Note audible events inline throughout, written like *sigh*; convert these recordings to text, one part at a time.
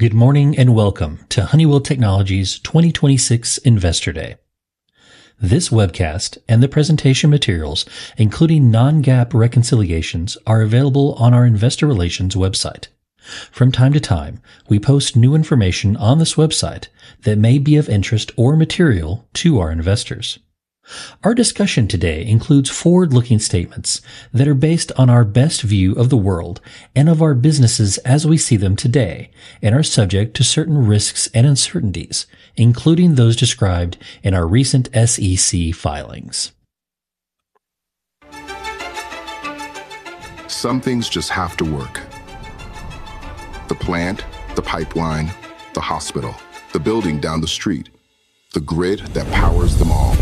Good morning and welcome to Honeywell International 2026 Investor Day. This webcast and the presentation materials, including non-GAAP reconciliations, are available on our Investor Relations website. From time to time, we post new information on this website that may be of interest or material to our investors. Our discussion today includes forward-looking statements that are based on our best view of the world and of our businesses as we see them today and are subject to certain risks and uncertainties, including those described in our recent SEC filings. Some things just have to work. The plant, the pipeline, the hospital, the building down the street, the grid that powers them all.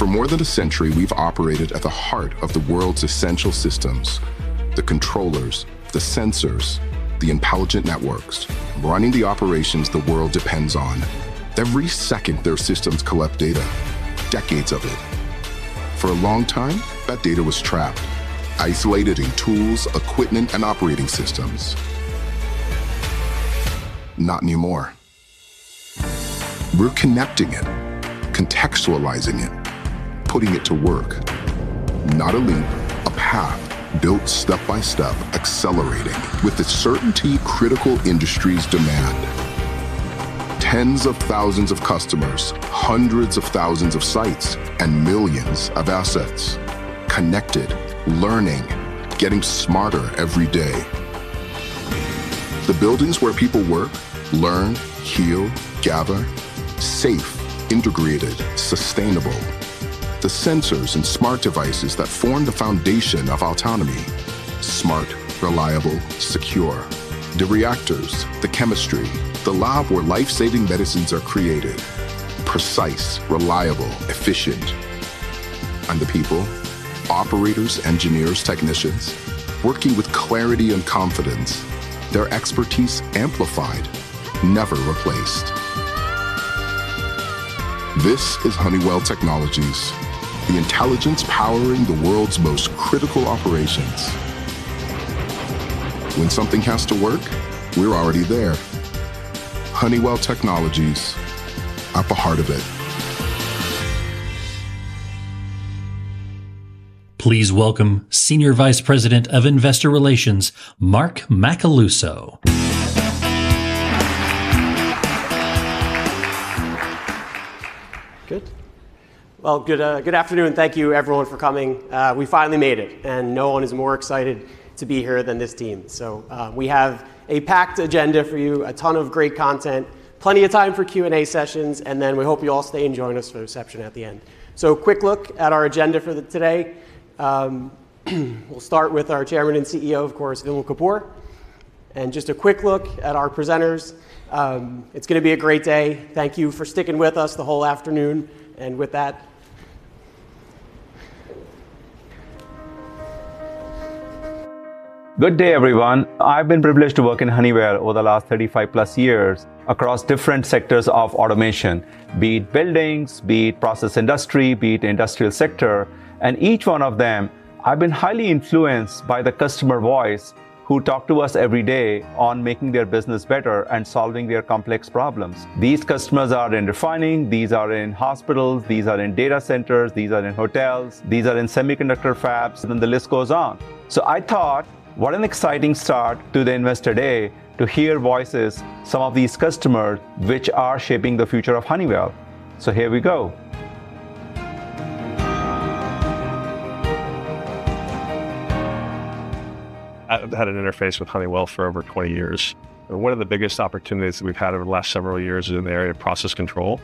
For more than a century, we've operated at the heart of the world's essential systems. The controllers, the sensors, the intelligent networks, running the operations the world depends on. Every second, their systems collect data, decades of it. For a long time, that data was trapped, isolated in tools, equipment, and operating systems. Not anymore. We're connecting it, contextualizing it, putting it to work. Not a leap, a path built step by step, accelerating with the certainty critical industries demand. Tens of thousands of customers, hundreds of thousands of sites, and millions of assets connected, learning, getting smarter every day. The buildings where people work, learn, heal, gather, safe, integrated, sustainable. The sensors and smart devices that form the foundation of autonomy, smart, reliable, secure. The reactors, the chemistry, the lab where life-saving medicines are created. Precise, reliable, efficient. The people, operators, engineers, technicians, working with clarity and confidence, their expertise amplified, never replaced. This is Honeywell International, the intelligence powering the world's most critical operations. When something has to work, we're already there. Honeywell International, at the heart of it. Please welcome Senior Vice President of Investor Relations, Mark Macaluso. Good. Well, good afternoon. Thank you everyone for coming. We finally made it, no one is more excited to be here than this team. We have a packed agenda for you, a ton of great content, plenty of time for Q&A sessions, we hope you all stay and join us for a reception at the end. Quick look at our agenda for today. We'll start with our Chairman and CEO, of course, Vimal Kapur. Just a quick look at our presenters. It's going to be a great day. Thank you for sticking with us the whole afternoon. With that Good day, everyone. I've been privileged to work in Honeywell over the last 35+ years across different sectors of automation, be it buildings, be it process industry, be it industrial sector. Each one of them, I've been highly influenced by the customer voice who talk to us every day on making their business better and solving their complex problems. These customers are in refining, these are in hospitals, these are in data centers, these are in hotels, these are in semiconductor fabs, the list goes on. I thought, what an exciting start to the Investor Day to hear voices, some of these customers, which are shaping the future of Honeywell. Here we go. I've had an interface with Honeywell for over 20 years. One of the biggest opportunities that we've had over the last several years is in the area of process control.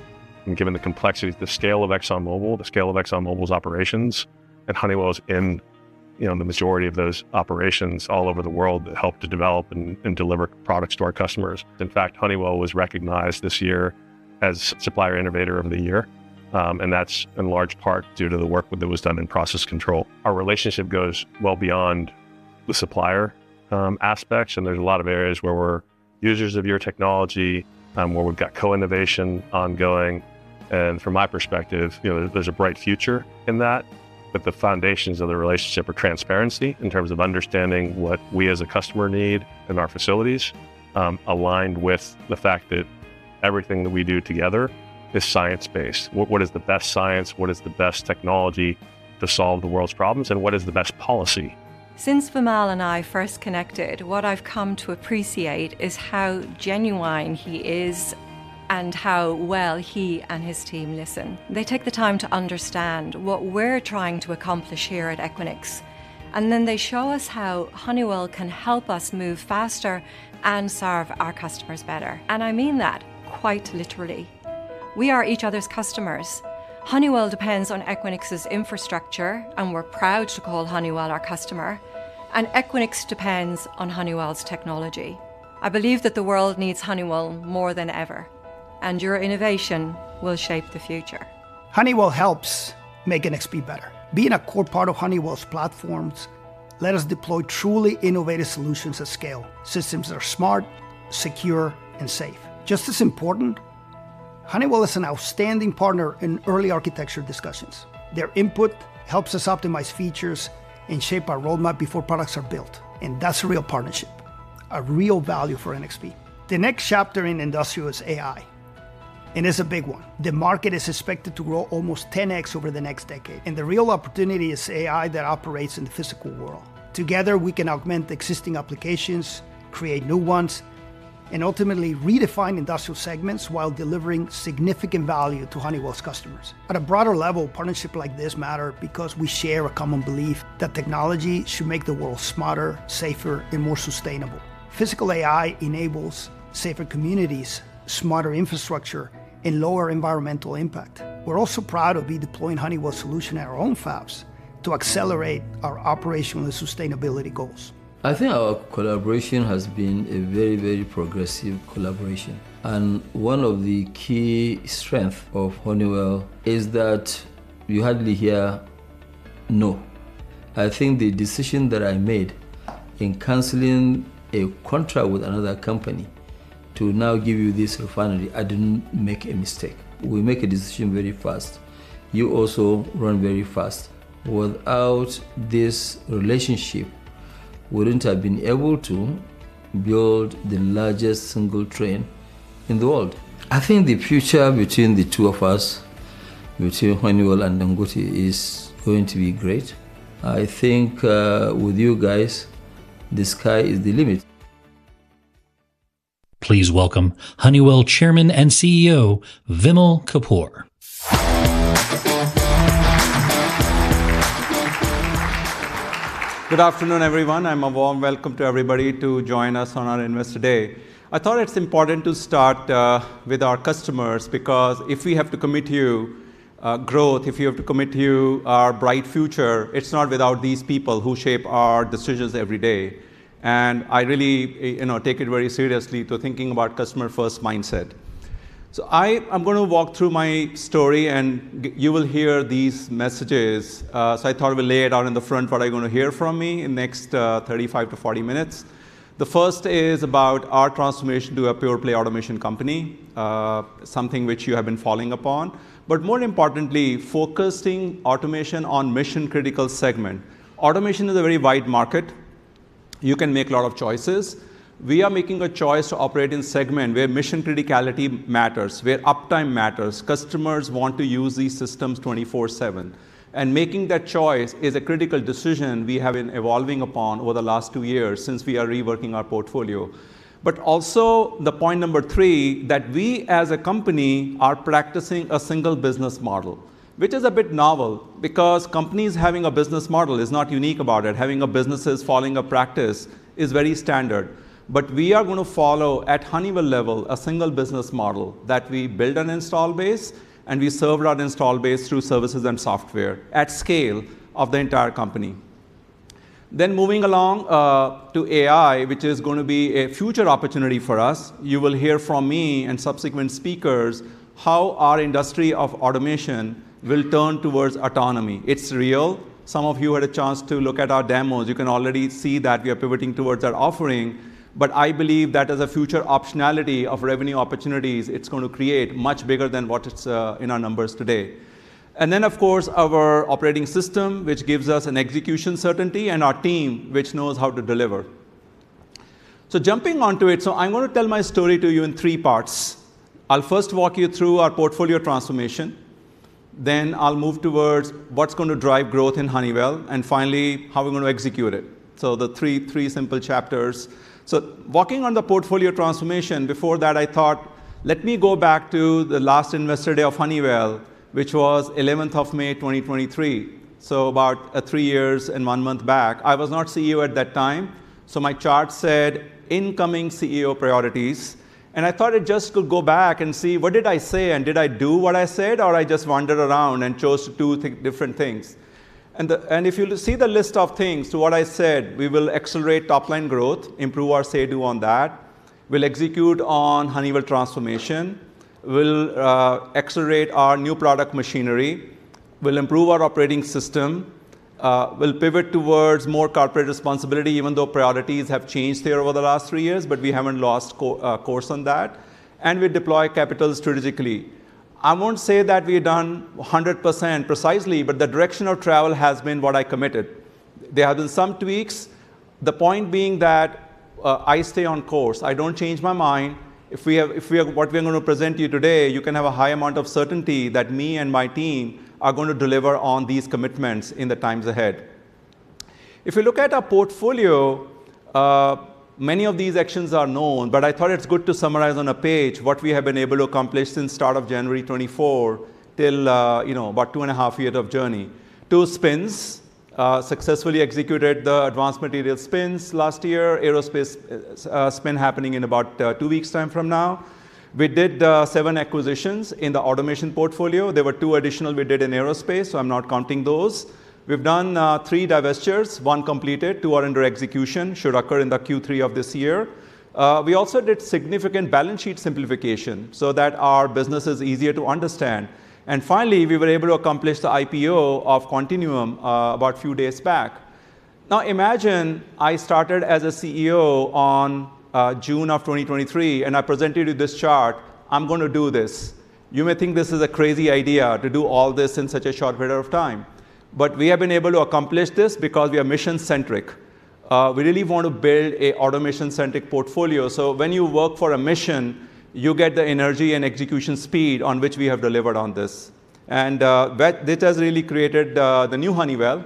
Given the complexities, the scale of ExxonMobil, the scale of ExxonMobil's operations, Honeywell is in the majority of those operations all over the world that help to develop and deliver products to our customers. In fact, Honeywell was recognized this year as Supplier Innovator of the Year, that's in large part due to the work that was done in process control. Our relationship goes well beyond the supplier aspects, there's a lot of areas where we're users of your technology, where we've got co-innovation ongoing. From my perspective, there's a bright future in that, the foundations of the relationship are transparency in terms of understanding what we as a customer need in our facilities, aligned with the fact that everything that we do together is science-based. What is the best science? What is the best technology to solve the world's problems, what is the best policy? Since Vimal and I first connected, what I've come to appreciate is how genuine he is and how well he and his team listen. They take the time to understand what we're trying to accomplish here at Equinix, then they show us how Honeywell can help us move faster and serve our customers better. I mean that quite literally. We are each other's customers. Honeywell depends on Equinix's infrastructure, we're proud to call Honeywell our customer, Equinix depends on Honeywell's technology. I believe that the world needs Honeywell more than ever, your innovation will shape the future. Honeywell helps make NXP Semiconductors better. Being a core part of Honeywell's platforms let us deploy truly innovative solutions at scale, systems that are smart, secure, and safe. Just as important, Honeywell is an outstanding partner in early architecture discussions. Their input helps us optimize features and shape our roadmap before products are built. That's a real partnership, a real value for NXP Semiconductors. The next chapter in industrial is AI, it's a big one. The market is suspected to grow almost 10x over the next decade, the real opportunity is AI that operates in the physical world. Together, we can augment existing applications, create new ones, ultimately redefine industrial segments while delivering significant value to Honeywell's customers. At a broader level, partnership like this matter because we share a common belief that technology should make the world smarter, safer, more sustainable. Physical AI enables safer communities, smarter infrastructure, lower environmental impact. We're also proud of deploying Honeywell solution at our own fabs to accelerate our operational sustainability goals. I think our collaboration has been a very progressive collaboration, one of the key strength of Honeywell is that you hardly hear no. I think the decision that I made in canceling a contract with another company to now give you this refinery, I didn't make a mistake. We make a decision very fast. You also run very fast. Without this relationship, we wouldn't have been able to build the largest single train in the world. I think the future between the two of us, between Honeywell and Dangote, is going to be great. I think, with you guys, the sky is the limit. Please welcome Honeywell Chairman and CEO, Vimal Kapur. Good afternoon, everyone, and a warm welcome to everybody to join us on our Investor Day. I thought it's important to start with our customers because if we have to commit you growth, if we have to commit you our bright future, it's not without these people who shape our decisions every day. I really take it very seriously to thinking about customer-first mindset. I'm going to walk through my story and you will hear these messages. I thought I will lay it out in the front what I'm going to hear from me in next 35-40 minutes. The first is about our transformation to a pure-play automation company, something which you have been following up on. More importantly, focusing automation on mission-critical segment. Automation is a very wide market. You can make a lot of choices. We are making a choice to operate in segment where mission criticality matters, where uptime matters. Customers want to use these systems 24/7. Making that choice is a critical decision we have been evolving upon over the last two years since we are reworking our portfolio. Also the point number three, that we as a company are practicing a single business model, which is a bit novel because companies having a business model is not unique about it. Having a business is following a practice is very standard. We are going to follow at Honeywell level a single business model that we build an installed base and we serve our installed base through services and software at scale of the entire company. Moving along to AI, which is going to be a future opportunity for us. You will hear from me and subsequent speakers how our industry of automation will turn towards autonomy. It's real. Some of you had a chance to look at our demos. You can already see that we are pivoting towards our offering, but I believe that as a future optionality of revenue opportunities, it's going to create much bigger than what it's in our numbers today. Of course, our operating system, which gives us an execution certainty, and our team, which knows how to deliver. Jumping onto it, I'm going to tell my story to you in three parts. I'll first walk you through our portfolio transformation, then I'll move towards what's going to drive growth in Honeywell, and finally how we're going to execute it. The three simple chapters. Walking on the portfolio transformation, before that I thought, let me go back to the last Investor Day of Honeywell, which was 11th of May 2023. About three years and one month back. I was not CEO at that time. My chart said Incoming CEO Priorities. I thought I just could go back and see what did I say and did I do what I said, or I just wandered around and chose to do different things. If you see the list of things to what I said, we will accelerate top-line growth, improve our Say-Do on that. We'll execute on Honeywell transformation. We'll accelerate our new product machinery. We'll improve our operating system. We'll pivot towards more corporate responsibility even though priorities have changed there over the last three years. We haven't lost course on that. We deploy capital strategically. I won't say that we've done 100% precisely. The direction of travel has been what I committed. There have been some tweaks. The point being that I stay on course. I don't change my mind. If what we are going to present to you today, you can have a high amount of certainty that me and my team are going to deliver on these commitments in the times ahead. If you look at our portfolio, many of these actions are known. I thought it's good to summarize on a page what we have been able to accomplish since start of January 2024 till about two and a half year of journey. Two spins, successfully executed the advanced material spins last year, aerospace spin happening in about two weeks time from now. We did seven acquisitions in the automation portfolio. There were two additional we did in aerospace. I'm not counting those. We've done three divestitures, one completed, two are under execution, should occur in the Q3 of this year. We also did significant balance sheet simplification so that our business is easier to understand. Finally, we were able to accomplish the IPO of Quantinuum about few days back. Imagine I started as a CEO in June of 2023. I presented you this chart. I'm going to do this. You may think this is a crazy idea to do all this in such a short period of time. We have been able to accomplish this because we are mission-centric. We really want to build an automation-centric portfolio. When you work for a mission, you get the energy and execution speed on which we have delivered on this. That data has really created the new Honeywell.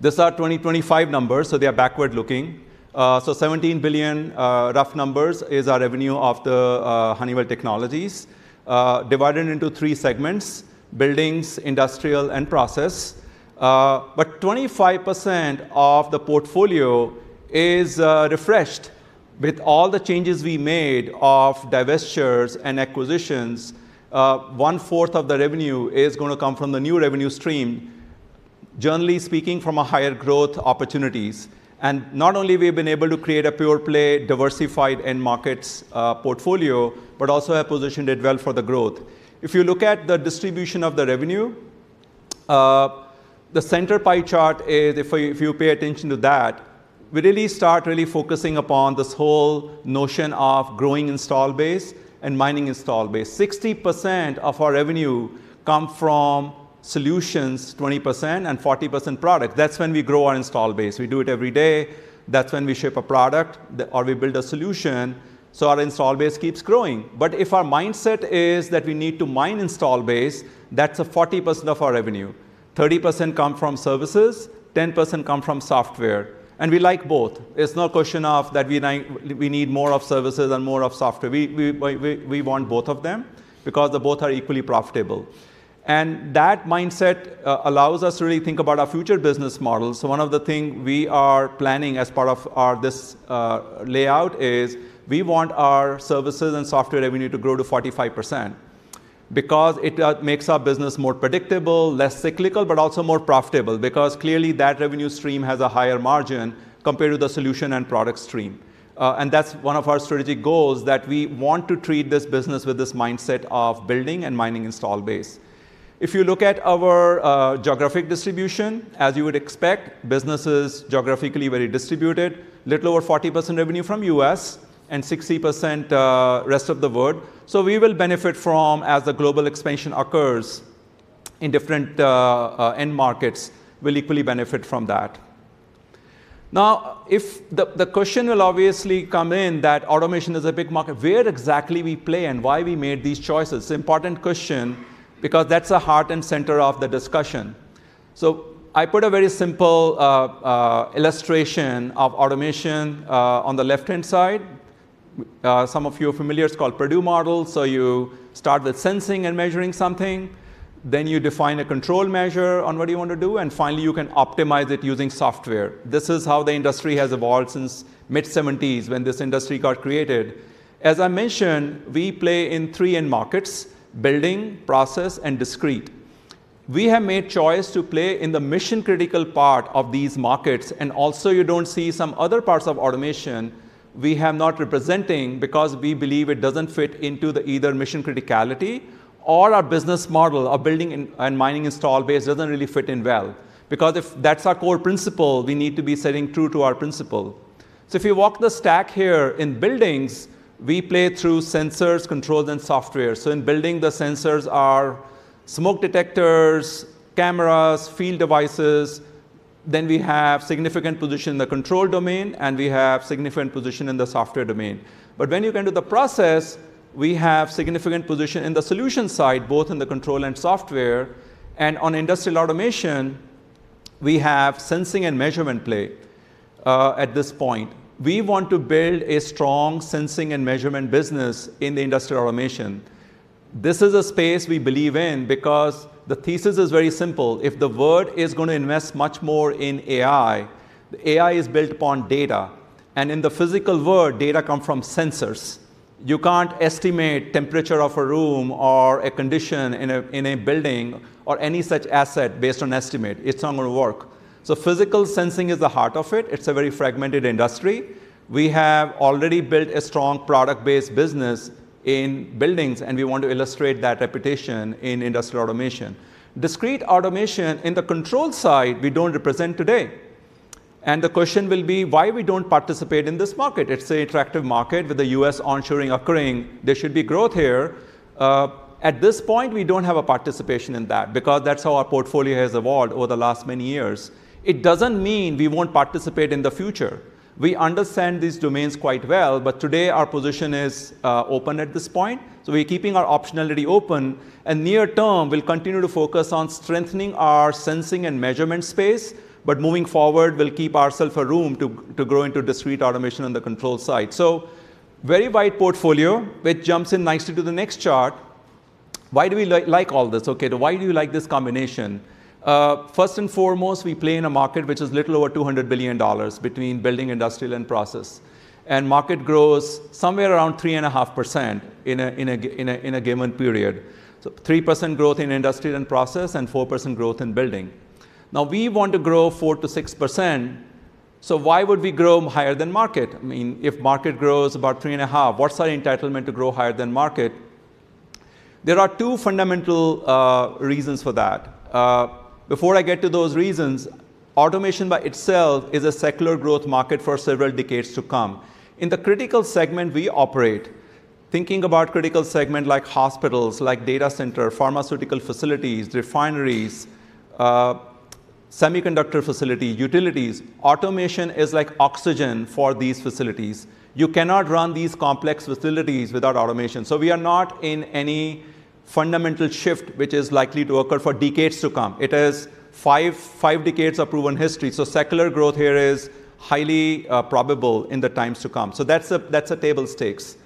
These are 2025 numbers. They are backward-looking. $17 billion, rough numbers, is our revenue of the Honeywell Technologies, divided into three segments: Buildings, Industrial, and Process. 25% of the portfolio is refreshed with all the changes we made of divestitures and acquisitions. 1/4 of the revenue is going to come from the new revenue stream, generally speaking, from higher growth opportunities. Not only have we been able to create a pure-play diversified end markets portfolio, but also have positioned it well for growth. If you look at the distribution of the revenue, the center pie chart is, if you pay attention to that, we really start focusing upon this whole notion of growing installed base and mining installed base. 60% of our revenue comes from solutions, 20%, and 40% product. That's when we grow our installed base. We do it every day. That's when we ship a product, or we build a solution, so our installed base keeps growing. If our mindset is that we need to mine installed base, that's 40% of our revenue. 30% comes from services, 10% comes from software. We like both. It's no question that we need more of services and more of software. We want both of them because both are equally profitable. That mindset allows us to really think about our future business models. One of the things we are planning as part of this layout is we want our services and software revenue to grow to 45% because it makes our business more predictable, less cyclical, but also more profitable, because clearly that revenue stream has a higher margin compared to the solution and product stream. That's one of our strategic goals, that we want to treat this business with this mindset of building and mining installed base. If you look at our geographic distribution, as you would expect, business is geographically very distributed. Little over 40% revenue from U.S. and 60% rest of the world. We will benefit from, as the global expansion occurs in different end markets, we'll equally benefit from that. Now, the question will obviously come in that automation is a big market. Where exactly we play and why we made these choices? Important question, because that's the heart and center of the discussion. I put a very simple illustration of automation on the left-hand side. Some of you are familiar, it's called Purdue Model. You start with sensing and measuring something, then you define a control measure on what you want to do, and finally, you can optimize it using software. This is how the industry has evolved since the mid-1970s when this industry got created. As I mentioned, we play in three end markets: Building Automation, Process Solutions, and Discrete Automation. We have made the choice to play in the mission-critical part of these markets. Also, you don't see some other parts of automation. We are not representing because we believe it doesn't fit into either mission criticality or our business model of building and mining installed base doesn't really fit in well. If that's our core principle, we need to be staying true to our principle. If you walk the stack here, in buildings, we play through sensors, controls, and software. In building, the sensors are smoke detectors, cameras, field devices. We have significant position in the control domain, and we have significant position in the software domain. When you go into the process, we have significant position in the solution side, both in the control and software. On Industrial Automation, we have sensing and measurement play at this point. We want to build a strong sensing and measurement business in Industrial Automation. This is a space we believe in because the thesis is very simple. If the world is going to invest much more in AI, AI is built upon data, and in the physical world, data comes from sensors. You can't estimate the temperature of a room or a condition in a building or any such asset based on estimate. It's not going to work. Physical sensing is the heart of it. It's a very fragmented industry. We have already built a strong product-based business in buildings, and we want to illustrate that reputation in Industrial Automation. Discrete Automation in the control side, we don't represent today. The question will be why we don't participate in this market. It's an attractive market with the U.S. onshoring occurring. There should be growth here. At this point, we don't have participation in that because that's how our portfolio has evolved over the last many years. It doesn't mean we won't participate in the future. We understand these domains quite well, but today our position is open at this point. We're keeping our optionality open, and near-term, we'll continue to focus on strengthening our sensing and measurement space, but moving forward, we'll keep ourself a room to grow into Discrete Automation on the control side. Very wide portfolio, which jumps in nicely to the next chart. Why do we like all this? Okay, why do you like this combination? First and foremost, we play in a market which is a little over $200 billion between Building, industrial, and Process. Market grows somewhere around 3.5% in a given period. 3% growth in Industrial and Process and 4% growth in Building. We want to grow 4%-6%, so why would we grow higher than market? If the market grows about 3.5%, what's our entitlement to grow higher than market? There are two fundamental reasons for that. Before I get to those reasons, automation by itself is a secular growth market for several decades to come. In the critical segment we operate, thinking about critical segment like hospitals, like data center, pharmaceutical facilities, refineries, semiconductor facility, utilities, automation is like oxygen for these facilities. You cannot run these complex facilities without automation. We are not in any fundamental shift which is likely to occur for decades to come. It has five decades of proven history. Secular growth here is highly probable in the times to come. That's a table stakes.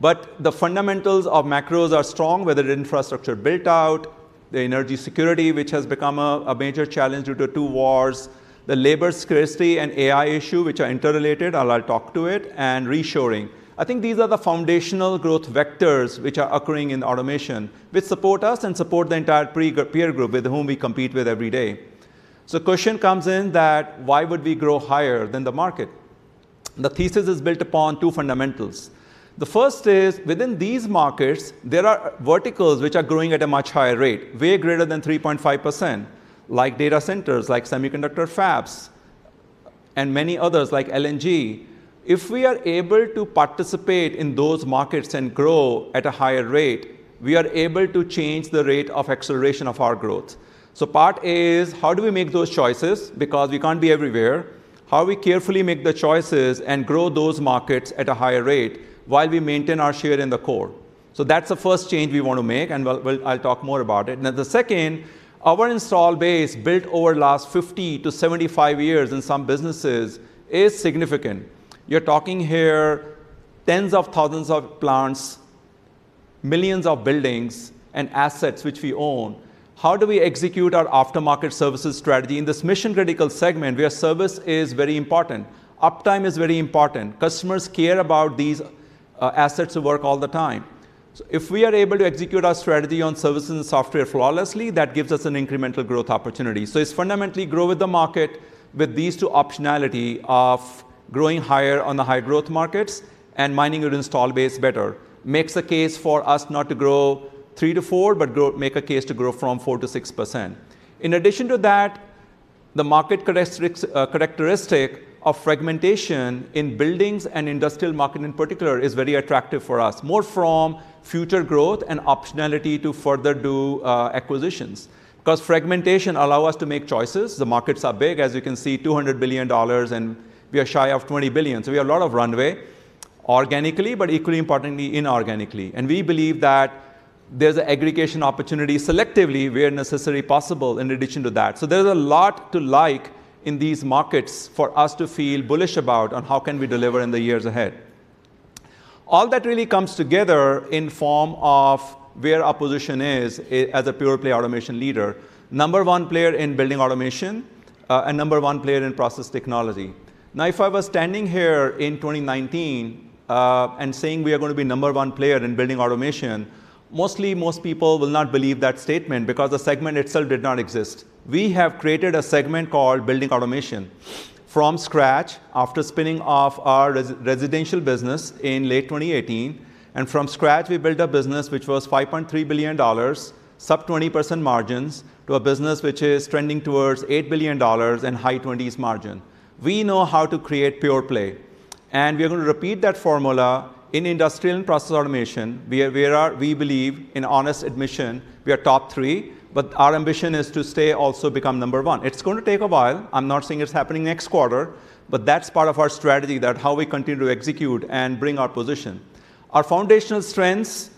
The fundamentals of macros are strong, whether infrastructure built out, the energy security, which has become a major challenge due to two wars, the labor scarcity and AI issue, which are interrelated, I'll talk to it, and reshoring. I think these are the foundational growth vectors which are occurring in automation, which support us and support the entire peer group with whom we compete with every day. Question comes in that why would we grow higher than the market? The thesis is built upon two fundamentals. The first is within these markets, there are verticals which are growing at a much higher rate, way greater than 3.5%, like data centers, like semiconductor fabs, and many others like LNG. If we are able to participate in those markets and grow at a higher rate, we are able to change the rate of acceleration of our growth. Part is, how do we make those choices, because we can't be everywhere, how we carefully make the choices and grow those markets at a higher rate while we maintain our share in the core. That's the first change we want to make, and I'll talk more about it. The second, our installed base built over last 50-75 years in some businesses is significant. You're talking here tens of thousands of plants, millions of buildings, and assets which we own. How do we execute our aftermarket services strategy in this mission-critical segment where service is very important. Uptime is very important. Customers care about these assets work all the time. If we are able to execute our strategy on services and software flawlessly, that gives us an incremental growth opportunity. It's fundamentally grow with the market with these two optionality of growing higher on the high-growth markets and mining your installed base better. Makes a case for us not to grow 3%-4%, but make a case to grow from 4%-6%. In addition to that, the market characteristic of fragmentation in buildings and industrial market, in particular, is very attractive for us, more from future growth and optionality to further do acquisitions. Fragmentation allow us to make choices. The markets are big, as you can see, $200 billion, and we are shy of $20 billion. We have a lot of runway organically, but equally importantly, inorganically. We believe that there's aggregation opportunity selectively where necessary possible in addition to that. There's a lot to like in these markets for us to feel bullish about on how can we deliver in the years ahead. All that really comes together in form of where our position is as a pure-play automation leader. Number one player in Building Automation and number one player in Process Technology. If I was standing here in 2019 and saying we are going to be number one player in Building Automation, mostly most people will not believe that statement because the segment itself did not exist. We have created a segment called Building Automation from scratch after spinning off our residential business in late 2018. From scratch, we built a business which was $5.3 billion, sub-20% margins, to a business which is trending towards $8 billion and high-20s% margin. We know how to create pure-play, and we are going to repeat that formula in Industrial Automation and Process Automation. We believe, in honest admission, we are top three, but our ambition is to stay also become number one. It's going to take a while. I'm not saying it's happening next quarter, but that's part of our strategy that how we continue to execute and bring our position. Our foundational strengths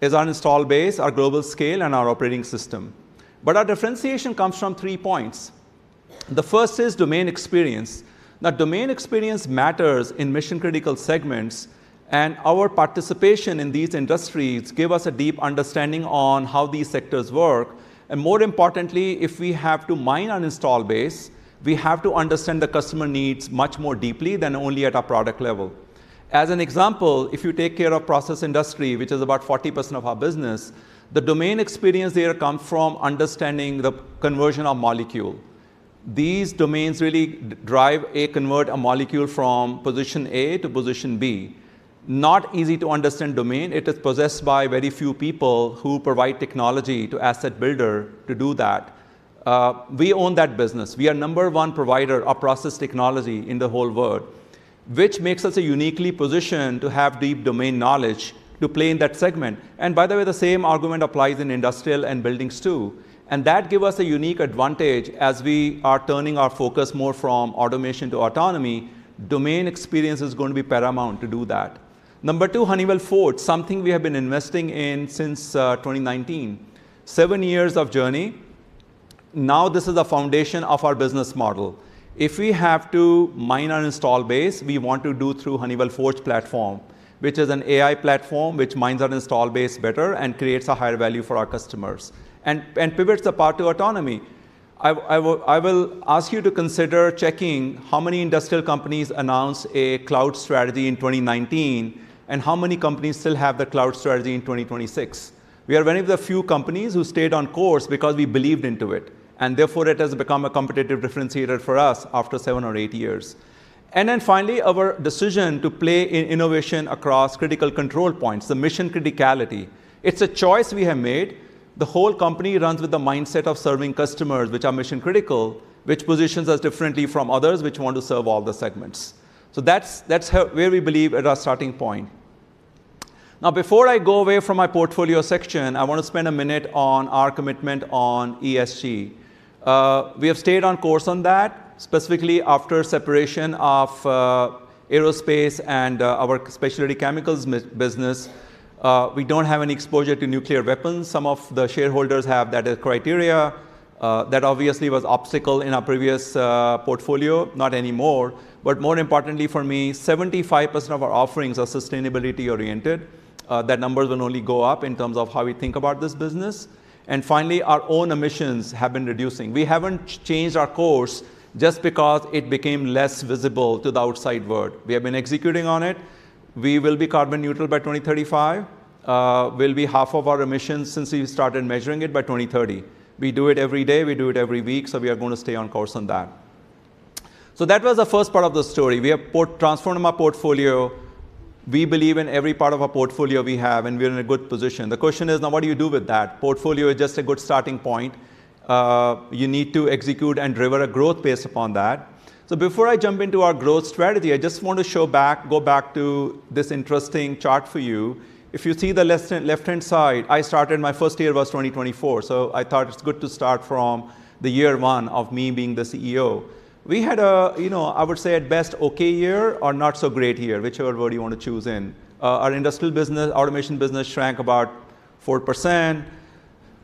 is our installed base, our global scale, and our operating system. Our differentiation comes from three points. The first is domain experience. Domain experience matters in mission-critical segments, and our participation in these industries give us a deep understanding on how these sectors work, and more importantly, if we have to mine our installed base, we have to understand the customer needs much more deeply than only at a product level. As an example, if you take care of process industry, which is about 40% of our business, the domain experience there come from understanding the conversion of molecule. These domains really drive a convert a molecule from position A to position B. Not easy to understand domain. It is possessed by very few people who provide technology to asset builder to do that. We own that business. We are number one provider of Process Technology in the whole world, which makes us a uniquely positioned to have deep domain knowledge to play in that segment. By the way, the same argument applies in industrial and buildings too. That give us a unique advantage as we are turning our focus more from automation to autonomy. Domain experience is going to be paramount to do that. Number two, Honeywell Forge, something we have been investing in since 2019. Seven years of journey. This is the foundation of our business model. If we have to mine our installed base, we want to do through Honeywell Forge platform, which is an AI platform which mines our installed base better and creates a higher value for our customers. Pivots the path to autonomy. I will ask you to consider checking how many industrial companies announced a cloud strategy in 2019, and how many companies still have the cloud strategy in 2026. We are one of the few companies who stayed on course because we believed into it, therefore, it has become a competitive differentiator for us after seven or eight years. Finally, our decision to play in innovation across critical control points, the mission criticality. It's a choice we have made. The whole company runs with the mindset of serving customers, which are mission-critical, which positions us differently from others, which want to serve all the segments. That's where we believe is our starting point. Before I go away from my portfolio section, I want to spend a minute on our commitment on ESG. We have stayed on course on that, specifically after separation of aerospace and our specialty chemicals business. We don't have any exposure to nuclear weapons. Some of the shareholders have that as criteria. That obviously was an obstacle in our previous portfolio, not anymore. More importantly for me, 75% of our offerings are sustainability oriented. That number will only go up in terms of how we think about this business. Finally, our own emissions have been reducing. We haven't changed our course just because it became less visible to the outside world. We have been executing on it. We will be carbon neutral by 2035. We'll be half of our emissions since we've started measuring it by 2030. We do it every day, we do it every week, we are going to stay on course on that. That was the first part of the story. We have transformed our portfolio. We believe in every part of our portfolio we have, and we are in a good position. The question is, what do you do with that? Portfolio is just a good starting point. You need to execute and drive a growth pace upon that. Before I jump into our growth strategy, I just want to go back to this interesting chart for you. If you see the left-hand side, I started my first year was 2024. I thought it's good to start from the year one of me being the CEO. We had, I would say, at best, okay year or not so great year, whichever word you want to choose in. Our industrial business, automation business shrank about 4%.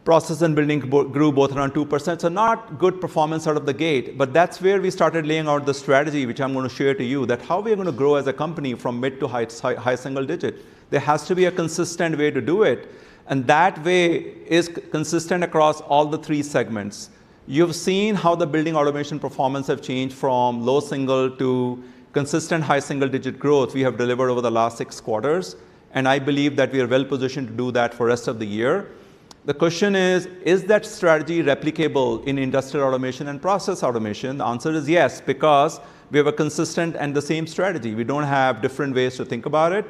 Process and building grew both around 2%. Not good performance out of the gate, but that's where we started laying out the strategy, which I'm going to share to you, that how we are going to grow as a company from mid-to-high single-digit. There has to be a consistent way to do it, and that way is consistent across all the three segments. You've seen how the Building Automation performance have changed from low single to consistent high single-digit growth we have delivered over the last six quarters, and I believe that we are well-positioned to do that for rest of the year. The question is that strategy replicable in Industrial Automation and Process Automation? The answer is yes because we have a consistent and the same strategy. We don't have different ways to think about it.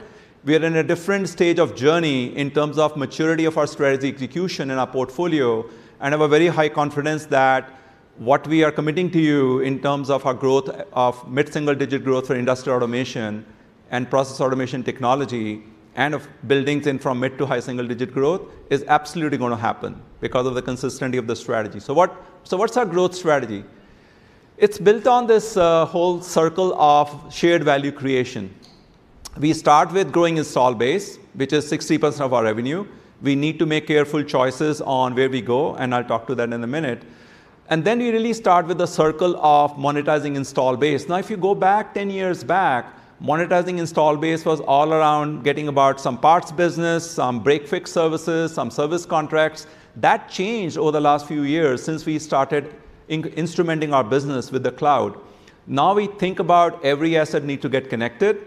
We are in a different stage of journey in terms of maturity of our strategy execution in our portfolio and have a very high confidence that what we are committing to you in terms of our growth of mid single-digit growth for Industrial Automation and Process Automation technology, and of Buildings in from mid-to-high single-digit growth, is absolutely going to happen because of the consistency of the strategy. What's our growth strategy? It's built on this whole circle of shared value creation. We start with growing installed base, which is 60% of our revenue. We need to make careful choices on where we go, and I'll talk to that in a minute. Then we really start with the circle of monetizing installed base. Now, if you go back 10 years back, monetizing installed base was all around getting about some parts business, some break-fix services, some service contracts. That changed over the last few years since we started instrumenting our business with the cloud. Now we think about every asset need to get connected,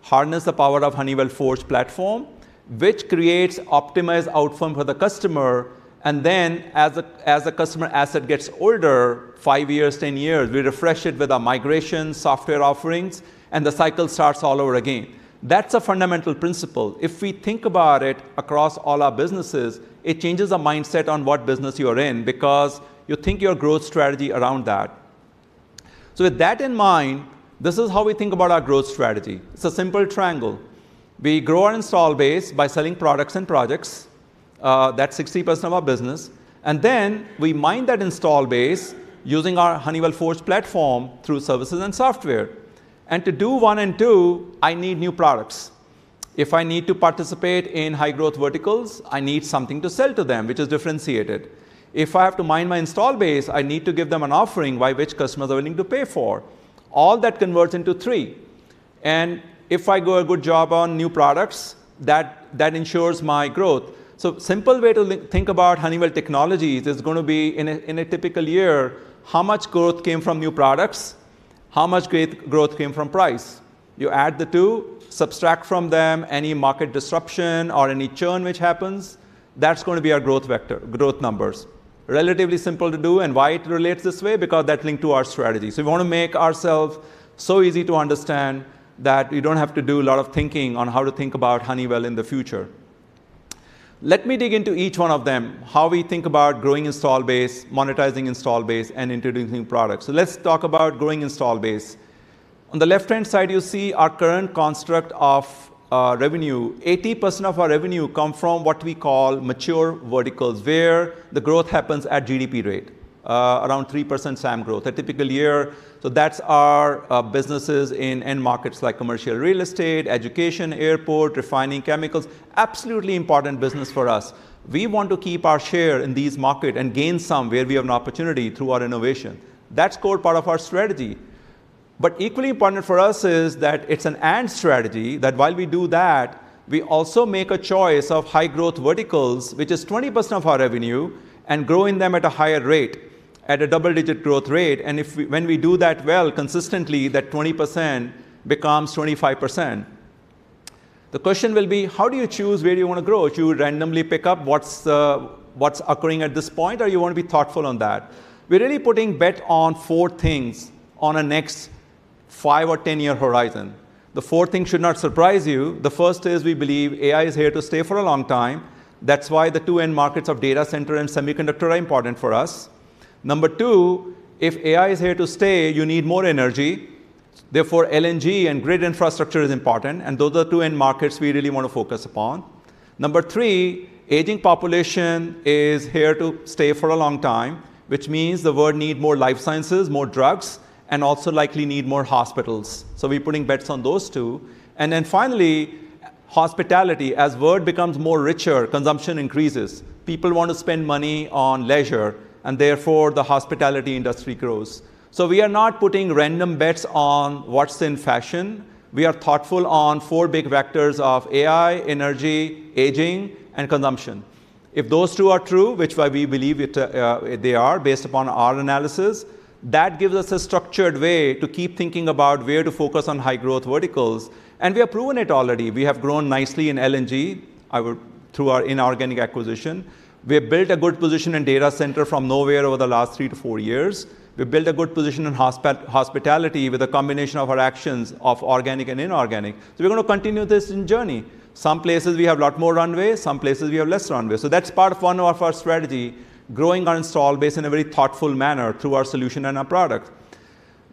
harness the power of Honeywell Forge platform, which creates optimized outcome for the customer, and then as the customer asset gets older, five years, 10 years, we refresh it with our migration software offerings, and the cycle starts all over again. That's a fundamental principle. If we think about it across all our businesses, it changes the mindset on what business you are in because you think your growth strategy around that. With that in mind, this is how we think about our growth strategy. It's a simple triangle. We grow our installed base by selling products and projects. That's 60% of our business. Then we mine that installed base using our Honeywell Forge platform through services and software. To do one and two, I need new products. If I need to participate in high-growth verticals, I need something to sell to them, which is differentiated. If I have to mine my installed base, I need to give them an offering by which customers are willing to pay for. All that converts into three. If I do a good job on new products, that ensures my growth. Simple way to think about Honeywell Technologies is going to be, in a typical year, how much growth came from new products, how much growth came from price? You add the two, subtract from them any market disruption or any churn which happens, that's going to be our growth vector, growth numbers. Relatively simple to do and why it relates this way, because that linked to our strategy. We want to make ourselves so easy to understand that you don't have to do a lot of thinking on how to think about Honeywell in the future. Let me dig into each one of them, how we think about growing installed base, monetizing installed base, and introducing products. Let's talk about growing installed base. On the left-hand side, you see our current construct of revenue. 80% of our revenue come from what we call mature verticals, where the growth happens at GDP rate, around 3% same growth, a typical year. That's our businesses in end markets like commercial real estate, education, airport, refining chemicals. Absolutely important business for us. We want to keep our share in these market and gain some where we have an opportunity through our innovation. That's core part of our strategy. Equally important for us is that it's an end strategy that while we do that, we also make a choice of high-growth verticals, which is 20% of our revenue, and growing them at a higher rate, at a double-digit growth rate. When we do that well, consistently, that 20% becomes 25%. The question will be: How do you choose where you want to grow? Do you randomly pick up what's occurring at this point, or you want to be thoughtful on that? We're really putting bet on four things on a next five or 10-year horizon. The four things should not surprise you. The first is we believe AI is here to stay for a long time. That's why the two end markets of data center and semiconductor are important for us. Number two, if AI is here to stay, you need more energy. LNG and grid infrastructure is important, and those are two end markets we really want to focus upon. Number three, aging population is here to stay for a long time, which means the world need more life sciences, more drugs, and also likely need more hospitals. We're putting bets on those two. Finally, hospitality. As world becomes more richer, consumption increases. People want to spend money on leisure, and therefore the hospitality industry grows. We are not putting random bets on what's in fashion. We are thoughtful on four big vectors of AI, energy, aging, and consumption. If those two are true, which we believe they are, based upon our analysis, that gives us a structured way to keep thinking about where to focus on high-growth verticals. We have proven it already. We have grown nicely in LNG through our inorganic acquisition. We have built a good position in data center from nowhere over the last three to four years. We've built a good position in hospitality with a combination of our actions of organic and inorganic. We're going to continue this journey. Some places we have a lot more runway, some places we have less runway. That's part of one of our strategy, growing our installed base in a very thoughtful manner through our solution and our product.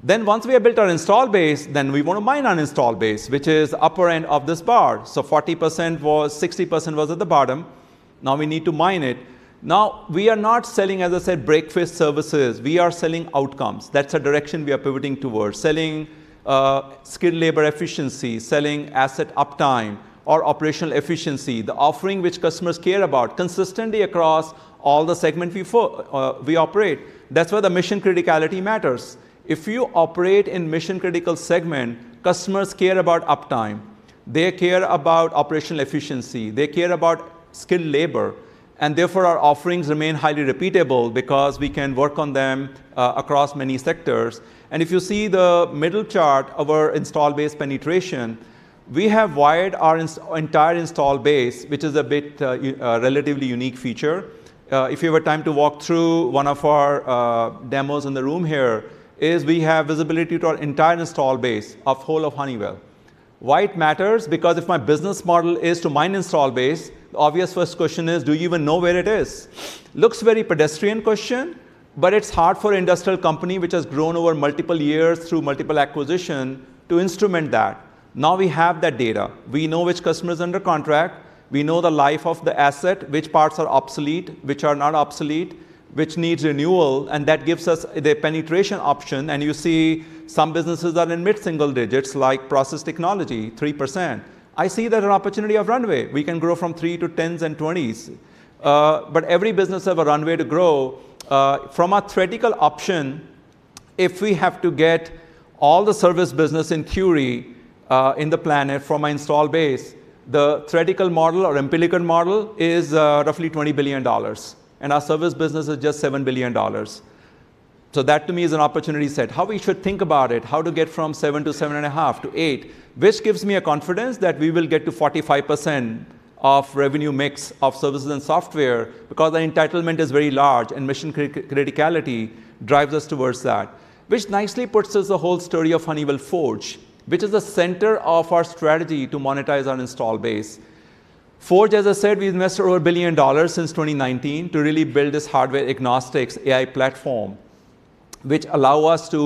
Once we have built our installed base, then we want to mine our installed base, which is upper end of this bar. 40% was, 60% was at the bottom. We need to mine it. We are not selling, as I said, breakfast services. We are selling outcomes. That's a direction we are pivoting towards. Selling skilled labor efficiency, selling asset uptime or operational efficiency, the offering which customers care about consistently across all the segments we operate. That's where the mission criticality matters. If you operate in mission-critical segment, customers care about uptime. They care about operational efficiency. They care about skilled labor. Therefore, our offerings remain highly repeatable because we can work on them across many sectors. If you see the middle chart of our installed base penetration, we have wired our entire installed base, which is a relatively unique feature. If you have time to walk through one of our demos in the room here is we have visibility to our entire installed base of whole of Honeywell. Why it matters? If my business model is to mine installed base, the obvious first question is, do you even know where it is? Looks very pedestrian question, but it's hard for industrial company which has grown over multiple years through multiple acquisition to instrument that. We have that data. We know which customer is under contract. We know the life of the asset, which parts are obsolete, which are not obsolete, which needs renewal, and that gives us the penetration option. You see some businesses are in mid single digits, like Process Technology, 3%. I see there an opportunity of runway. We can grow from 3%-10s% and 20s%. Every business have a runway to grow. From a theoretical option, if we have to get all the service business in Curie in the planet from our installed base, the theoretical model or umbilical model is roughly $20 billion. Our service business is just $7 billion. That, to me, is an opportunity set. How we should think about it, how to get from $7 billion-$7.5 billion-$8 billion. Which gives me a confidence that we will get to 45% of revenue mix of services and software because the entitlement is very large and mission criticality drives us towards that. Which nicely puts us the whole story of Honeywell Forge, which is the center of our strategy to monetize our installed base. Forge, as I said, we've invested over $1 billion since 2019 to really build this hardware agnostics AI platform which allow us to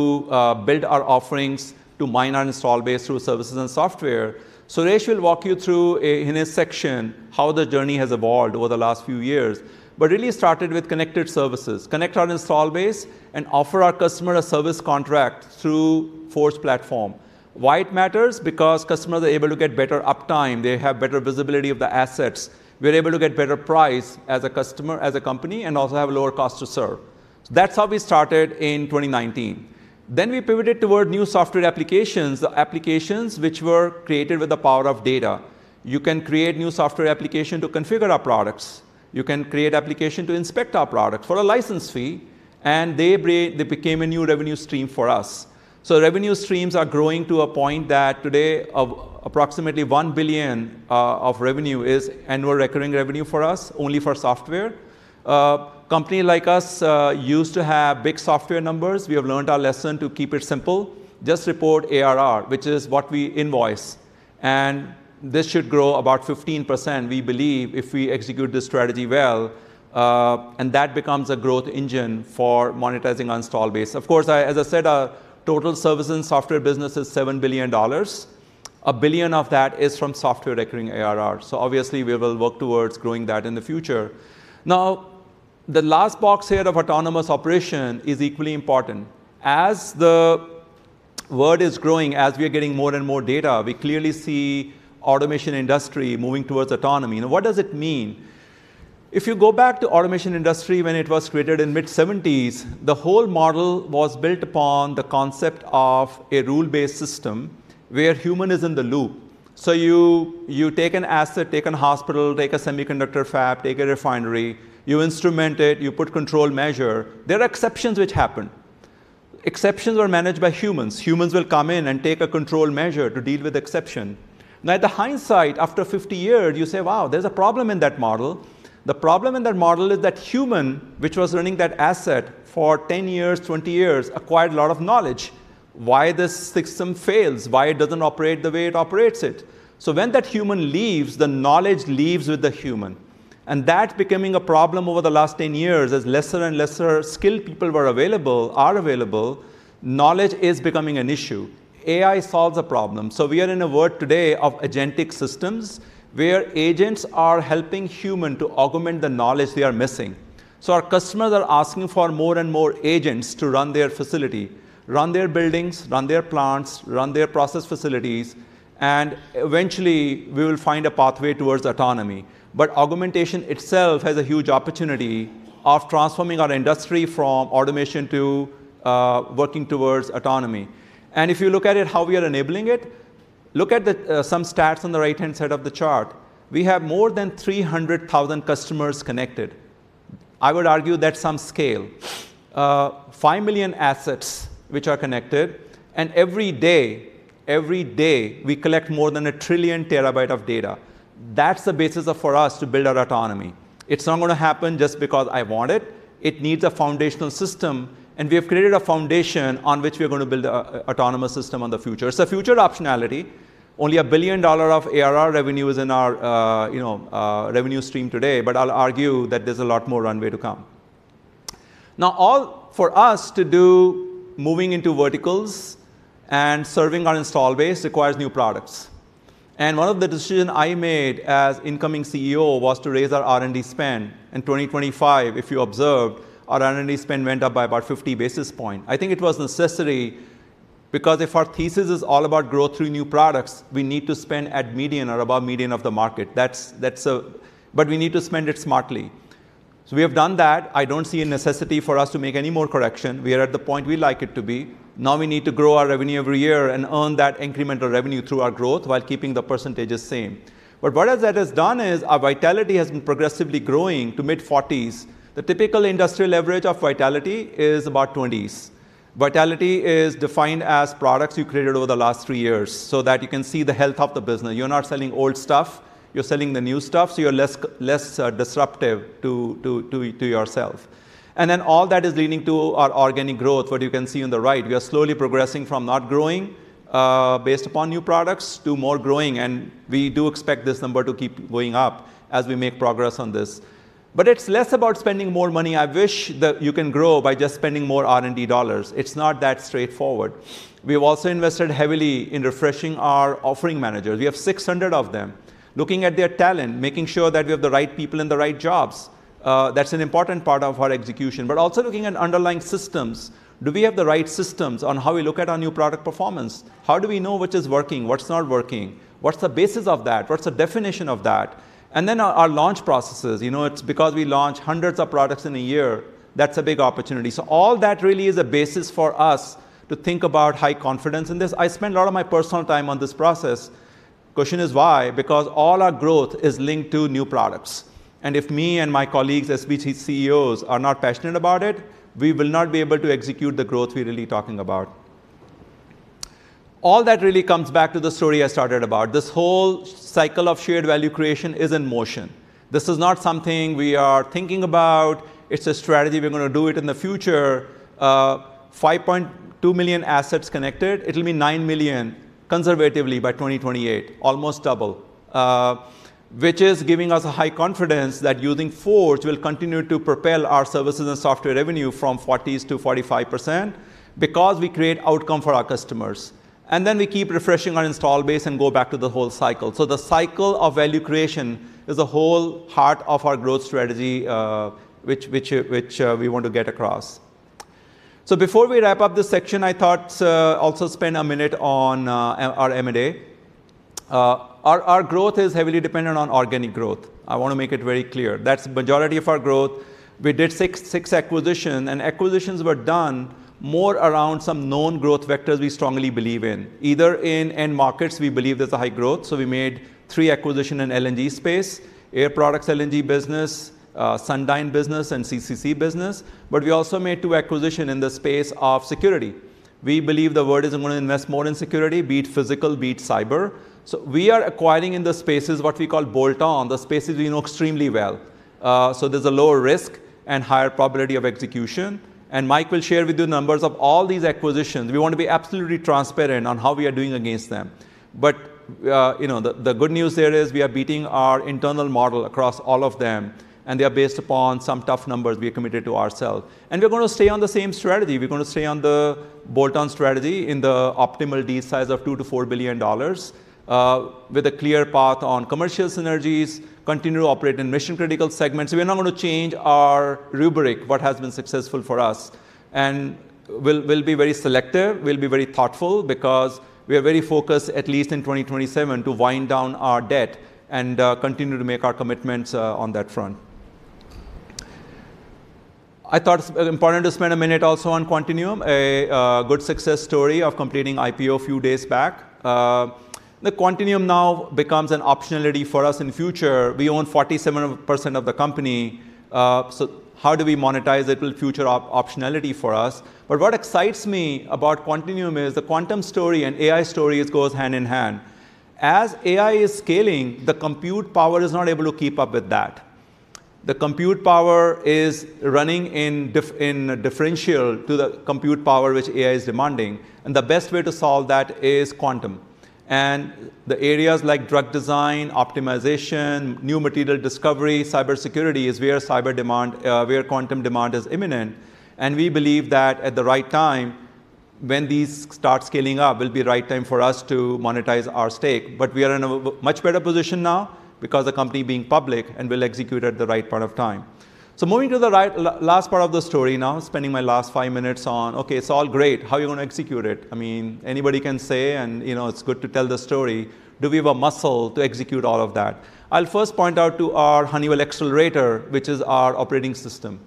build our offerings to mine our installed base through services and software. Suresh Venkatarayalu will walk you through in his section how the journey has evolved over the last few years. Really started with connected services. Connect our installed base and offer our customer a service contract through Forge platform. Why it matters? Customers are able to get better uptime. They have better visibility of the assets. We're able to get better price as a customer, as a company, and also have a lower cost to serve. That's how we started in 2019. We pivoted toward new software applications, the applications which were created with the power of data. You can create new software application to configure our products. You can create application to inspect our product for a license fee. They became a new revenue stream for us. Revenue streams are growing to a point that today approximately $1 billion of revenue is annual recurring revenue for us, only for software. A company like us used to have big software numbers. We have learned our lesson to keep it simple. Just report ARR, which is what we invoice. This should grow about 15%, we believe, if we execute this strategy well. That becomes a growth engine for monetizing installed base. Of course, as I said, our total service and software business is $7 billion. $1 billion of that is from software recurring ARR. Obviously, we will work towards growing that in the future. The last box here of autonomous operation is equally important. As the world is growing, as we are getting more and more data, we clearly see automation industry moving towards autonomy. What does it mean? If you go back to automation industry when it was created in mid-1970s, the whole model was built upon the concept of a rule-based system where human is in the loop. You take an asset, take an hospital, take a semiconductor fab, take a refinery. You instrument it, you put control measure. There are exceptions which happen. Exceptions are managed by humans. Humans will come in and take a control measure to deal with exception. Now at the hindsight, after 50 years, you say, "Wow, there's a problem in that model." The problem in that model is that human, which was running that asset for 10 years, 20 years, acquired a lot of knowledge. Why this system fails, why it doesn't operate the way it operates it. When that human leaves, the knowledge leaves with the human, and that's becoming a problem over the last 10 years as lesser and lesser skilled people were available, are available, knowledge is becoming an issue. AI solves a problem. We are in a world today of agentic systems, where agents are helping human to augment the knowledge they are missing. Our customers are asking for more and more agents to run their facility, run their buildings, run their plants, run their process facilities, and eventually, we will find a pathway towards autonomy. Augmentation itself has a huge opportunity of transforming our industry from automation to working towards autonomy. If you look at it, how we are enabling it, look at some stats on the right-hand side of the chart. We have more than 300,000 customers connected. I would argue that's some scale. 5 million assets which are connected, every day we collect more than 1 trillion TB of data. That's the basis for us to build our autonomy. It's not going to happen just because I want it. It needs a foundational system, and we have created a foundation on which we are going to build an autonomous system in the future. It's a future optionality. Only $1 billion of ARR revenue is in our revenue stream today, I'll argue that there's a lot more runway to come. For us to do moving into verticals and serving our installed base requires new products. One of the decision I made as incoming CEO was to raise our R&D spend. In 2025, if you observed, our R&D spend went up by about 50 basis point. I think it was necessary, because if our thesis is all about growth through new products, we need to spend at median or above median of the market. We need to spend it smartly. We have done that. I don't see a necessity for us to make any more correction. We are at the point we like it to be. Now we need to grow our revenue every year and earn that incremental revenue through our growth while keeping the percentages same. What that has done is our vitality has been progressively growing to mid-40s%. The typical industrial average of vitality is about 20s%. Vitality is defined as products you created over the last three years, so that you can see the health of the business. You're not selling old stuff, you're selling the new stuff, so you're less disruptive to yourself. All that is leading to our organic growth, what you can see on the right. We are slowly progressing from not growing based upon new products to more growing, and we do expect this number to keep going up as we make progress on this. It's less about spending more money. I wish that you can grow by just spending more R&D dollars. It's not that straightforward. We have also invested heavily in refreshing our offering managers. We have 600 of them. Looking at their talent, making sure that we have the right people in the right jobs. That's an important part of our execution. Also looking at underlying systems. Do we have the right systems on how we look at our new product performance? How do we know which is working, what's not working? What's the basis of that? What's the definition of that? Our launch processes. It's because we launch hundreds of products in a year, that's a big opportunity. All that really is a basis for us to think about high confidence in this. I spend a lot of my personal time on this process. Question is why? Because all our growth is linked to new products, and if me and my colleagues as CEOs are not passionate about it, we will not be able to execute the growth we're really talking about. All that really comes back to the story I started about. This whole cycle of shared value creation is in motion. This is not something we are thinking about. It's a strategy. We're going to do it in the future. 5.2 million assets connected. It'll be 9 million conservatively by 2028, almost double. Which is giving us a high confidence that using Honeywell Forge will continue to propel our services and software revenue from 40%-45%, because we create outcome for our customers. We keep refreshing our installed base and go back to the whole cycle. The cycle of value creation is the whole heart of our growth strategy, which we want to get across. Before we wrap up this section, I thought also spend a minute on our M&A. Our growth is heavily dependent on organic growth. I want to make it very clear. That's majority of our growth. We did six acquisition, and acquisitions were done more around some known growth vectors we strongly believe in. Either in end markets, we believe there's a high growth. We made three acquisition in LNG space, Air Products LNG business, Sundyne business, and CCC business. We also made two acquisitions in the space of security. We believe the world is going to invest more in security, be it physical, be it cyber. We are acquiring in the spaces what we call bolt-on, the spaces we know extremely well. There's a lower risk and higher probability of execution, and Suresh will share with you numbers of all these acquisitions. We want to be absolutely transparent on how we are doing against them. The good news there is we are beating our internal model across all of them, and they are based upon some tough numbers we are committed to ourself. We're going to stay on the same strategy. We're going to stay on the bolt-on strategy in the optimal deal size of $2 billion-$4 billion, with a clear path on commercial synergies, continue to operate in mission-critical segments. We're not going to change our rubric, what has been successful for us. We'll be very selective, we'll be very thoughtful because we are very focused, at least in 2027, to wind down our debt and continue to make our commitments on that front. I thought it important to spend a minute also on Quantinuum, a good success story of completing IPO a few days back. Quantinuum now becomes an optionality for us in future. We own 47% of the company, how do we monetize it will future optionality for us. What excites me about Quantinuum is the quantum story and AI stories goes hand-in-hand. As AI is scaling, the compute power is not able to keep up with that. Compute power is running in differential to the compute power which AI is demanding, and the best way to solve that is quantum. The areas like drug design, optimization, new material discovery, cybersecurity, is where quantum demand is imminent. We believe that at the right time, when these start scaling up, will be the right time for us to monetize our stake. We are in a much better position now because the company being public and will execute at the right point of time. Moving to the last part of the story now, spending my last five minutes on, okay, it's all great. How are you going to execute it? Anybody can say, and it's good to tell the story. Do we have a muscle to execute all of that? I'll first point out to our Honeywell Accelerator, which is our operating system.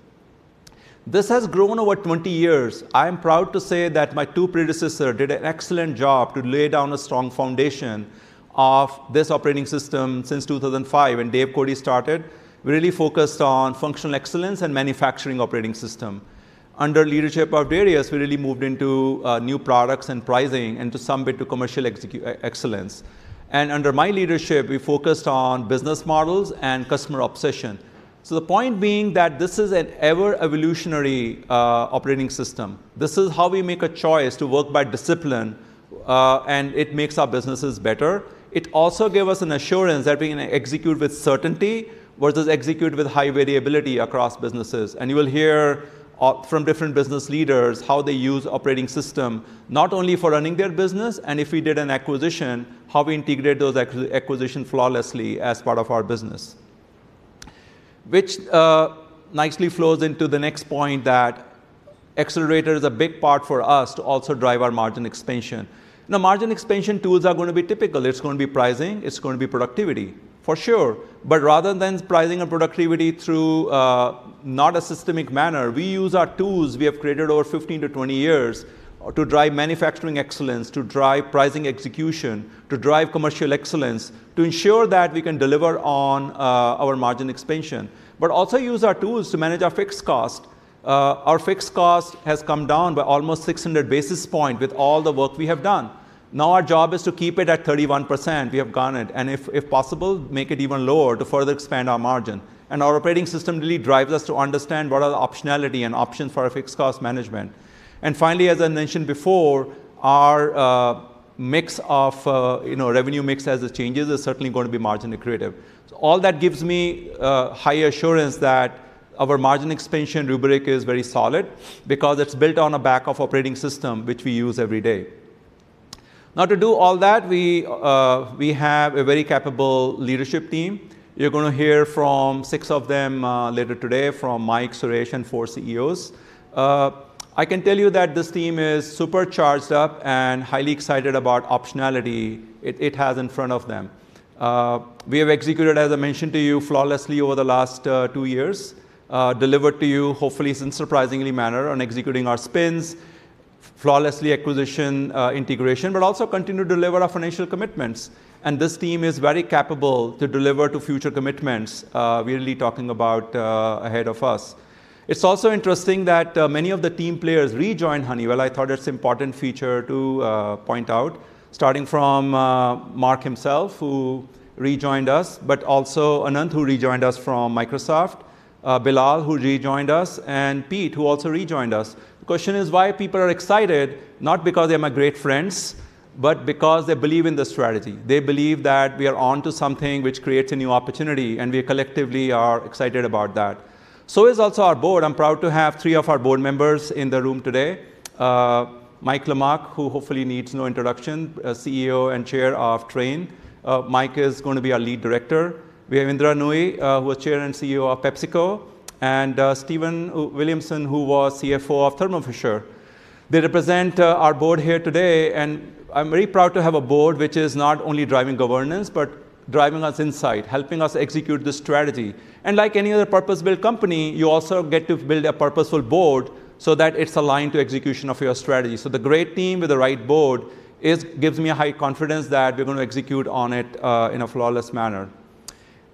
This has grown over 20 years. I am proud to say that my two predecessors did an excellent job to lay down a strong foundation of this operating system since 2005, when Dave Cote started. We really focused on functional excellence and manufacturing operating system. Under leadership of Darius Adamczyk, we really moved into new products and pricing and to some bit to commercial excellence. Under my leadership, we focused on business models and customer obsession. The point being that this is an ever evolutionary operating system. This is how we make a choice to work by discipline, and it makes our businesses better. It also gave us an assurance that we can execute with certainty versus execute with high variability across businesses. You will hear from different business leaders how they use operating system, not only for running their business, and if we did an acquisition, how we integrate those acquisitions flawlessly as part of our business. Which nicely flows into the next point, that Accelerator is a big part for us to also drive our margin expansion. Margin expansion tools are going to be typical. It's going to be pricing, it's going to be productivity, for sure. Rather than pricing and productivity through not a systemic manner, we use our tools we have created over 15-20 years to drive manufacturing excellence, to drive pricing execution, to drive commercial excellence, to ensure that we can deliver on our margin expansion, but also use our tools to manage our fixed cost. Our fixed cost has come down by almost 600 basis points with all the work we have done. Our job is to keep it at 31%, we have guided. If possible, make it even lower to further expand our margin. Our operating system really drives us to understand what are the optionality and options for our fixed cost management. Finally, as I mentioned before, our revenue mix as it changes is certainly going to be margin accretive. All that gives me high assurance that our margin expansion rubric is very solid because it's built on a back of operating system which we use every day. To do all that, we have a very capable leadership team. You're going to hear from six of them later today, from Mike Lamach, Suresh Venkatarayalu, and four CEOs. I can tell you that this team is super charged up and highly excited about optionality it has in front of them. We have executed, as I mentioned to you, flawlessly over the last two years, delivered to you, hopefully in surprisingly manner on executing our spins, flawlessly acquisition integration, but also continue to deliver our financial commitments. This team is very capable to deliver to future commitments we're really talking about ahead of us. It's also interesting that many of the team players rejoined Honeywell. I thought it's important feature to point out, starting from Mark himself, who rejoined us, but also Anant Maheshwari, who rejoined us from Microsoft, Billal Hammoud, who rejoined us, and Pete Lau, who also rejoined us. The question is why people are excited, not because they are my great friends, but because they believe in the strategy. They believe that we are onto something which creates a new opportunity, we collectively are excited about that. Is also our board. I'm proud to have three of our board members in the room today. Mike Lamach, who hopefully needs no introduction, CEO and Chair of Trane. Mike is going to be our Lead Director. We have Indra Nooyi, who is Chair and CEO of PepsiCo, and Stephen Williamson, who was CFO of Thermo Fisher. They represent our board here today, I'm very proud to have a board which is not only driving governance, but driving us insight, helping us execute this strategy. Like any other purpose-built company, you also get to build a purposeful board so that it's aligned to execution of your strategy. The great team with the right board gives me a high confidence that we're going to execute on it in a flawless manner.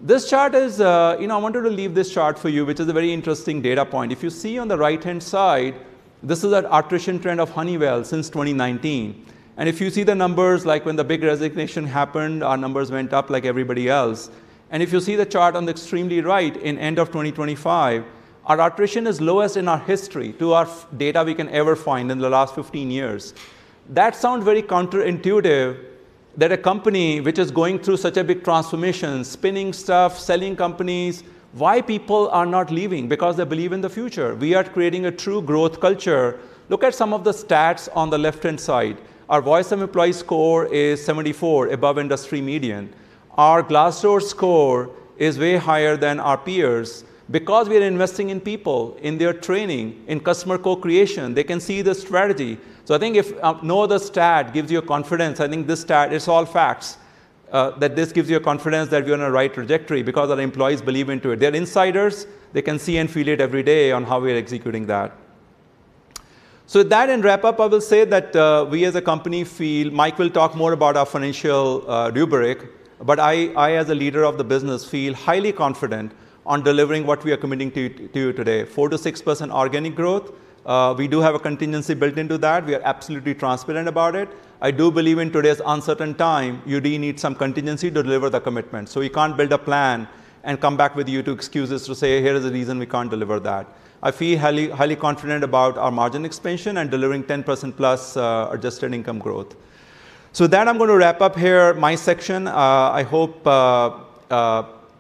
I wanted to leave this chart for you, which is a very interesting data point. If you see on the right-hand side, this is an attrition trend of Honeywell since 2019. If you see the numbers, like when the big resignation happened, our numbers went up like everybody else. If you see the chart on the extremely right, in end of 2025, our attrition is lowest in our history, to our data we can ever find in the last 15 years. That sounds very counterintuitive that a company which is going through such a big transformation, spinning stuff, selling companies, why people are not leaving? Because they believe in the future. We are creating a true growth culture. Look at some of the stats on the left-hand side. Our Voice of Employee score is 74, above industry median. Our Glassdoor score is way higher than our peers because we are investing in people, in their training, in customer co-creation. They can see the strategy. I think if no other stat gives you a confidence, I think this stat, it's all facts, that this gives you a confidence that we're on the right trajectory because our employees believe into it. They're insiders. They can see and feel it every day on how we are executing that. With that, in wrap up, I will say that we as a company feel, Mike will talk more about our financial rubric. But I, as a leader of the business, feel highly confident on delivering what we are committing to you today, 4%-6% organic growth. We do have a contingency built into that. We are absolutely transparent about it. I do believe in today's uncertain time, you do need some contingency to deliver the commitment. We can't build a plan and come back with you to excuses to say, "Here is the reason we can't deliver that." I feel highly confident about our margin expansion and delivering 10%+ adjusted income growth. With that, I'm going to wrap up here my section. I hope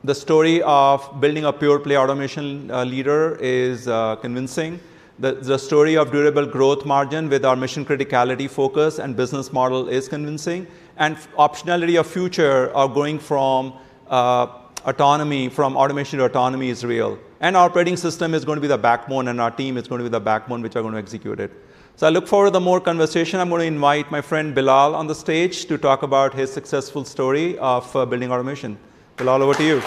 the story of building a pure-play automation leader is convincing, that the story of durable-growth margin with our mission criticality focus and business model is convincing, and optionality of future of going from automation to autonomy is real. Our operating system is going to be the backbone, and our team is going to be the backbone which are going to execute it. I look forward to more conversation. I'm going to invite my friend Billal on the stage to talk about his successful story of Building Automation. Billal, over to you.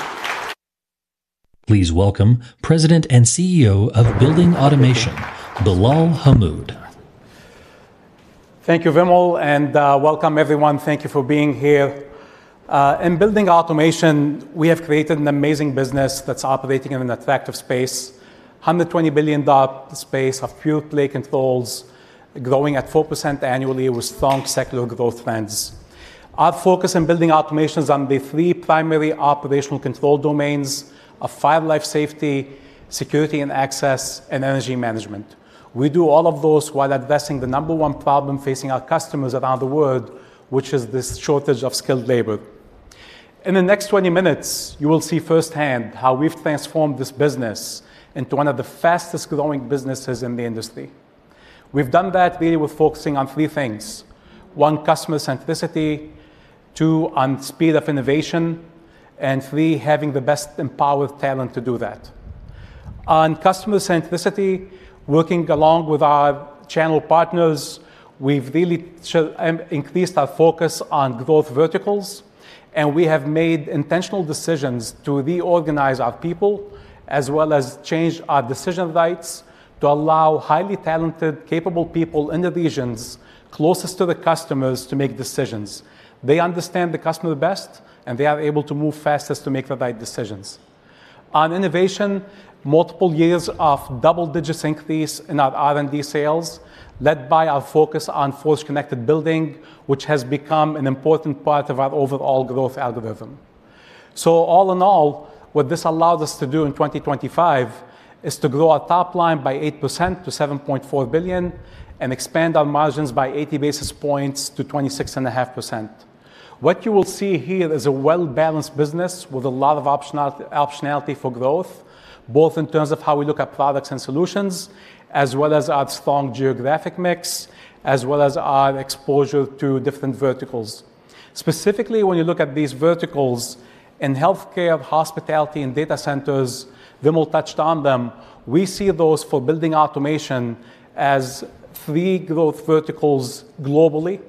Please welcome President and CEO of Building Automation, Billal Hammoud. Thank you, Vimal, and welcome everyone. Thank you for being here. In Building Automation, we've created an amazing business that's operating in an attractive space, a $120 billion space of pure-play controls growing at 4% annually with strong secular growth trends. Our focus in Building Automation is on the three primary operational control domains of fire life safety, security and access, and energy management. We do all of those while addressing the number one problem facing our customers around the world, which is this shortage of skilled labor. In the next 20 minutes, you will see firsthand how we've transformed this business into one of the fastest-growing businesses in the industry. We've done that really with focusing on three things, one, customer centricity, two, on speed of innovation, and three, having the best empowered talent to do that. On customer centricity, working along with our channel partners, we've really increased our focus on growth verticals. We have made intentional decisions to reorganize our people as well as change our decision rights to allow highly talented, capable people in the regions closest to the customers to make decisions. They understand the customer the best, and they are able to move fastest to make the right decisions. On innovation, multiple years of double-digit increase in our R&D sales led by our focus on Honeywell Forge for Buildings, which has become an important part of our overall growth algorithm. All in all, what this allows us to do in 2025 is to grow our top line by 8% to $7.4 billion and expand our margins by 80 basis points to 26.5%. What you will see here is a well-balanced business with a lot of optionality for growth, both in terms of how we look at products and solutions as well as our strong geographic mix, as well as our exposure to different verticals. Specifically, when you look at these verticals in healthcare, hospitality, and data centers, Vimal touched on them. We see those for Building Automation as three growth verticals globally,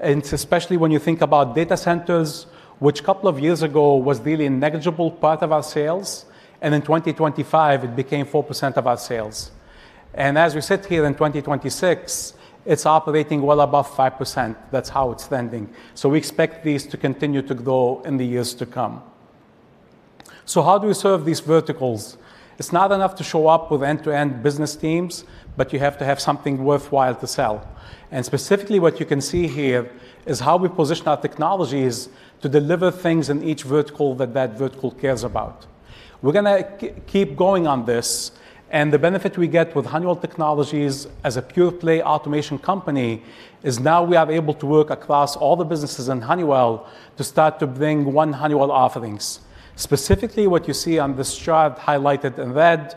and especially when you think about data centers, which couple of years ago was really a negligible part of our sales. In 2025 it became 4% of our sales. As we sit here in 2026, it's operating well above 5%. That's how it's trending. We expect these to continue to grow in the years to come. How do we serve these verticals? It's not enough to show up with end-to-end business teams, but you have to have something worthwhile to sell. Specifically what you can see here is how we position our technologies to deliver things in each vertical that that vertical cares about. We're going to keep going on this, the benefit we get with Honeywell Technologies as a pure-play automation company is now we are able to work across all the businesses in Honeywell to start to bring one Honeywell offerings. Specifically what you see on this chart highlighted in red,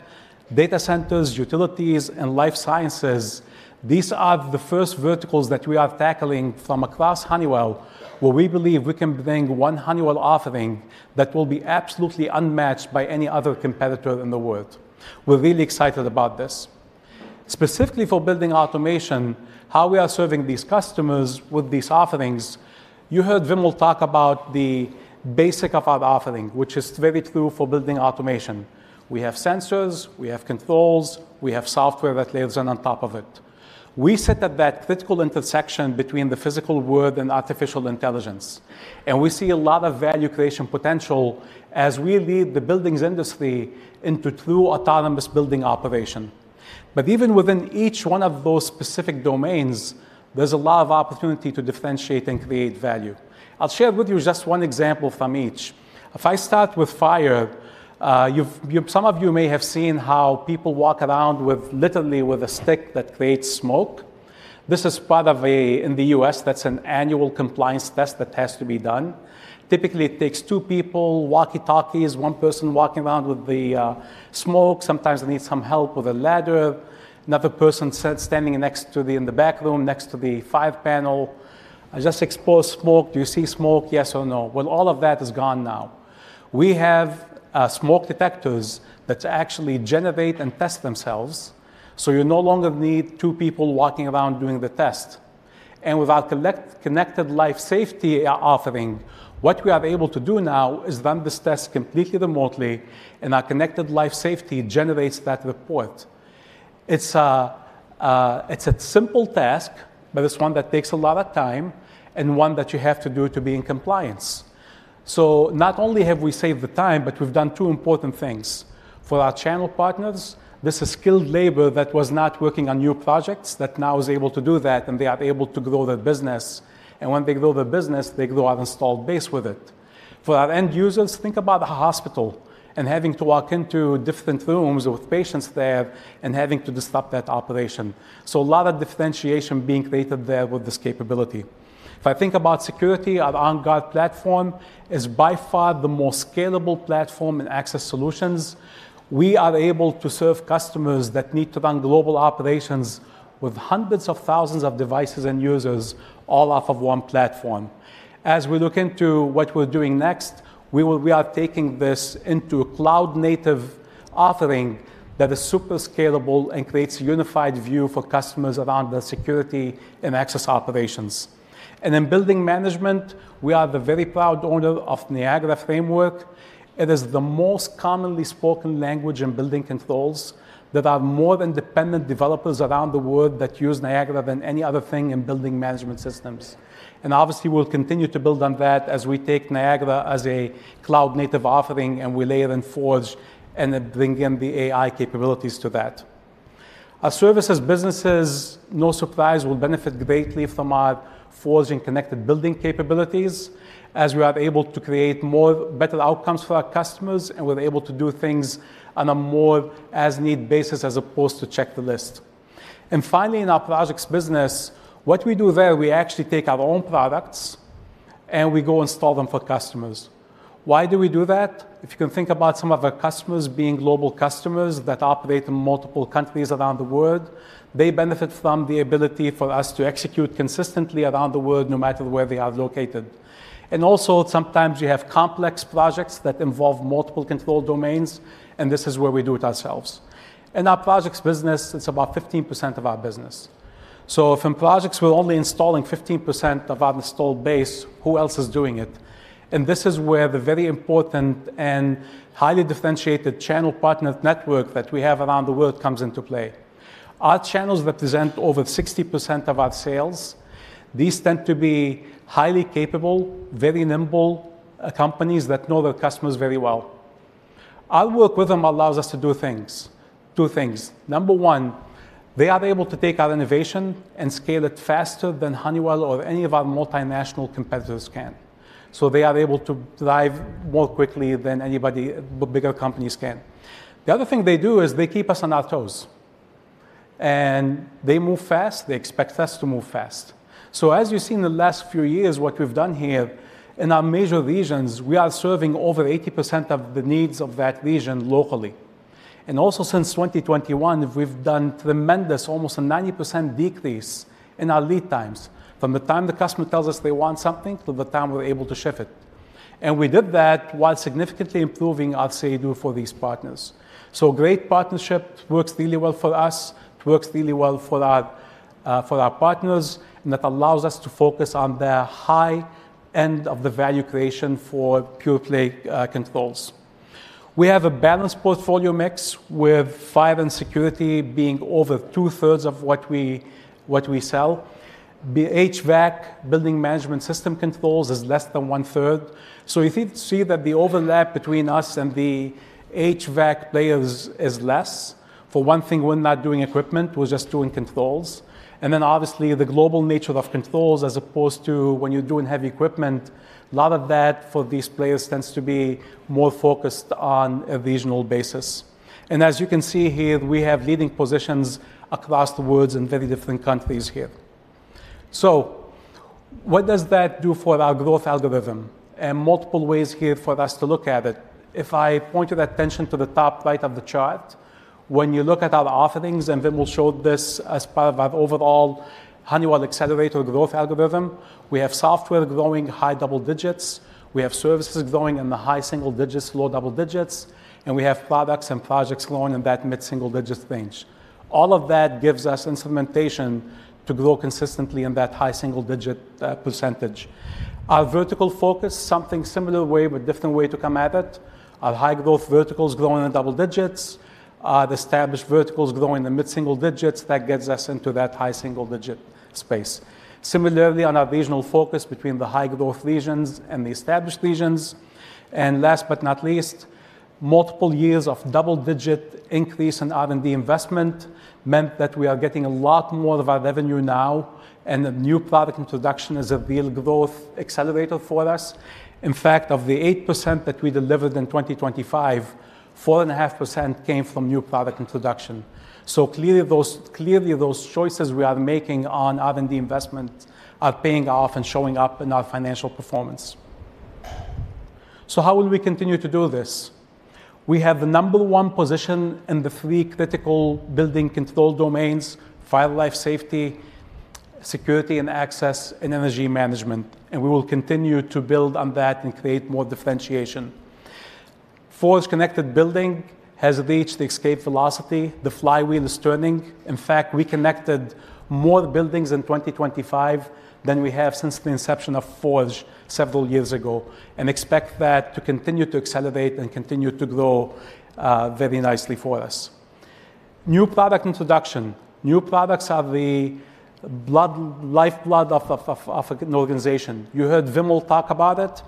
data centers, utilities, and life sciences, these are the first verticals that we are tackling from across Honeywell where we believe we can bring one Honeywell offering that will be absolutely unmatched by any other competitor in the world. We're really excited about this. Specifically for Building Automation, how we are serving these customers with these offerings, you heard Vimal talk about the basic of our offering, which is very true for Building Automation. We have sensors, we have controls, we have software that lives in on top of it. We sit at that critical intersection between the physical world and artificial intelligence, we see a lot of value creation potential as we lead the buildings industry into true autonomous building operation. Even within each one of those specific domains, there's a lot of opportunity to differentiate and create value. I'll share with you just one example from each. If I start with fire, some of you may have seen how people walk around literally with a stick that creates smoke. This is part of a, in the U.S., that's an annual compliance test that has to be done. Typically, it takes two people, walkie-talkies, one person walking around with the smoke. Sometimes they need some help with a ladder. Another person standing in the back room next to the fire panel. "I just exposed smoke. Do you see smoke?" Yes or no? Well, all of that is gone now. We have smoke detectors that actually generate and test themselves, so you no longer need two people walking around doing the test. With our Connected Life Safety Services offering, what we are able to do now is run this test completely remotely, and our Connected Life Safety Services generates that report. It's a simple task, but it's one that takes a lot of time and one that you have to do to be in compliance. Not only have we saved the time, but we've done two important things. For our channel partners, this is skilled labor that was not working on new projects that now is able to do that, they are able to grow their business. When they grow their business, they grow our installed base with it. For our end users, think about the hospital and having to walk into different rooms with patients there and having to disrupt that operation. A lot of differentiation being created there with this capability. If I think about security, our OnGuard platform is by far the most scalable platform in access solutions. We are able to serve customers that need to run global operations with hundreds of thousands of devices and users all off of one platform. As we look into what we're doing next, we are taking this into cloud-native authoring that is super scalable and creates unified view for customers around their security and access operations. In building management, we are the very proud owner of Niagara Framework. It is the most commonly spoken language in building controls. There are more independent developers around the world that use Niagara than any other thing in building management systems. Obviously, we'll continue to build on that as we take Niagara as a cloud-native offering, and we layer in Honeywell Forge and then bring in the AI capabilities to that. Our services businesses, no surprise, will benefit greatly from our Honeywell Forge and connected-building capabilities, as we are able to create better outcomes for our customers, and we're able to do things on a more as-need basis as opposed to check the list. Finally, in our projects business, what we do there, we actually take our own products and we go install them for customers. Why do we do that? If you can think about some of our customers being global customers that operate in multiple countries around the world, they benefit from the ability for us to execute consistently around the world no matter where they are located. Also, sometimes you have complex projects that involve multiple control domains, and this is where we do it ourselves. In our projects business, it's about 15% of our business. If in projects we're only installing 15% of our installed base, who else is doing it? This is where the very important and highly differentiated channel partner network that we have around the world comes into play. Our channels represent over 60% of our sales. These tend to be highly capable, very nimble companies that know their customers very well. Our work with them allows us to do two things. Number one, they are able to take our innovation and scale it faster than Honeywell or any of our multinational competitors can. They are able to drive more quickly than anybody, bigger companies can. The other thing they do is they keep us on our toes. They move fast, they expect us to move fast. As you've seen in the last few years, what we've done here in our major regions, we are serving over 80% of the needs of that region locally. Also since 2021, we've done tremendous, almost a 90% decrease in our lead times. From the time the customer tells us they want something to the time we're able to ship it. We did that while significantly improving our Say-Do for these partners. So great partnership works really well for us. Works really well for our partners that allows us to focus on the high-end of the value creation for pure-play controls. We have a balanced portfolio mix with fire and security being over 2/3 of what we sell. The HVAC building management system controls is less than 1/3. So you think you see that the overlap between us and the HVAC layers is less. For one thing we're not doing equipment. We're just doing controls. And then obviously, the global nature of controls as opposed to when you're doing heavy equipment, a lot of that for these layers tends to be more focused on a regional basis. As you can see here, we have leading positions across the worlds and very different countries here. So, what does that do for our growth algorithm? And multiple ways here for us to look at it. If I point the attention to the top right of the chart, when you look at our offerings and then we'll show this as part of our overall Honeywell Accelerator growth algorithm, we have software growing high double digits. We have services growing in the high single digits, low double digits. We have products and projects growing on that mid single-digits range. All of that gives us in segmentation to grow consistently in that high single-digit percentage. Our vertical focus something similar way but different way to come at it. Our high-growth verticals growing double digits. The established verticals growing in mid single digits that gives us into that high single-digit space. Similarly on our regional focus between the high-growth regions and the established regions. And last but not least, multiple years of double-digit increase in R&D investment meant that we are getting a lot more of that revenue now and the New Product Introduction has been a growth accelerator for us. In fact of the 8% that we delivered on 2025, 4.5% came from New Product Introduction. So clearly those choices we are making on R&D investment are paying off and showing up in our financial performance. So how will we continue to do this? We have the number one position in the three critical building control domains: fire, life safety, security and access, and energy management. We will continue to build on that and create more differentiation. Forge Connected Building has reached the scalable philosophy, the flywheel and steering. In fact, we connected more buildings in 2025 than we have since the inception of Forge several years ago. And expect that to continue to elevate and continue to grow very nicely for us. New Product Introduction. New products are the lifeblood of an organization. You heard Vimal talk about it,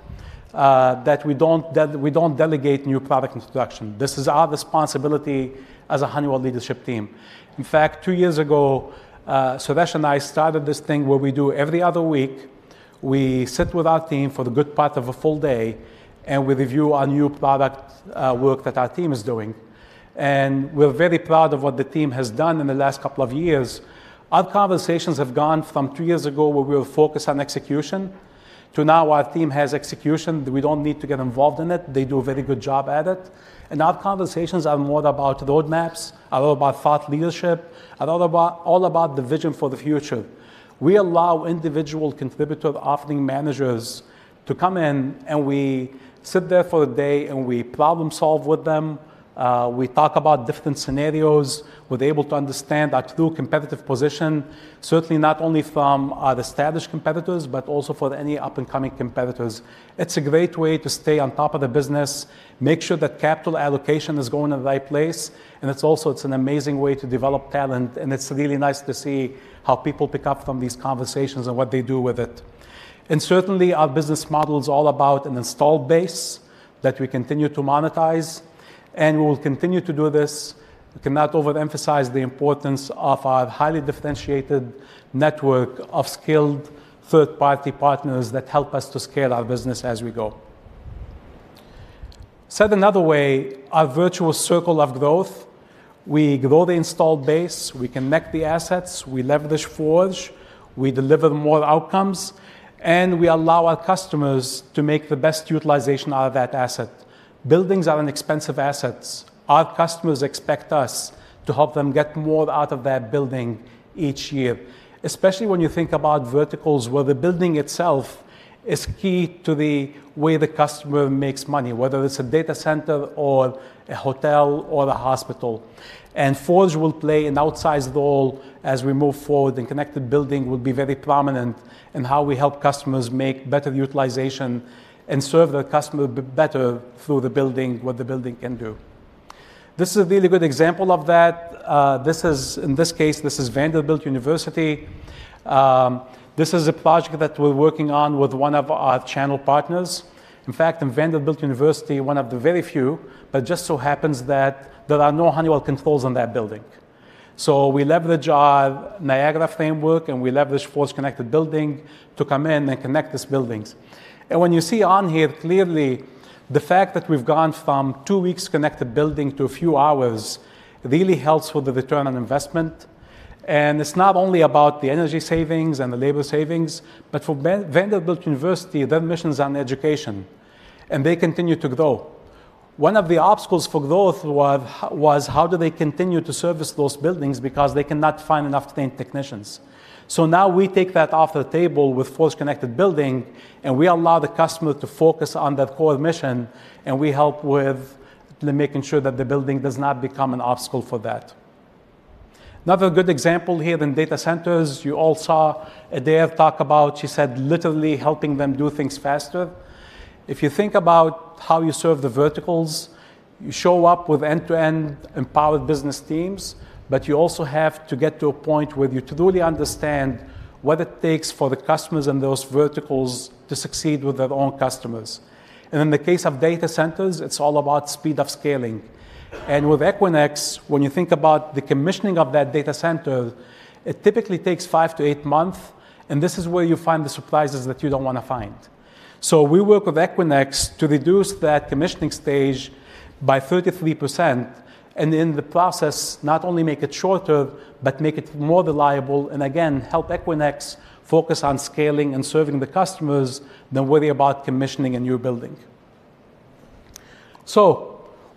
that we don't delegate New Product Introduction. This is our responsibility as a Honeywell leadership team. In fact, two years ago, Suresh and I started this thing where we do every other week, we sit with our team for the good part of a full day, and we review our new product work that our team is doing. We're very proud of what the team has done in the last couple of years. Our conversations have gone from two years ago, where we were focused on execution, to now our team has execution. We don't need to get involved in it. They do a very good job at it. Our conversations are more about roadmaps, are about thought leadership, all about the vision for the future. We allow individual contributor offering managers to come in, we sit there for a day, we problem solve with them. We talk about different scenarios. We're able to understand our true competitive position, certainly not only from our established competitors, but also for any up-and-coming competitors. It's a great way to stay on top of the business, make sure that capital allocation is going in the right place, it's also an amazing way to develop talent, it's really nice to see how people pick up from these conversations and what they do with it. Certainly, our business model is all about an installed base that we continue to monetize, we will continue to do this. I cannot overemphasize the importance of our highly differentiated network of skilled third-party partners that help us to scale our business as we go. Said another way, our virtual circle of growth, we grow the installed base, we connect the assets, we leverage Forge, we deliver more outcomes, we allow our customers to make the best utilization out of that asset. Buildings are inexpensive assets. Our customers expect us to help them get more out of their building each year, especially when you think about verticals where the building itself is key to the way the customer makes money, whether it's a data center or a hotel or a hospital. Forge will play an outsized role as we move forward, connected building will be very prominent in how we help customers make better utilization and serve the customer better through the building, what the building can do. This is a really good example of that. In this case, this is Vanderbilt University. This is a project that we're working on with one of our channel partners. In fact, in Vanderbilt University, one of the very few, but just so happens that there are no Honeywell controls in that building. We leverage our Niagara Framework, we leverage Forge Connected Building to come in and connect these buildings. When you see on here, clearly, the fact that we've gone from two weeks connected building to a few hours really helps with the return on investment, it's not only about the energy savings, the labor savings, but for Vanderbilt University, their mission is on education, they continue to grow. One of the obstacles for growth was: how do they continue to service those buildings because they cannot find enough trained technicians? Now we take that off the table with Forge Connected Building, we allow the customer to focus on that core mission, we help with making sure that the building does not become an obstacle for that. Another good example here in data centers, you all saw Adaire talk about, she said, literally helping them do things faster. If you think about how you serve the verticals, you show up with end-to-end empowered business teams, you also have to get to a point where you truly understand what it takes for the customers in those verticals to succeed with their own customers. In the case of data centers, it's all about speed of scaling. With Equinix, when you think about the commissioning of that data center, it typically takes five to eight months, and this is where you find the surprises that you don't want to find. We work with Equinix to reduce that commissioning stage by 33%, and in the process, not only make it shorter, but make it more reliable, and again, help Equinix focus on scaling and serving the customers than worry about commissioning a new building.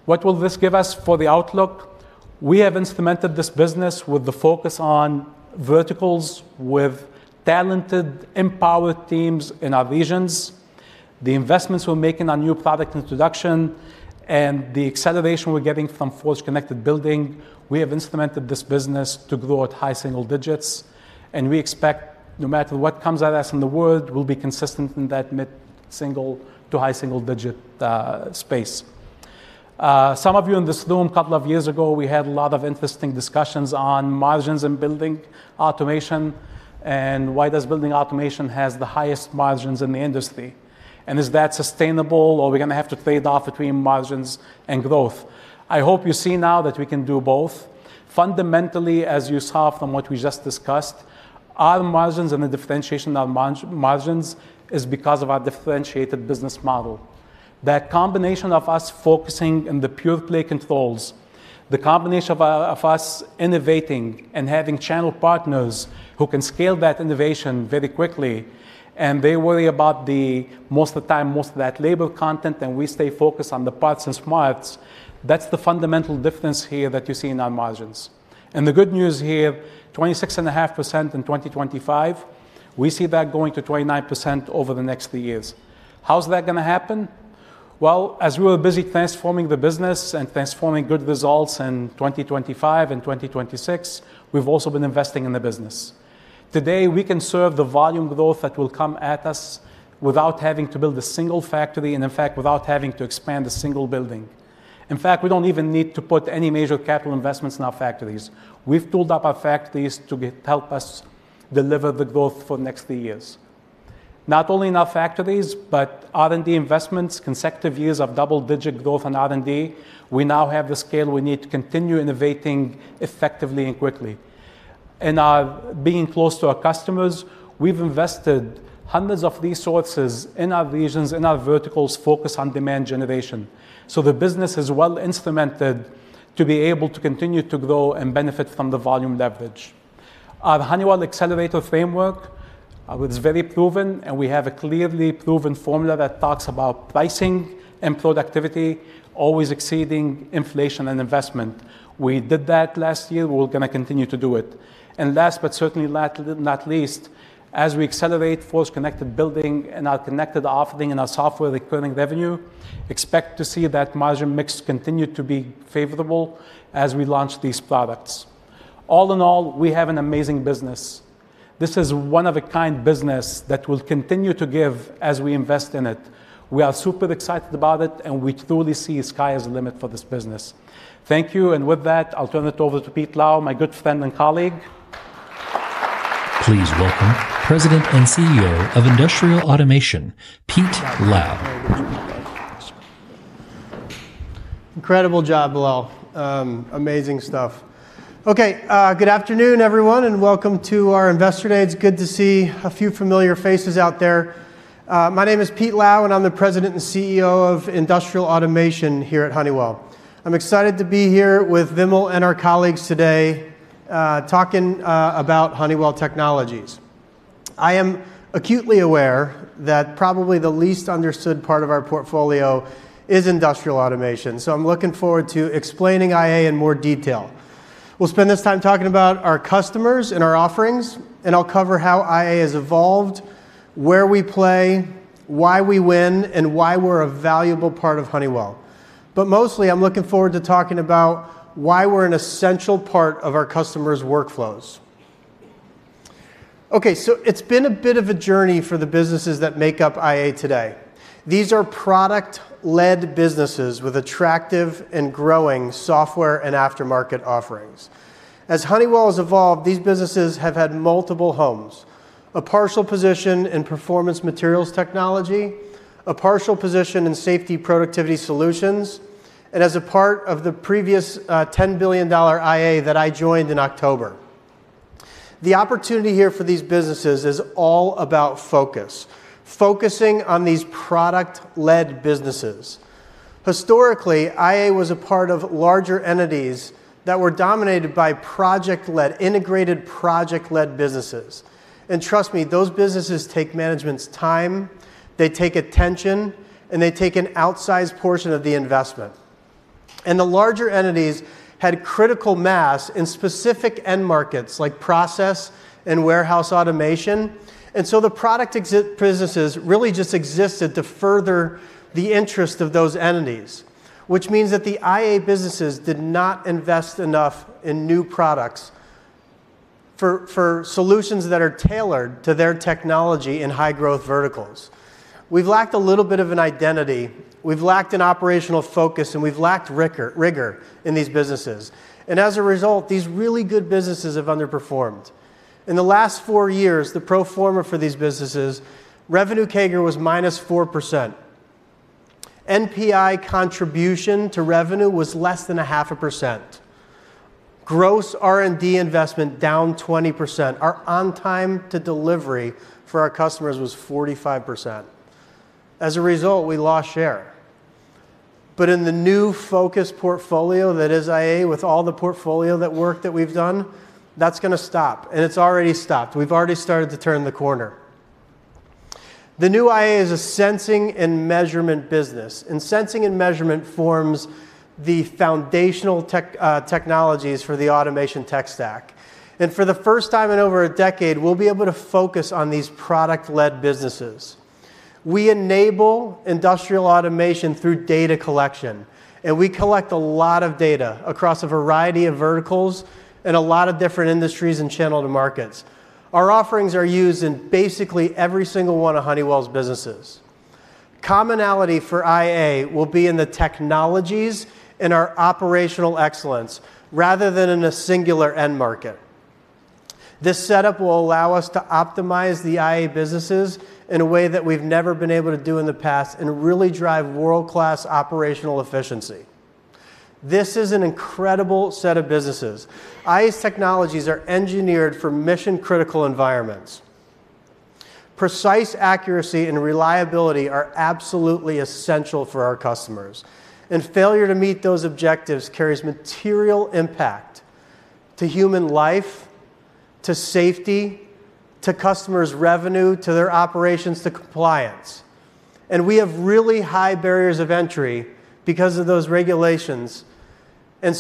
What will this give us for the outlook? We have implemented this business with the focus on verticals with talented, empowered teams in our regions. The investments we're making on New Product Introduction and the acceleration we're getting from Forge Connected Building, we have implemented this business to grow at high single-digits, and we expect no matter what comes at us in the world, we'll be consistent in that mid-single-to-high single-digit space. Some of you in this room, couple of years ago, we had a lot of interesting discussions on margins and Building Automation and why does Building Automation has the highest margins in the industry, and is that sustainable, or are we going to have to trade off between margins and growth? I hope you see now that we can do both. Fundamentally, as you saw from what we just discussed, our margins and the differentiation of margins is because of our differentiated business model. That combination of us focusing in the pure-play controls, the combination of us innovating and having channel partners who can scale that innovation very quickly, and they worry about the most of the time, most of that labor content, and we stay focused on the parts and smarts. That's the fundamental difference here that you see in our margins. The good news here, 26.5% in 2025, we see that going to 29% over the next three years. How's that going to happen? As we were busy transforming the business and transforming good results in 2025 and 2026, we've also been investing in the business. Today, we can serve the volume growth that will come at us without having to build a single factory, and in fact, without having to expand a single building. In fact, we don't even need to put any major capital investments in our factories. We've tooled up our factories to help us deliver the growth for next three years. Not only in our factories, but R&D investments, consecutive years of double-digit growth in R&D, we now have the scale we need to continue innovating effectively and quickly. In our being close to our customers, we've invested hundreds of resources in our regions, in our verticals, focused on demand generation. The business is well-instrumented to be able to continue to grow and benefit from the volume leverage. Our Honeywell Accelerator framework is very proven, and we have a clearly proven formula that talks about pricing and productivity always exceeding inflation and investment. We did that last year. We're going to continue to do it. Last but certainly not least, as we accelerate Honeywell Forge Connected Building and our connected offering and our software-recurring revenue, expect to see that margin mix continue to be favorable as we launch these products. All in all, we have an amazing business. This is one-of-a-kind business that will continue to give as we invest in it. We are super excited about it, and we truly see sky as the limit for this business. Thank you, and with that, I'll turn it over to Pete Lau, my good friend and colleague. Please welcome President and CEO of Industrial Automation, Pete Lau. Incredible job, Billal. Amazing stuff. Good afternoon, everyone, and welcome to our Investor Day. It's good to see a few familiar faces out there. My name is Pete Lau, and I'm the President and CEO of Industrial Automation here at Honeywell. I'm excited to be here with Vimal and our colleagues today, talking about Honeywell Technologies. I am acutely aware that probably the least understood part of our portfolio is Industrial Automation. I am looking forward to explaining IA in more detail. We'll spend this time talking about our customers and our offerings. I'll cover how IA has evolved, where we play, why we win, and why we're a valuable part of Honeywell. Mostly, I'm looking forward to talking about why we're an essential part of our customers' workflows. It's been a bit of a journey for the businesses that make up IA today. These are product-led businesses with attractive and growing software and aftermarket offerings. As Honeywell has evolved, these businesses have had multiple homes. A partial position in Performance Materials technology, a partial position in Safety and Productivity Solutions, and as a part of the previous $10 billion IA that I joined in October. The opportunity here for these businesses is all about focus, focusing on these product-led businesses. Historically, IA was a part of larger entities that were dominated by integrated project-led businesses. Trust me, those businesses take management's time, they take attention, and they take an outsized portion of the investment. The larger entities had critical mass in specific end markets like process and warehouse automation. The product businesses really just existed to further the interest of those entities, which means that the IA businesses did not invest enough in new products for solutions that are tailored to their technology in high-growth verticals. We've lacked a little bit of an identity, we've lacked an operational focus, and we've lacked rigor in these businesses. As a result, these really good businesses have underperformed. In the last four years, the pro forma for these businesses, revenue CAGR was -4%. NPI contribution to revenue was less than 0.5%. Gross R&D investment down 20%. Our on-time to delivery for our customers was 45%. As a result, we lost share. In the new focused portfolio that is IA with all the portfolio work that we've done, that's going to stop, and it's already stopped. We've already started to turn the corner. The new IA is a sensing and measurement business, sensing and measurement forms the foundational technologies for the automation tech stack. For the first time in over a decade, we'll be able to focus on these product-led businesses. We enable Industrial Automation through data collection, we collect a lot of data across a variety of verticals and a lot of different industries and channel to markets. Our offerings are used in basically every single one of Honeywell's businesses. Commonality for IA will be in the technologies and our operational excellence rather than in a singular end market. This setup will allow us to optimize the IA businesses in a way that we've never been able to do in the past and really drive world-class operational efficiency. This is an incredible set of businesses. IA's technologies are engineered for mission-critical environments. Precise accuracy and reliability are absolutely essential for our customers, failure to meet those objectives carries material impact to human life, to safety, to customers' revenue, to their operations, to compliance. We have really high barriers of entry because of those regulations,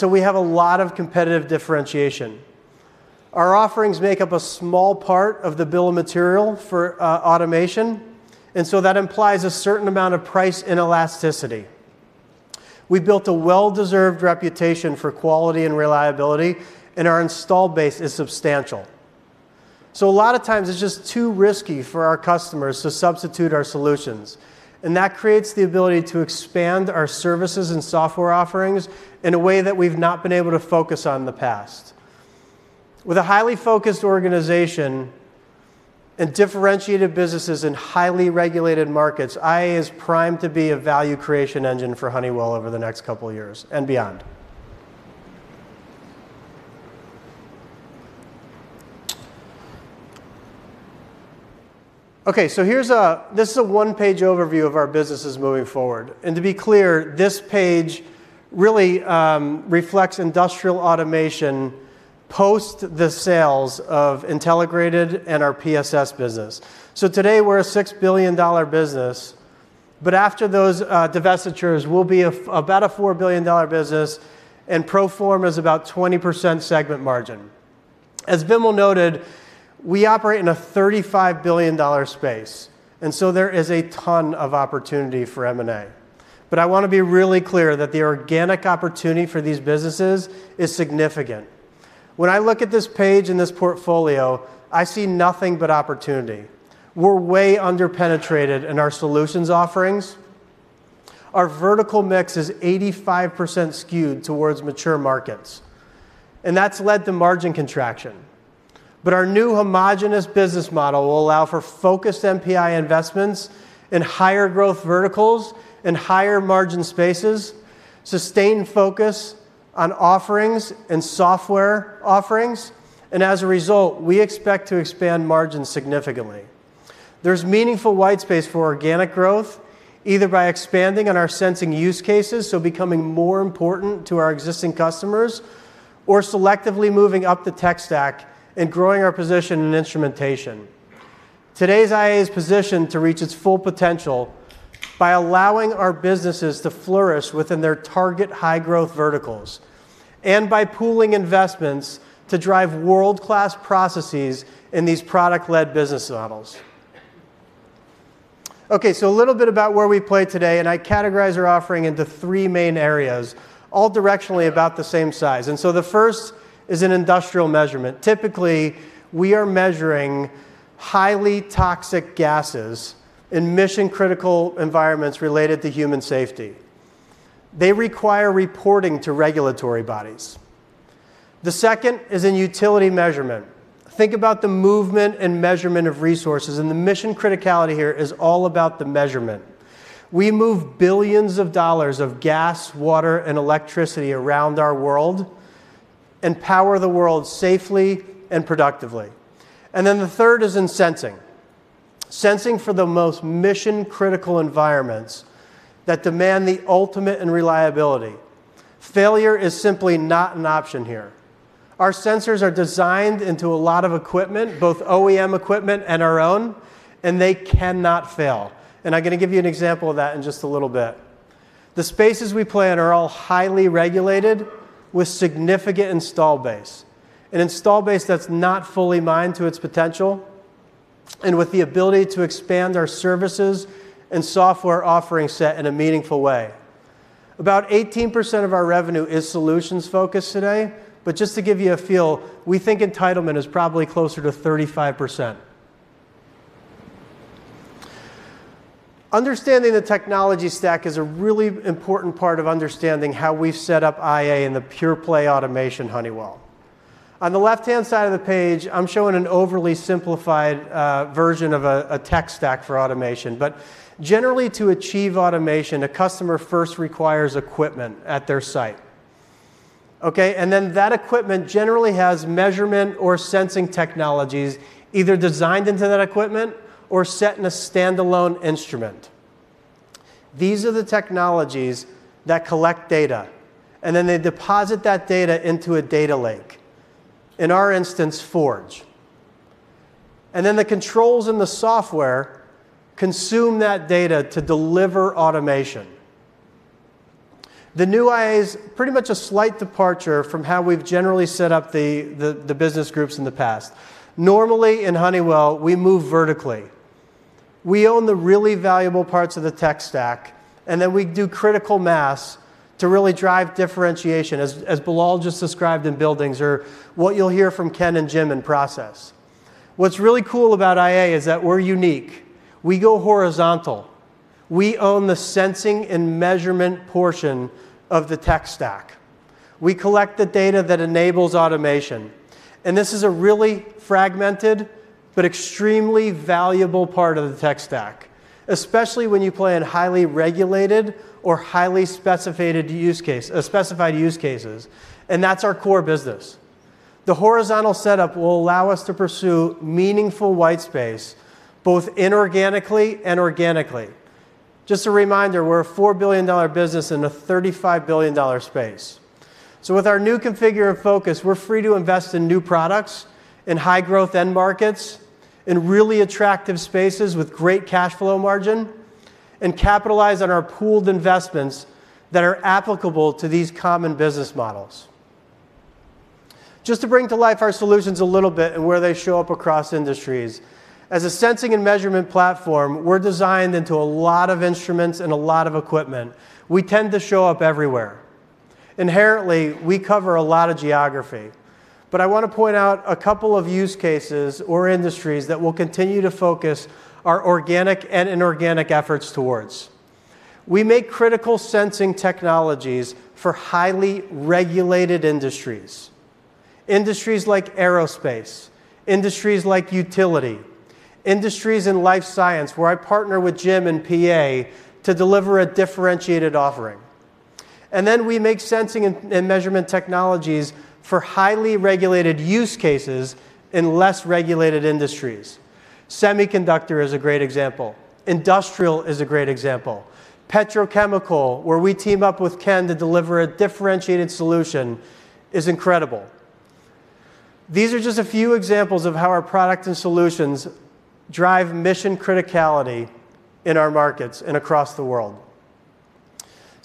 we have a lot of competitive differentiation. Our offerings make up a small part of the bill of material for automation, that implies a certain amount of price and elasticity. We've built a well-deserved reputation for quality and reliability, our installed base is substantial. A lot of times, it's just too risky for our customers to substitute our solutions, that creates the ability to expand our services and software offerings in a way that we've not been able to focus on in the past. With a highly focused organization and differentiated businesses in highly regulated markets, IA is primed to be a value creation engine for Honeywell over the next couple of years and beyond. Okay. This is a one-page overview of our businesses moving forward. To be clear, this page really reflects Industrial Automation, post the sales of Intelligrated and our PSS business. Today, we're a $6 billion business, but after those divestitures, we'll be about a $4 billion business, and pro forma is about 20% segment margin. As Vimal noted, we operate in a $35 billion space, there is a ton of opportunity for M&A. I want to be really clear that the organic opportunity for these businesses is significant. When I look at this page and this portfolio, I see nothing but opportunity. We're way under-penetrated in our solutions offerings. Our vertical mix is 85% skewed towards mature markets, and that's led to margin contraction. Our new homogeneous business model will allow for focused NPI investments in higher growth verticals and higher margin spaces, sustained focus on offerings and software offerings, and as a result, we expect to expand margins significantly. There's meaningful white space for organic growth, either by expanding on our sensing use cases, becoming more important to our existing customers, or selectively moving up the tech stack and growing our position in instrumentation. Today's IA is positioned to reach its full potential by allowing our businesses to flourish within their target high-growth verticals, and by pooling investments to drive world-class processes in these product-led business models. A little bit about where we play today, and I categorize our offering into three main areas, all directionally about the same size. The first is in industrial measurement. Typically, we are measuring highly toxic gases in mission-critical environments related to human safety. They require reporting to regulatory bodies. The second is in utility measurement. Think about the movement and measurement of resources, and the mission criticality here is all about the measurement. We move billions of dollars of gas, water, and electricity around our world and power the world safely and productively. The third is in sensing. Sensing for the most mission-critical environments that demand the ultimate in reliability. Failure is simply not an option here. Our sensors are designed into a lot of equipment, both OEM equipment and our own, and they cannot fail. I'm going to give you an example of that in just a little bit. The spaces we play in are all highly regulated with significant installed base, an installed base that's not fully mined to its potential, and with the ability to expand our services and software offering set in a meaningful way. About 18% of our revenue is solutions-focused today. Just to give you a feel, we think entitlement is probably closer to 35%. Understanding the technology stack is a really important part of understanding how we've set up IA in the pure-play automation Honeywell. On the left-hand side of the page, I'm showing an overly simplified version of a tech stack for automation. Generally, to achieve automation, a customer first requires equipment at their site. Okay? That equipment generally has measurement or sensing technologies either designed into that equipment or set in a standalone instrument. These are the technologies that collect data, and then they deposit that data into a data lake, in our instance, Forge. The controls and the software consume that data to deliver automation. The new IA is pretty much a slight departure from how we've generally set up the business groups in the past. Normally, in Honeywell, we move vertically. We own the really valuable parts of the tech stack, and then we do critical mass to really drive differentiation, as Billal just described in Building Automation, or what you'll hear from Ken and Jim in Process Automation. What's really cool about IA is that we're unique. We go horizontal. We own the sensing and measurement portion of the tech stack. We collect the data that enables automation, this is a really fragmented but extremely valuable part of the tech stack, especially when you play in highly regulated or highly specified use cases. That's our core business. The horizontal setup will allow us to pursue meaningful white space, both inorganically and organically. Just a reminder, we're a $4 billion business in a $35 billion space. With our new configure of focus, we're free to invest in new products in high-growth end markets, in really attractive spaces with great cash flow margin, and capitalize on our pooled investments that are applicable to these common business models. Just to bring to life our solutions a little bit and where they show up across industries. As a sensing and measurement platform, we're designed into a lot of instruments and a lot of equipment. We tend to show up everywhere. Inherently, we cover a lot of geography. I want to point out a couple of use cases or industries that we'll continue to focus our organic and inorganic efforts towards. We make critical sensing technologies for highly regulated industries. Industries like aerospace, industries like utility, industries in life science, where I partner with Jim in PA to deliver a differentiated offering. We make sensing and measurement technologies for highly regulated use cases in less regulated industries. Semiconductor is a great example. Industrial is a great example. Petrochemical, where we team up with Ken to deliver a differentiated solution, is incredible. These are just a few examples of how our product and solutions drive mission criticality in our markets and across the world.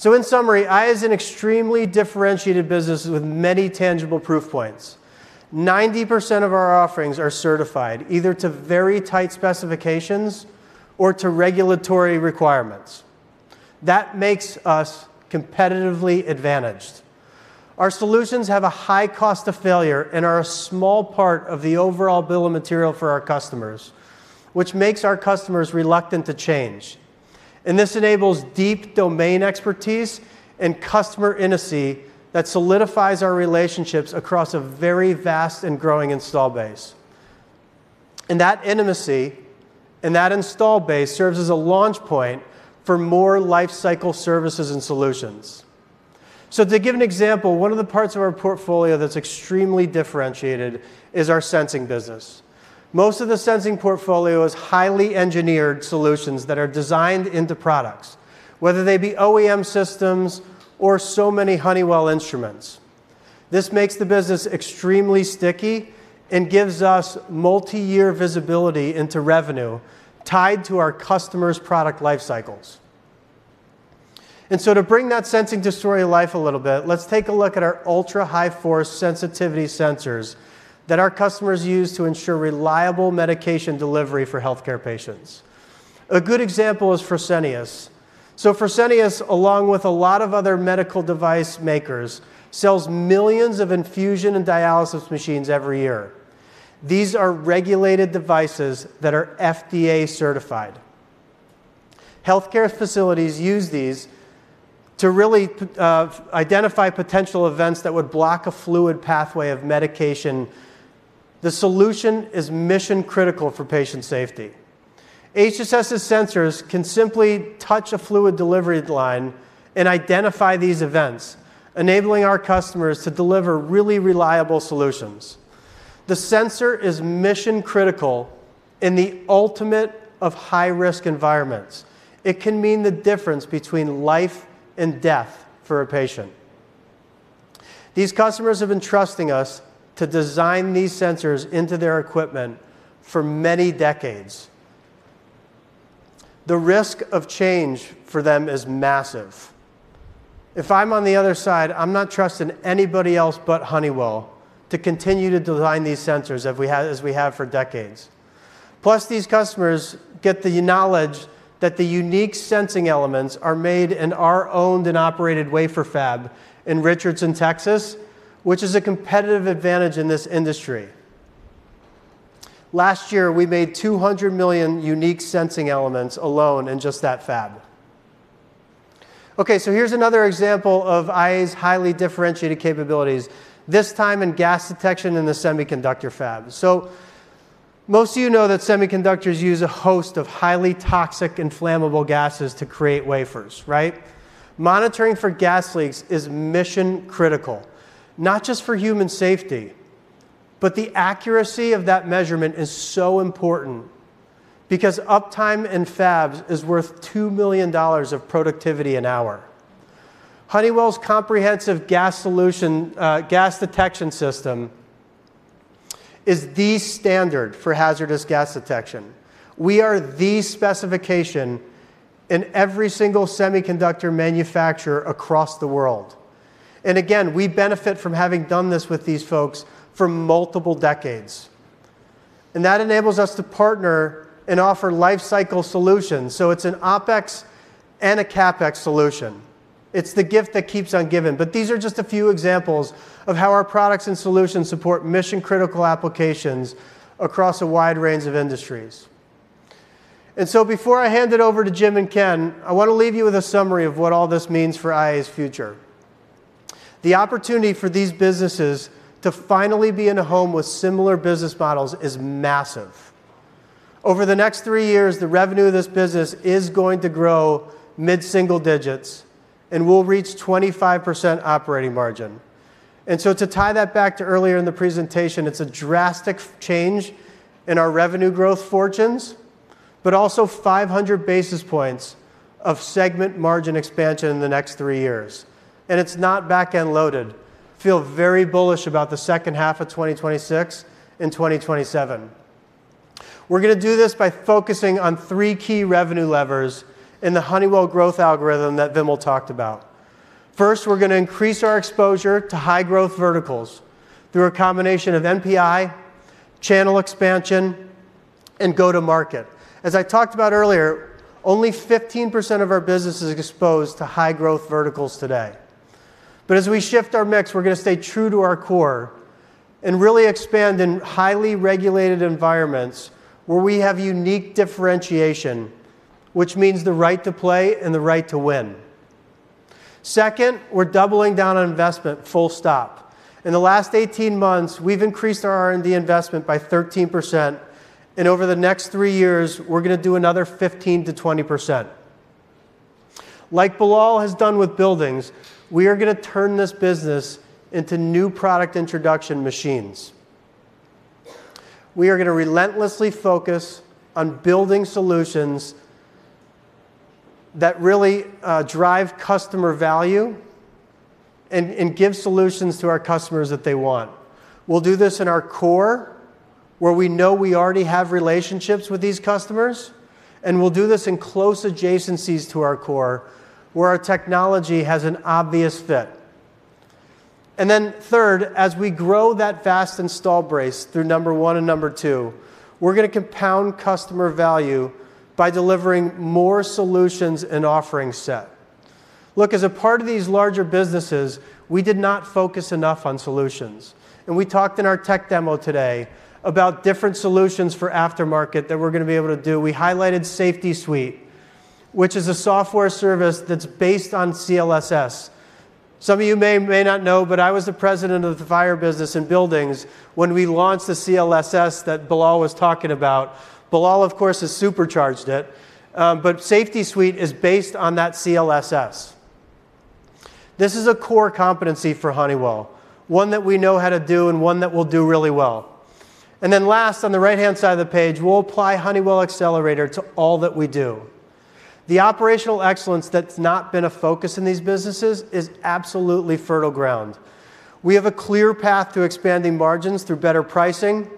In summary, IA is an extremely differentiated business with many tangible proof points. 90% of our offerings are certified, either to very tight specifications or to regulatory requirements. That makes us competitively advantaged. Our solutions have a high cost of failure and are a small part of the overall bill of material for our customers, which makes our customers reluctant to change. This enables deep domain expertise and customer intimacy that solidifies our relationships across a very vast and growing installed base. That intimacy and that installed base serves as a launch point for more life cycle services and solutions. To give an example, one of the parts of our portfolio that's extremely differentiated is our sensing business. Most of the sensing portfolio is highly engineered solutions that are designed into products, whether they be OEM systems or so many Honeywell instruments. This makes the business extremely sticky and gives us multi-year visibility into revenue tied to our customers' product life cycles. To bring that sensing to story of life a little bit, let's take a look at our ultra high force sensitivity sensors that our customers use to ensure reliable medication delivery for healthcare patients. A good example is Fresenius. Fresenius, along with a lot of other medical device makers, sells millions of infusion and dialysis machines every year. These are regulated devices that are FDA certified. Healthcare facilities use these to really identify potential events that would block a fluid pathway of medication. The solution is mission-critical for patient safety. HSS's sensors can simply touch a fluid delivery line and identify these events, enabling our customers to deliver really reliable solutions. The sensor is mission-critical in the ultimate of high-risk environments. It can mean the difference between life and death for a patient. These customers have been trusting us to design these sensors into their equipment for many decades. The risk of change for them is massive. If I'm on the other side, I'm not trusting anybody else but Honeywell to continue to design these sensors as we have for decades. Plus, these customers get the knowledge that the unique sensing elements are made in our owned and operated wafer fab in Richardson, Texas, which is a competitive advantage in this industry. Last year, we made 200 million unique sensing elements alone in just that fab. Here's another example of IA's highly differentiated capabilities, this time in gas detection in the semiconductor fab. Most of you know that semiconductors use a host of highly toxic and flammable gases to create wafers, right? Monitoring for gas leaks is mission-critical, not just for human safety, but the accuracy of that measurement is so important because uptime in fabs is worth $2 million of productivity an hour. Honeywell's comprehensive gas detection system is the standard for hazardous gas detection. We are the specification in every single semiconductor manufacturer across the world. Again, we benefit from having done this with these folks for multiple decades. That enables us to partner and offer life cycle solutions. It's an OpEx and a CapEx solution. It's the gift that keeps on giving. These are just a few examples of how our products and solutions support mission-critical applications across a wide range of industries. Before I hand it over to Jim and Ken, I want to leave you with a summary of what all this means for IA's future. The opportunity for these businesses to finally be in a home with similar business models is massive. Over the next three years, the revenue of this business is going to grow mid-single digits and will reach 25% operating margin. To tie that back to earlier in the presentation, it's a drastic change in our revenue growth fortunes, but also 500 basis points of segment margin expansion in the next three years. It's not back-end loaded. Feel very bullish about the second half of 2026 and 2027. We're going to do this by focusing on three key revenue levers in the Honeywell growth algorithm that Vimal talked about. First, we're going to increase our exposure to high-growth verticals through a combination of NPI, channel expansion, and go-to-market. As I talked about earlier, only 15% of our business is exposed to high-growth verticals today, but as we shift our mix, we're going to stay true to our core and really expand in highly regulated environments where we have unique differentiation, which means the right to play and the right to win. Second, we're doubling down on investment, full stop. In the last 18 months, we've increased our R&D investment by 13%, and over the next three years, we're going to do another 15%-20%. Like Billal has done with Buildings, we are going to turn this business into New Product Introduction machines. We are going to relentlessly focus on building solutions that really drive customer value and give solutions to our customers that they want. We'll do this in our core, where we know we already have relationships with these customers, and we'll do this in close adjacencies to our core, where our technology has an obvious fit. Third, as we grow that fast installed base through number one and number two, we're going to compound customer value by delivering more solutions and offering set. Look, as a part of these larger businesses, we did not focus enough on solutions, and we talked in our tech demo today about different solutions for aftermarket that we're going to be able to do. We highlighted Honeywell Safety Suite, which is a software service that's based on CLSS. Some of you may not know, but I was the President of the fire business in Building Automation when we launched the CLSS that Billal was talking about. Billal, of course, has supercharged it, Honeywell Safety Suite is based on that CLSS. This is a core competency for Honeywell, one that we know how to do and one that we'll do really well. Last, on the right-hand side of the page, we'll apply Honeywell Accelerator to all that we do. The operational excellence that's not been a focus in these businesses is absolutely fertile ground. We have a clear path to expanding margins through better pricing,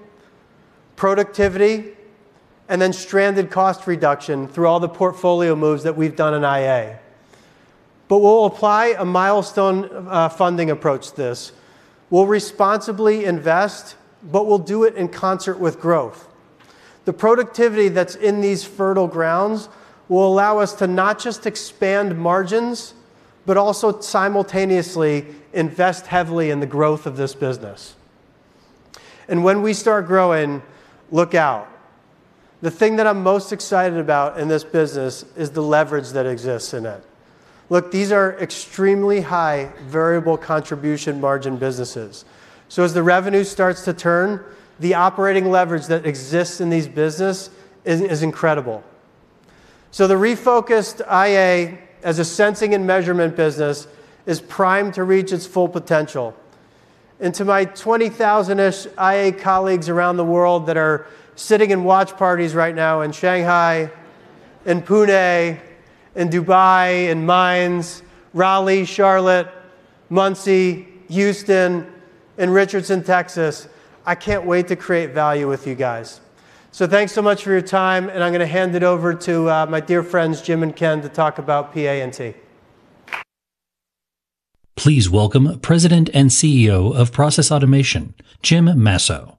productivity, stranded cost reduction through all the portfolio moves that we've done in IA. We'll apply a milestone funding approach to this. We'll responsibly invest, but we'll do it in concert with growth. The productivity that's in these fertile grounds will allow us to not just expand margins, but also simultaneously invest heavily in the growth of this business. When we start growing, look out. The thing that I'm most excited about in this business is the leverage that exists in it. Look, these are extremely high variable contribution margin businesses. As the revenue starts to turn, the operating leverage that exists in this business is incredible. The refocused IA as a sensing and measurement business is primed to reach its full potential. To my 20,000-ish IA colleagues around the world that are sitting in watch parties right now in Shanghai, in Pune, in Dubai, in Mainz, Raleigh, Charlotte, Muncie, Houston, in Richardson, Texas, I can't wait to create value with you guys. Thanks so much for your time, and I'm going to hand it over to my dear friends Jim and Ken to talk about PA&T. Please welcome President and CEO of Process Automation, Jim Masso,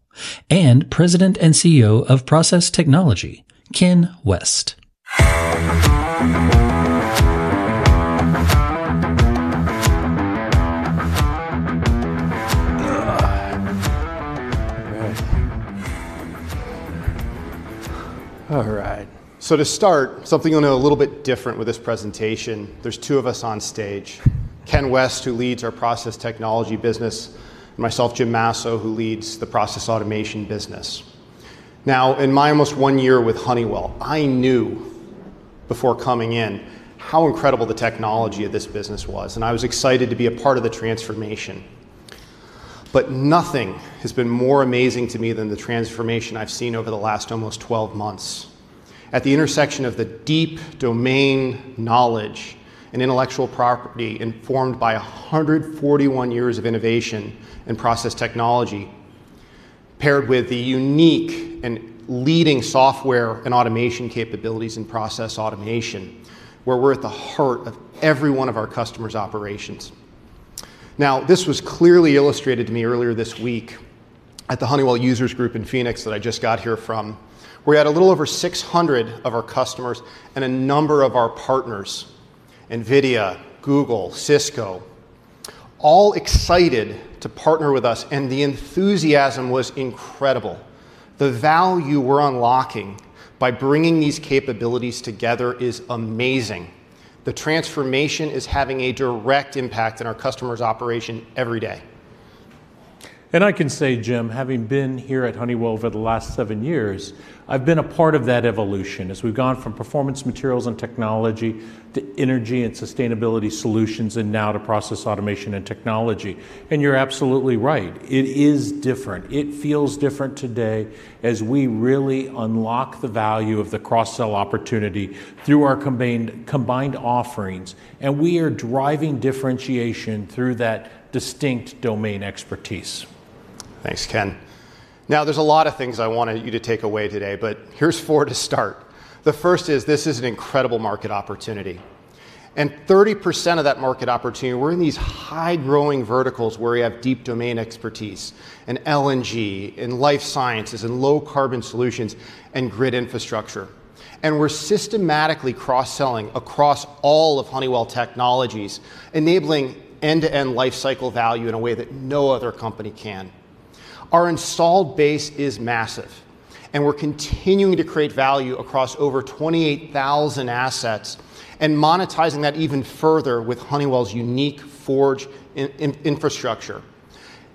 and President and CEO of Process Technology, Ken West. To start, something a little bit different with this presentation. There's two of us on stage, Ken West, who leads our Process Technology business, and myself, Jim Masso, who leads the Process Automation business. In my almost one year with Honeywell, I knew before coming in how incredible the technology of this business was, and I was excited to be a part of the transformation. Nothing has been more amazing to me than the transformation I've seen over the last almost 12 months. At the intersection of the deep domain knowledge and intellectual property informed by 141 years of innovation in Process Technology, paired with the unique and leading software and automation capabilities in Process Automation, where we're at the heart of every one of our customers' operations. This was clearly illustrated to me earlier this week at the Honeywell Users Group in Phoenix that I just got here from, where we had a little over 600 of our customers and a number of our partners, NVIDIA, Google, Cisco, all excited to partner with us. The enthusiasm was incredible. The value we're unlocking by bringing these capabilities together is amazing. The transformation is having a direct impact on our customers' operation every day. I can say, Jim, having been here at Honeywell over the last seven years, I've been a part of that evolution as we've gone from Performance Materials and Technologies to Energy and Sustainability Solutions, and now to Process Automation and Technology. You're absolutely right, it is different. It feels different today as we really unlock the value of the cross-sell opportunity through our combined offerings. We are driving differentiation through that distinct domain expertise. Thanks, Ken. There's a lot of things I wanted you to take away today, here's four to start. The first is this is an incredible market opportunity 30% of that market opportunity, we're in these high-growing verticals where we have deep domain expertise in LNG, in life sciences, in low carbon solutions, and grid infrastructure. We're systematically cross-selling across all of Honeywell Technologies, enabling end-to-end life cycle value in a way that no other company can. Our installed base is massive, and we're continuing to create value across over 28,000 assets and monetizing that even further with Honeywell's unique Forge infrastructure.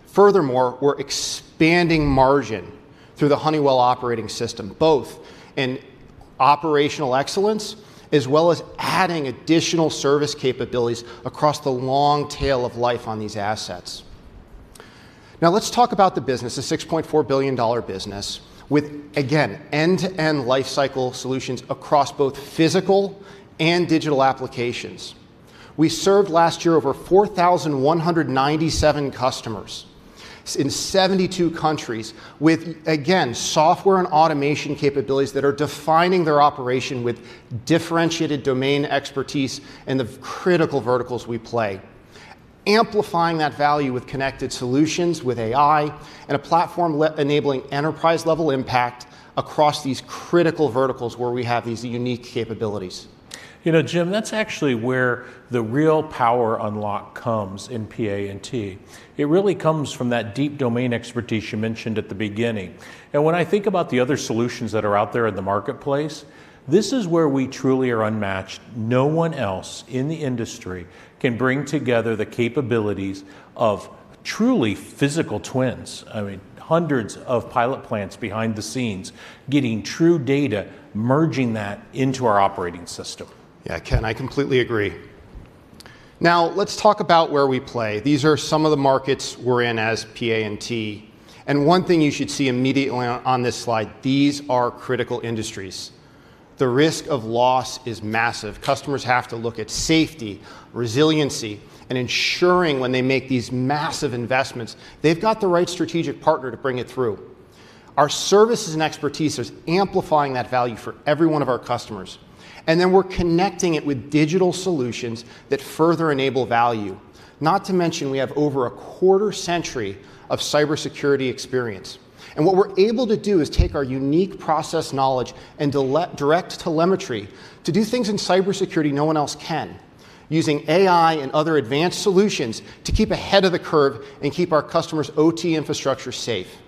Furthermore, we're expanding margin through the Honeywell operating system, both in operational excellence as well as adding additional service capabilities across the long tail of life on these assets. Now let's talk about the business, the $6.4 billion business with, again, end-to-end life cycle solutions across both physical and digital applications. We served last year over 4,197 customers in 72 countries with, again, software and automation capabilities that are defining their operation with differentiated domain expertise in the critical verticals we play. Amplifying that value with connected solutions, with AI, and a platform enabling enterprise-level impact across these critical verticals where we have these unique capabilities. Jim, that's actually where the real power unlock comes in PA&T. It really comes from that deep domain expertise you mentioned at the beginning. When I think about the other solutions that are out there in the marketplace, this is where we truly are unmatched. No one else in the industry can bring together the capabilities of truly physical twins. I mean, hundreds of pilot plants behind the scenes getting true data, merging that into our operating system. Yeah, Ken, I completely agree. Now let's talk about where we play. These are some of the markets we're in as PA&T. One thing you should see immediately on this slide, these are critical industries. The risk of loss is massive. Customers have to look at safety, resiliency, and ensuring when they make these massive investments, they've got the right strategic partner to bring it through. Our services and expertise is amplifying that value for every one of our customers. Then we're connecting it with digital solutions that further enable value. Not to mention, we have over a quarter-century of cybersecurity experience. What we're able to do is take our unique process knowledge and direct telemetry to do things in cybersecurity no one else can, using AI and other advanced solutions to keep ahead of the curve and keep our customers' OT infrastructure safe.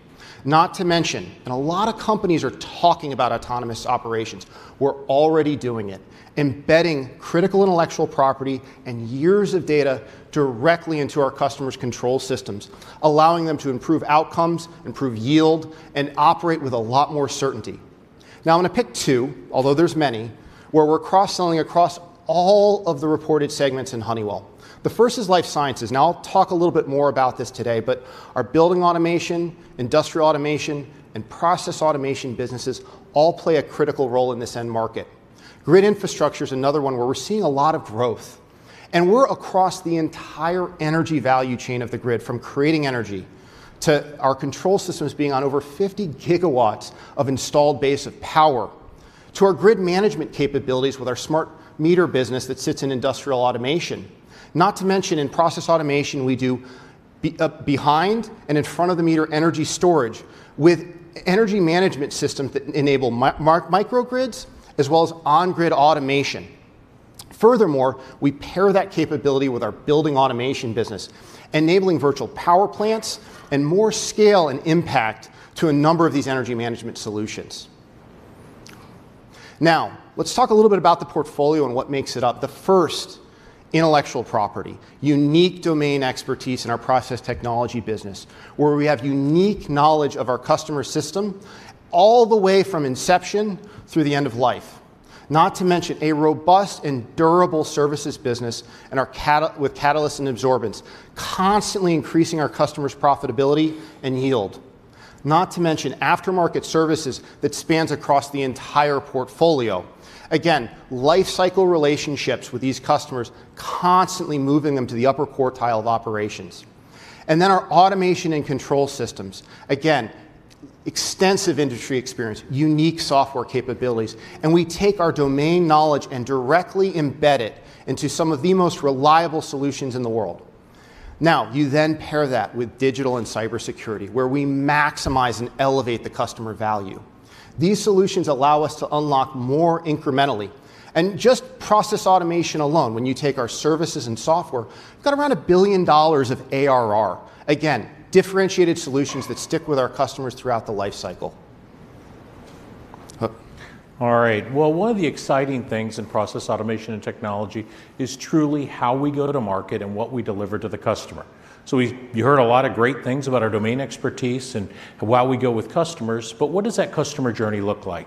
Not to mention, a lot of companies are talking about autonomous operations, we're already doing it, embedding critical intellectual property and years of data directly into our customers' control systems, allowing them to improve outcomes, improve yield, and operate with a lot more certainty. Now I'm going to pick two, although there's many, where we're cross-selling across all of the reported segments in Honeywell. The first is life sciences, and I'll talk a little bit more about this today, but our Building Automation, Industrial Automation, and Process Automation businesses all play a critical role in this end market. Grid infrastructure is another one where we're seeing a lot of growth, we're across the entire energy value chain of the grid, from creating energy to our control systems being on over 50 GW of installed base of power to our grid management capabilities with our smart meter business that sits in Industrial Automation. Not to mention in Process Automation, we do behind and in front of the meter energy storage with energy management systems that enable microgrids as well as on-grid automation. Furthermore, we pair that capability with our Building Automation business, enabling virtual power plants and more scale and impact to a number of these energy management solutions. Let's talk a little bit about the portfolio and what makes it up. The first, intellectual property, unique domain expertise in our Process Technology business, where we have unique knowledge of our customer system all the way from inception through the end of life. Not to mention a robust and durable services business with catalysts and adsorbents, constantly increasing our customers' profitability and yield. Not to mention aftermarket services that spans across the entire portfolio. Again, life cycle relationships with these customers, constantly moving them to the upper quartile of operations. Then our automation and control systems. Again, extensive industry experience, unique software capabilities, and we take our domain knowledge and directly embed it into some of the most reliable solutions in the world. You then pair that with digital and cybersecurity, where we maximize and elevate the customer value. These solutions allow us to unlock more incrementally and just Process Automation alone, when you take our services and software, we've got around $1 billion of ARR. Again, differentiated solutions that stick with our customers throughout the life cycle. All right. Well, one of the exciting things in Process Automation and Technology is truly how we go to market and what we deliver to the customer. You heard a lot of great things about our domain expertise and how we go with customers, but what does that customer journey look like?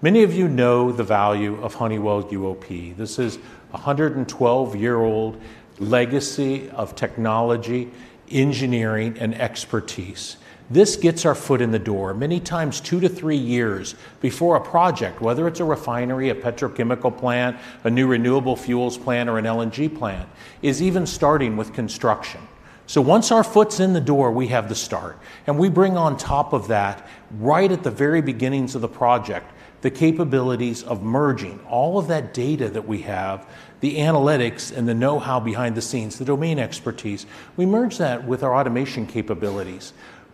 Many of you know the value of Honeywell UOP. This is 112-year-old legacy of technology, engineering, and expertise. This gets our foot in the door many times two to three years before a project, whether it's a refinery, a petrochemical plant, a new renewable fuels plant, or an LNG plant, is even starting with construction. Once our foot's in the door, we have the start. We bring on top of that, right at the very beginnings of the project, the capabilities of merging all of that data that we have, the analytics and the know-how behind the scenes, the domain expertise. We merge that with our automation capabilities.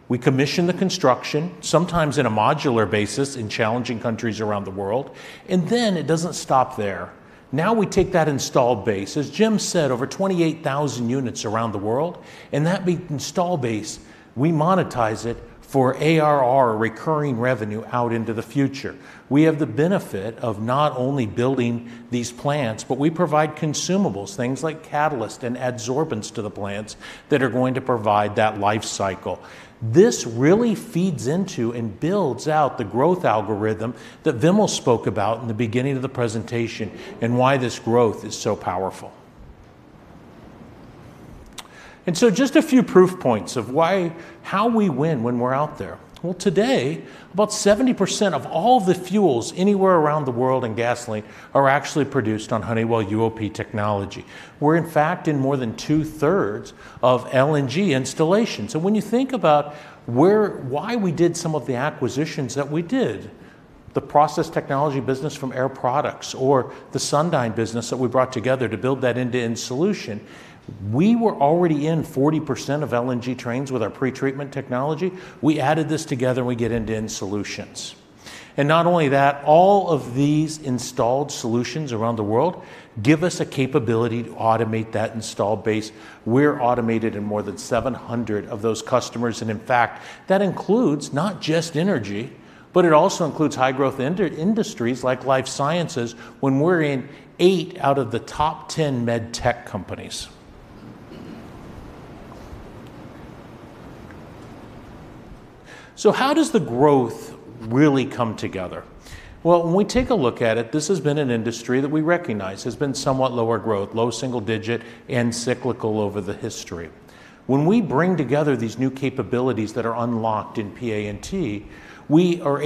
We commission the construction, sometimes in a modular basis in challenging countries around the world, it doesn't stop there. Now we take that installed base, as Jim said, over 28,000 units around the world, that installed base, we monetize it for ARR, recurring revenue, out into the future. We have the benefit of not only building these plants, but we provide consumables, things like catalyst and adsorbents to the plants that are going to provide that life cycle. This really feeds into and builds out the growth algorithm that Vimal spoke about in the beginning of the presentation and why this growth is so powerful. Just a few proof points of how we win when we're out there. Well, today, about 70% of all the fuels anywhere around the world in gasoline are actually produced on Honeywell UOP technology. We're, in fact, in more than 2/3 of LNG installations. When you think about why we did some of the acquisitions that we did, the process technology business from Air Products or the Sundyne business that we brought together to build that end-to-end solution, we were already in 40% of LNG trains with our pretreatment technology. We added this together, we get end-to-end solutions. Not only that, all of these installed solutions around the world give us a capability to automate that installed base. We're automated in more than 700 of those customers. In fact, that includes not just energy, but it also includes high-growth industries like life sciences when we're in eight out of the top 10 med tech companies. How does the growth really come together? Well, when we take a look at it, this has been an industry that we recognize has been somewhat lower growth, low single digit, and cyclical over the history. When we bring together these new capabilities that are unlocked in PA&T, we are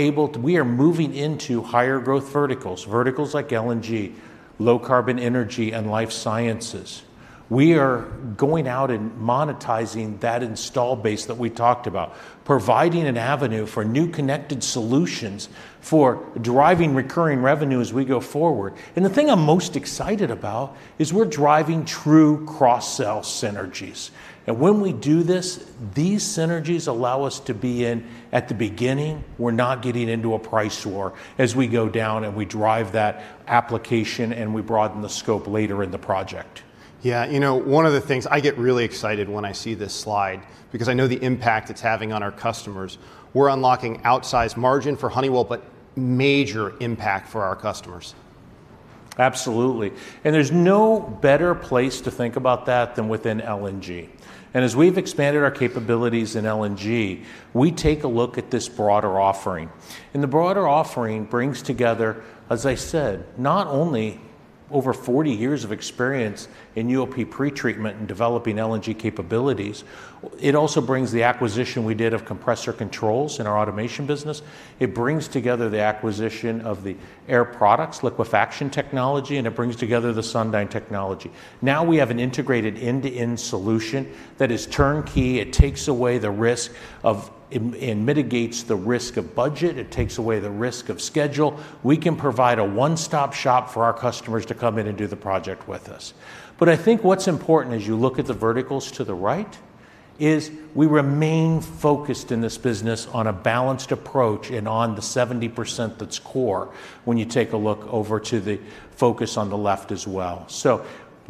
moving into higher growth verticals. Verticals like LNG, low carbon energy, and life sciences. We are going out and monetizing that installed base that we talked about, providing an avenue for new connected solutions for driving recurring revenue as we go forward. The thing I'm most excited about is we're driving true cross-sell synergies. When we do this, these synergies allow us to be in at the beginning. We're not getting into a price war as we go down and we drive that application and we broaden the scope later in the project. Yeah. One of the things, I get really excited when I see this slide because I know the impact it's having on our customers. We're unlocking outsized margin for Honeywell, but major impact for our customers. Absolutely. There's no better place to think about that than within LNG. As we've expanded our capabilities in LNG, we take a look at this broader offering. The broader offering brings together, as I said, not only over 40 years of experience in UOP pretreatment and developing LNG capabilities, it also brings the acquisition we did of Compressor Controls in our automation business. It brings together the acquisition of the Air Products liquefaction technology, and it brings together the Sundyne technology. Now we have an integrated end-to-end solution that is turnkey. It takes away the risk and mitigates the risk of budget. It takes away the risk of schedule. We can provide a one-stop shop for our customers to come in and do the project with us. I think what's important as you look at the verticals to the right is we remain focused in this business on a balanced approach and on the 70% that's core when you take a look over to the focus on the left as well.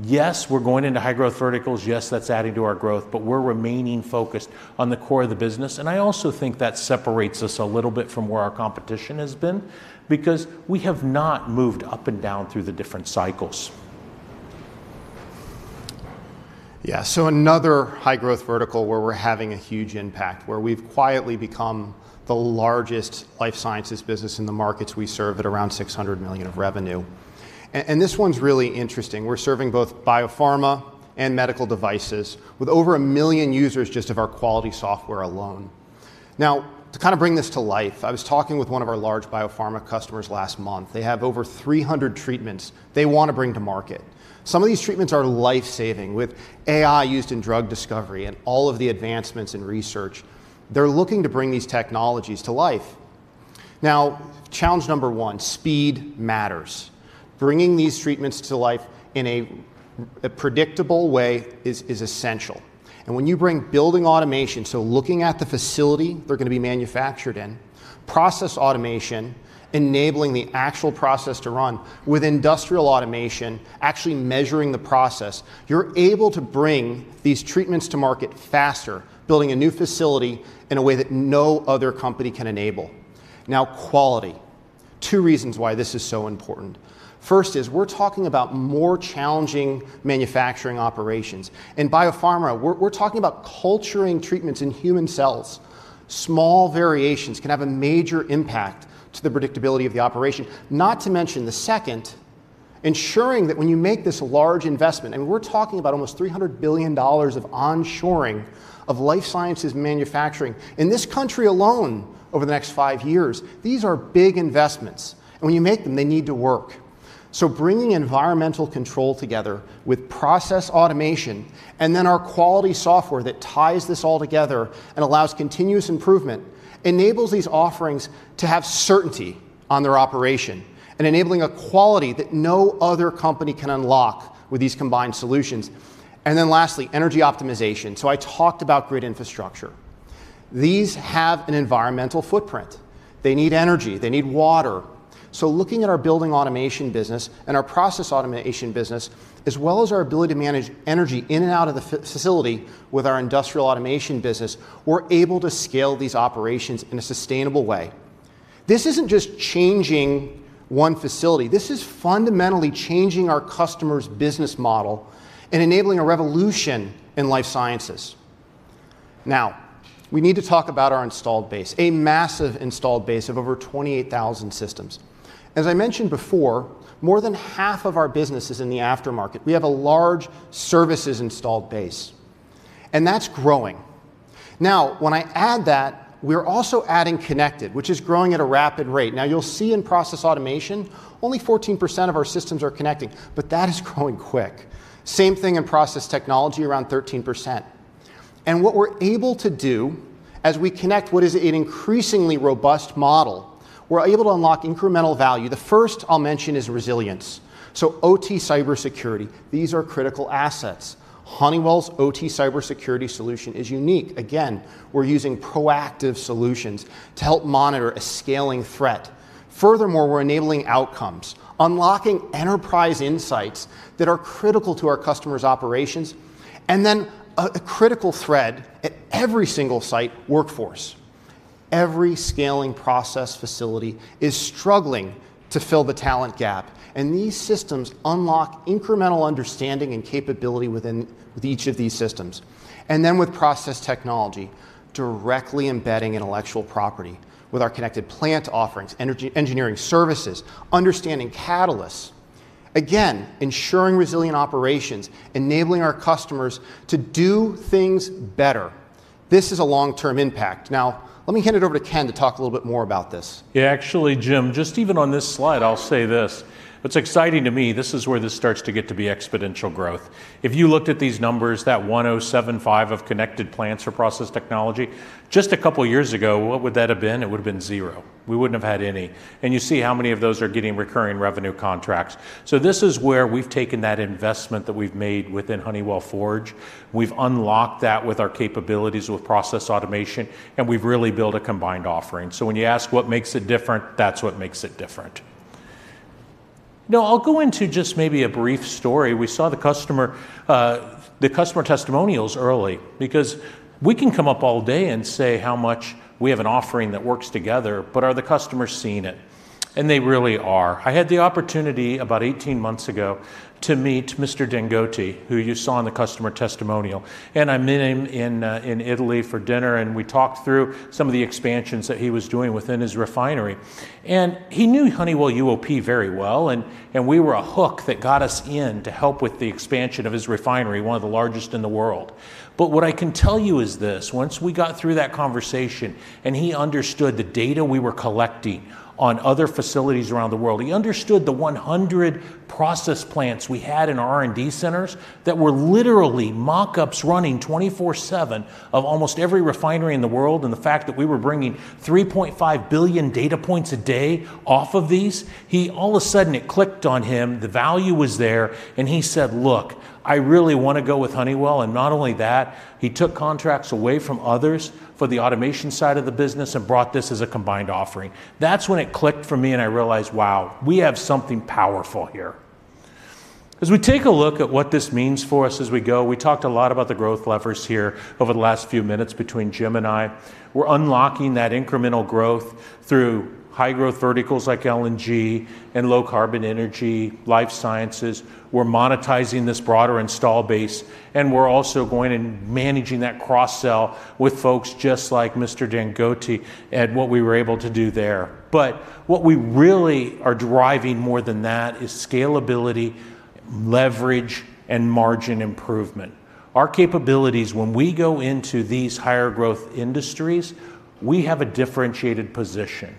Yes, we're going into high-growth verticals. Yes, that's adding to our growth, but we're remaining focused on the core of the business. I also think that separates us a little bit from where our competition has been because we have not moved up and down through the different cycles. Another high-growth vertical where we're having a huge impact, where we've quietly become the largest life sciences business in the markets we serve at around $600 million of revenue. This one's really interesting. We're serving both biopharma and medical devices with over 1 million users just of our quality software alone. To kind of bring this to life, I was talking with one of our large biopharma customers last month. They have over 300 treatments they want to bring to market. Some of these treatments are life-saving. With AI used in drug discovery and all of the advancements in research, they're looking to bring these technologies to life. Challenge number one, speed matters. Bringing these treatments to life in a predictable way is essential. When you bring Building Automation, looking at the facility they're going to be manufactured in, Process Automation, enabling the actual process to run with Industrial Automation, actually measuring the process, you're able to bring these treatments to market faster, building a new facility in a way that no other company can enable. Quality. Two reasons why this is so important. First is we're talking about more challenging manufacturing operations. In biopharma, we're talking about culturing treatments in human cells. Small variations can have a major impact to the predictability of the operation. Not to mention the second, ensuring that when you make this large investment, and we're talking about almost $300 billion of onshoring of life sciences manufacturing in this country alone over the next five years. These are big investments, and when you make them, they need to work. Bringing environmental control together with Process Automation and then our quality software that ties this all together and allows continuous improvement, enables these offerings to have certainty on their operation and enabling a quality that no other company can unlock with these combined solutions. Lastly, energy optimization. I talked about grid infrastructure. These have an environmental footprint. They need energy. They need water. Looking at our Building Automation business and our Process Automation business, as well as our ability to manage energy in and out of the facility with our Industrial Automation business, we're able to scale these operations in a sustainable way. This isn't just changing one facility. This is fundamentally changing our customer's business model and enabling a revolution in life sciences. We need to talk about our installed base, a massive installed base of over 28,000 systems. As I mentioned before, more than half of our business is in the aftermarket. We have a large services installed base, that's growing. When I add that, we're also adding connected, which is growing at a rapid rate. You'll see in Process Automation, only 14% of our systems are connecting, but that is growing quick. Same thing in Process Technology, around 13%. What we're able to do as we connect what is an increasingly robust model, we're able to unlock incremental value. The first I'll mention is resilience. OT cybersecurity, these are critical assets. Honeywell's OT cybersecurity solution is unique. Again, we're using proactive solutions to help monitor a scaling threat. Furthermore, we're enabling outcomes, unlocking enterprise insights that are critical to our customers' operations. A critical thread at every single site: workforce. Every scaling process facility is struggling to fill the talent gap. These systems unlock incremental understanding and capability with each of these systems. With Process Technology, directly embedding intellectual property with our connected plant offerings, engineering services, understanding catalysts. Ensuring resilient operations, enabling our customers to do things better. This is a long-term impact. Let me hand it over to Ken to talk a little bit more about this. Yeah, actually, Jim, even on this slide, I'll say this. What's exciting to me, this is where this starts to get to be exponential growth. If you looked at these numbers, that 1,075 of connected plants for Process Technology, just a couple of years ago, what would that have been? It would've been zero. We wouldn't have had any. You see how many of those are getting recurring revenue contracts. This is where we've taken that investment that we've made within Honeywell Forge. We've unlocked that with our capabilities with Process Automation, and we've really built a combined offering. When you ask what makes it different, that's what makes it different. I'll go into just maybe a brief story. We saw the customer testimonials early, because we can come up all day and say how much we have an offering that works together, but are the customers seeing it? They really are. I had the opportunity about 18 months ago to meet Mr. Dangote, who you saw in the customer testimonial. I met him in Italy for dinner, and we talked through some of the expansions that he was doing within his refinery. He knew Honeywell UOP very well, and we were a hook that got us in to help with the expansion of his refinery, one of the largest in the world. What I can tell you is this. Once we got through that conversation and he understood the data we were collecting on other facilities around the world, he understood the 100 process plants we had in our R&D centers that were literally mock-ups running 24/7 of almost every refinery in the world, and the fact that we were bringing 3.5 billion data points a day off of these. All of a sudden, it clicked on him, the value was there, and he said, "Look, I really want to go with Honeywell." Not only that, he took contracts away from others for the automation side of the business and brought this as a combined offering. That's when it clicked for me and I realized, wow, we have something powerful here. As we take a look at what this means for us as we go, we talked a lot about the growth levers here over the last few minutes between Jim and I. We're unlocking that incremental growth through high-growth verticals like LNG and low-carbon energy, life sciences. We're monetizing this broader installed base, and we're also going and managing that cross-sell with folks just like Mr. Dangote and what we were able to do there. What we really are driving more than that is scalability, leverage, and margin improvement. Our capabilities, when we go into these higher-growth industries, we have a differentiated position.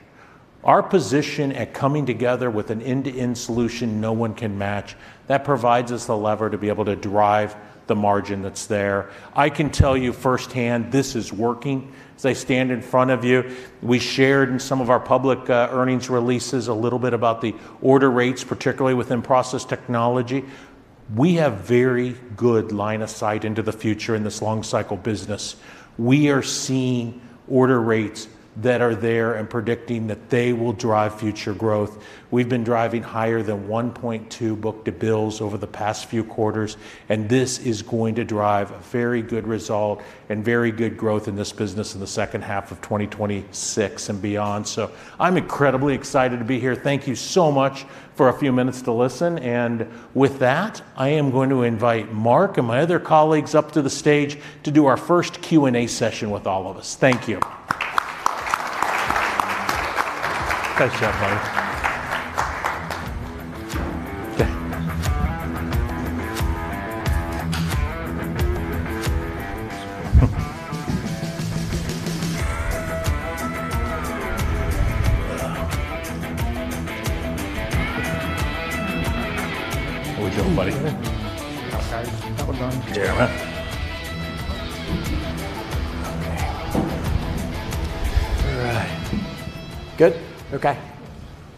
Our position at coming together with an end-to-end solution no one can match, that provides us the lever to be able to drive the margin that's there. I can tell you firsthand, this is working as I stand in front of you. We shared in some of our public earnings releases a little bit about the order rates, particularly within Honeywell Process Technology. We have very good line of sight into the future in this long-cycle business. We are seeing order rates that are there and predicting that they will drive future growth. We've been driving higher than 1.2 book-to-bills over the past few quarters, and this is going to drive a very good result and very good growth in this business in the second half of 2026 and beyond. I'm incredibly excited to be here. Thank you so much for a few minutes to listen. With that, I am going to invite Mark and my other colleagues up to the stage to do our first Q&A session with all of us. Thank you. Great job, buddy. How we doing, buddy? That was nice. That was awesome. Yeah, man. Okay. All right. Good? Okay,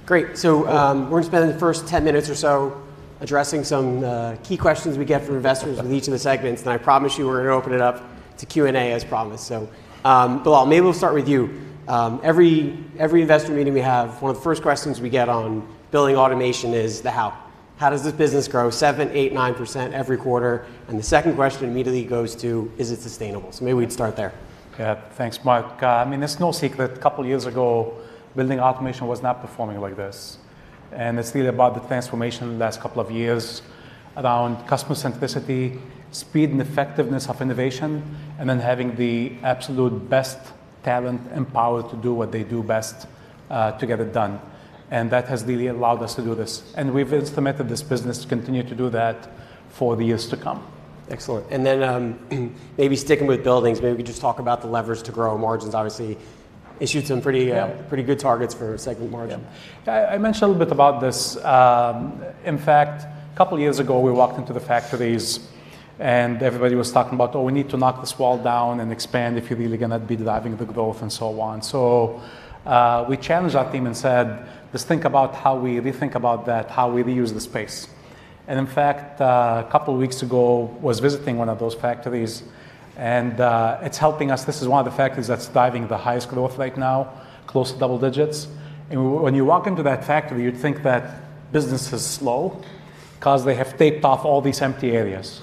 great. We're going to spend the first 10 minutes or so addressing some key questions we get from investors with each of the segments, I promise you, we're going to open it up to Q&A as promised. Billal, maybe we'll start with you. Every investor meeting we have, one of the first questions we get on Building Automation is the how. How does this business grow 7%, 8%, 9% every quarter? The second question immediately goes to, is it sustainable? Maybe we'd start there. Yeah. Thanks, Mark. It's no secret, a couple of years ago, Building Automation was not performing like this. It's really about the transformation the last couple of years around customer centricity, speed, and effectiveness of innovation, then having the absolute best talent empowered to do what they do best, to get it done, that has really allowed us to do this. We've implemented this business to continue to do that for the years to come. Excellent. Maybe sticking with buildings, maybe we just talk about the levers to grow margins. Obviously, issued some pretty- Yeah pretty good targets for segment margin. Yeah. I mentioned a little bit about this. In fact, a couple of years ago, we walked into the factories and everybody was talking about, "We need to knock this wall down and expand if you're really going to be driving the growth," and so on. We challenged our team and said, "Let's think about how we reuse the space." In fact, a couple of weeks ago, was visiting one of those factories, and it's helping us. This is one of the factories that's driving the highest growth right now, close to double digits. When you walk into that factory, you'd think that business is slow because they have taped off all these empty areas.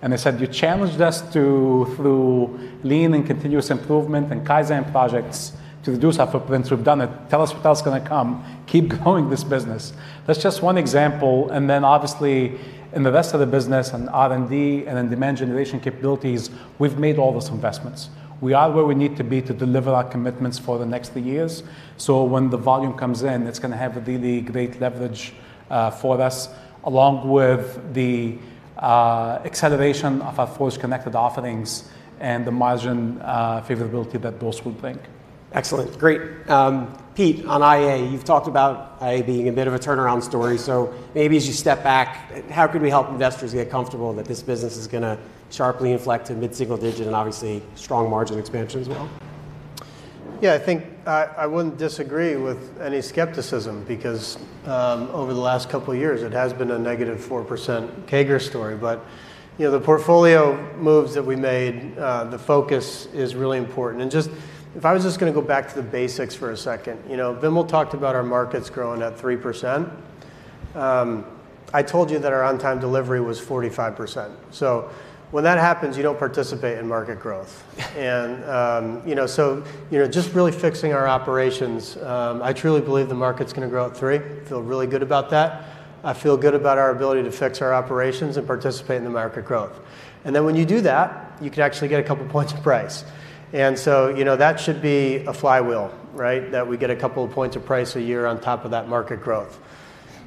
They said, "You challenged us to, through lean and continuous improvement and Kaizen projects, to reduce our footprint. We've done it. Tell us what else is going to come. Keep growing this business." That's just one example. Obviously, in the rest of the business, in R&D, and in demand generation capabilities, we've made all those investments. We are where we need to be to deliver our commitments for the next three years. When the volume comes in, it's going to have a really great leverage for us, along with the acceleration of our Forge Connected offerings and the margin favorability that those will bring. Excellent. Great. Pete, on IA, you've talked about IA being a bit of a turnaround story. Maybe as you step back, how can we help investors get comfortable that this business is going to sharply inflect to mid-single-digit and obviously strong margin expansion as well? Yeah, I think I wouldn't disagree with any skepticism because over the last couple of years, it has been a negative 4% CAGR story. The portfolio moves that we made, the focus is really important. If I was just going to go back to the basics for a second, Vimal talked about our markets growing at 3%. I told you that our on-time delivery was 45%. When that happens, you don't participate in market growth. Just really fixing our operations, I truly believe the market's going to grow at 3%. Feel really good about that. I feel good about our ability to fix our operations and participate in the market growth. When you do that, you can actually get a couple points of price. That should be a flywheel, right? We get a couple of points of price a year on top of that market growth.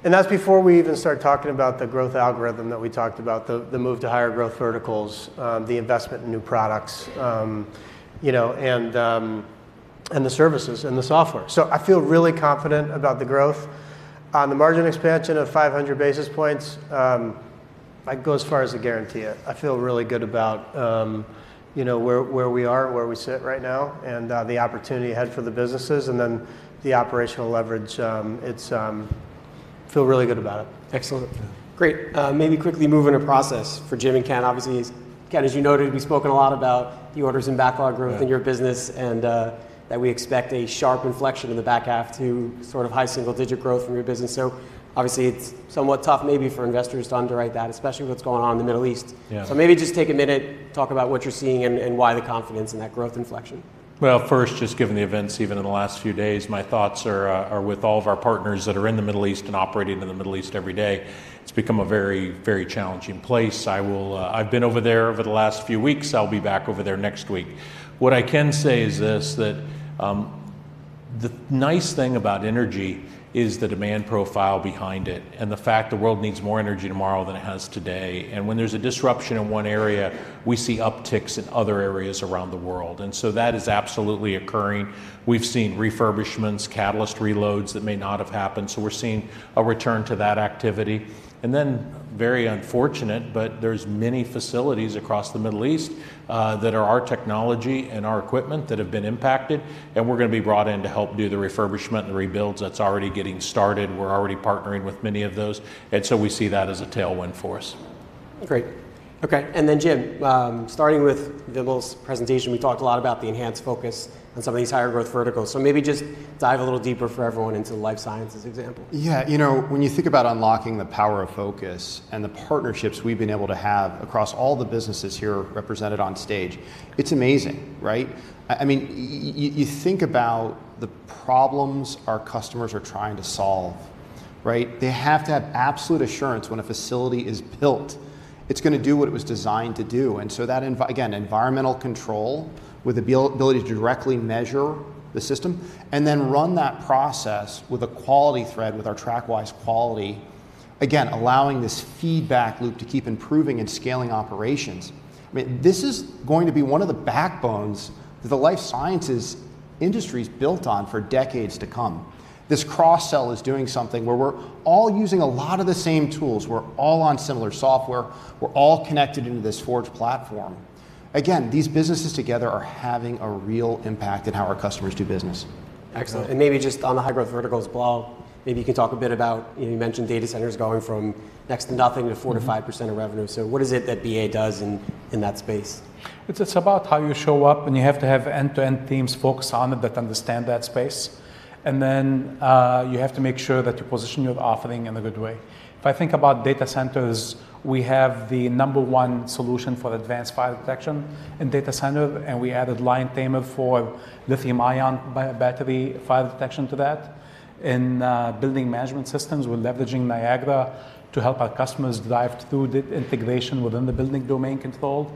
That's before we even start talking about the growth algorithm that we talked about, the move to higher-growth verticals, the investment in new products, and the services and the software. I feel really confident about the growth. On the margin expansion of 500 basis points, I'd go as far as to guarantee it. I feel really good about where we are, where we sit right now, and the opportunity ahead for the businesses, then the operational leverage. Feel really good about it. Excellent. Yeah. Great. Maybe quickly move into Process Automation for Jim and Ken. Ken, as you noted, we've spoken a lot about the orders and backlog growth in your business. That we expect a sharp inflection in the back half to high single-digit growth from your business. Obviously, it's somewhat tough maybe for investors to underwrite that, especially with what's going on in the Middle East. Yeah. Maybe just take a minute, talk about what you're seeing, why the confidence in that growth inflection. First, just given the events even in the last few days, my thoughts are with all of our partners that are in the Middle East operating in the Middle East every day. It's become a very challenging place. I've been over there over the last few weeks. I'll be back over there next week. What I can say is this, the nice thing about energy is the demand profile behind it, the fact the world needs more energy tomorrow than it has today. When there's a disruption in one area, we see upticks in other areas around the world. That is absolutely occurring. We've seen refurbishments, catalyst reloads that may not have happened. We're seeing a return to that activity. Very unfortunate, there's many facilities across the Middle East that are our technology and our equipment that have been impacted, we're going to be brought in to help do the refurbishment and the rebuilds. That's already getting started. We're already partnering with many of those. We see that as a tailwind for us. Great. Okay. Jim, starting with Vimal's presentation, we talked a lot about the enhanced focus on some of these higher-growth verticals. Maybe just dive a little deeper for everyone into the life sciences example. Yeah. When you think about unlocking the power of focus and the partnerships we've been able to have across all the businesses here represented on stage, it's amazing, right? You think about the problems our customers are trying to solve, right? They have to have absolute assurance when a facility is built, it's going to do what it was designed to do. That, again, environmental control with the ability to directly measure the system, then run that process with a quality thread with our TrackWise quality Again, allowing this feedback loop to keep improving and scaling operations. This is going to be one of the backbones that the life sciences industry's built on for decades to come. This cross-sell is doing something where we're all using a lot of the same tools, we're all on similar software, we're all connected into this Forge platform. Again, these businesses together are having a real impact in how our customers do business. Excellent. Maybe just on the high-growth verticals, Billal, maybe you can talk a bit about, you mentioned data centers going from next to nothing to 4%-5% of revenue. What is it that BA does in that space? It's about how you show up, you have to have end-to-end teams focused on it that understand that space. You have to make sure that you position your offering in a good way. If I think about data centers, we have the number one solution for advanced fire detection in data center, and we added Li-ion Tamer for lithium-ion battery fire detection to that. In building management systems, we're leveraging Niagara to help our customers drive through the integration within the building domain control.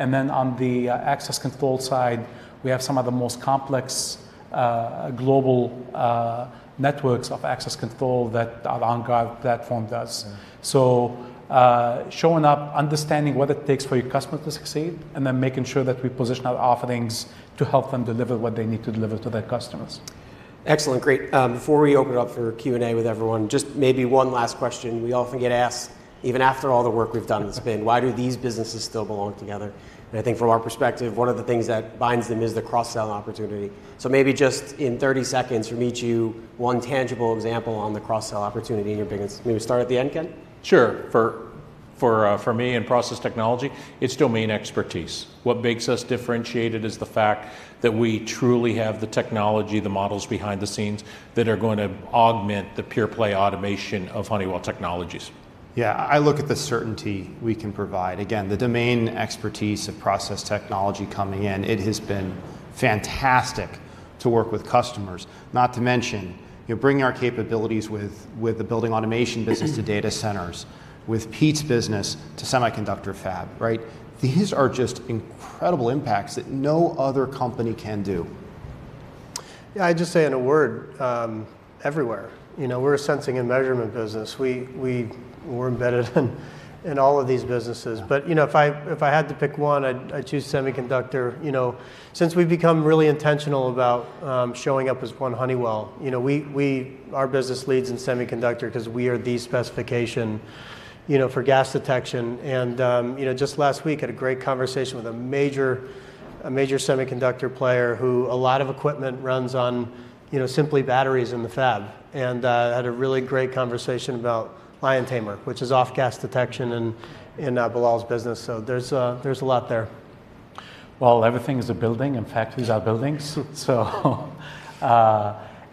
On the access control side, we have some of the most complex global networks of access control that our OnGuard platform does. Showing up, understanding what it takes for your customer to succeed, and then making sure that we position our offerings to help them deliver what they need to deliver to their customers. Excellent. Great. Before we open it up for Q&A with everyone, just maybe one last question we often get asked, even after all the work we've done in spin, why do these businesses still belong together? I think from our perspective, one of the things that binds them is the cross-sell opportunity. Maybe just in 30 seconds from each of you, one tangible example on the cross-sell opportunity in your business. Maybe start at the end, Ken? Sure. For me in Process Technology, it's domain expertise. What makes us differentiated is the fact that we truly have the technology, the models behind the scenes that are going to augment the pure-play automation of Honeywell Technologies. Yeah, I look at the certainty we can provide. Again, the domain expertise of Process Technology coming in, it has been fantastic to work with customers. Not to mention bringing our capabilities with the Building Automation business to data centers, with Pete's business to semiconductor fab, right? These are just incredible impacts that no other company can do. Yeah, I'd just say in a word, everywhere. We're a sensing and measurement business. We're embedded in all of these businesses. If I had to pick one, I'd choose semiconductor. Since we've become really intentional about showing up as one Honeywell, our business leads in semiconductor because we are the specification for gas detection. Just last week, had a great conversation with a major semiconductor player who a lot of equipment runs on simply batteries in the fab, and had a really great conversation about Li-ion Tamer, which is off-gas detection in Billal's business, there's a lot there. Well, everything is a building and factories are buildings. In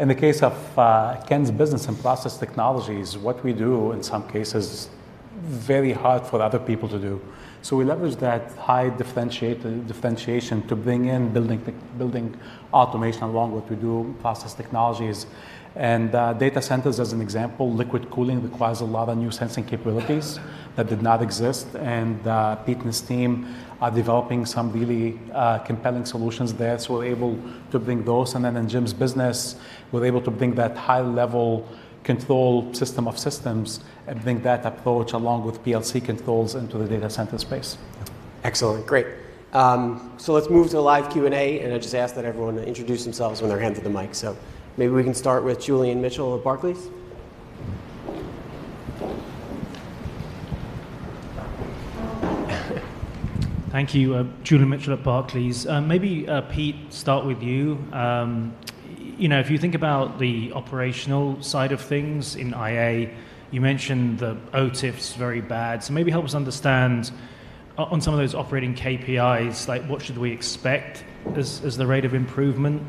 the case of Ken's business in Process Technologies, what we do in some cases is very hard for other people to do. We leverage that high differentiation to bring in Building Automation along with we do Process Technologies. Data centers as an example, liquid cooling requires a lot of new sensing capabilities that did not exist, and Pete and his team are developing some really compelling solutions there. We're able to bring those, and then in Jim's business, we're able to bring that high-level control system of systems and bring that approach along with PLC controls into the data center space. Excellent. Great. Let's move to the live Q&A, and I'd just ask that everyone introduce themselves when they're handed the mic. Maybe we can start with Julian Mitchell of Barclays. Thank you. Julian Mitchell at Barclays. Pete, start with you. If you think about the operational side of things in IA, you mentioned the OTIF's very bad. Maybe help us understand on some of those operating KPIs, what should we expect as the rate of improvement?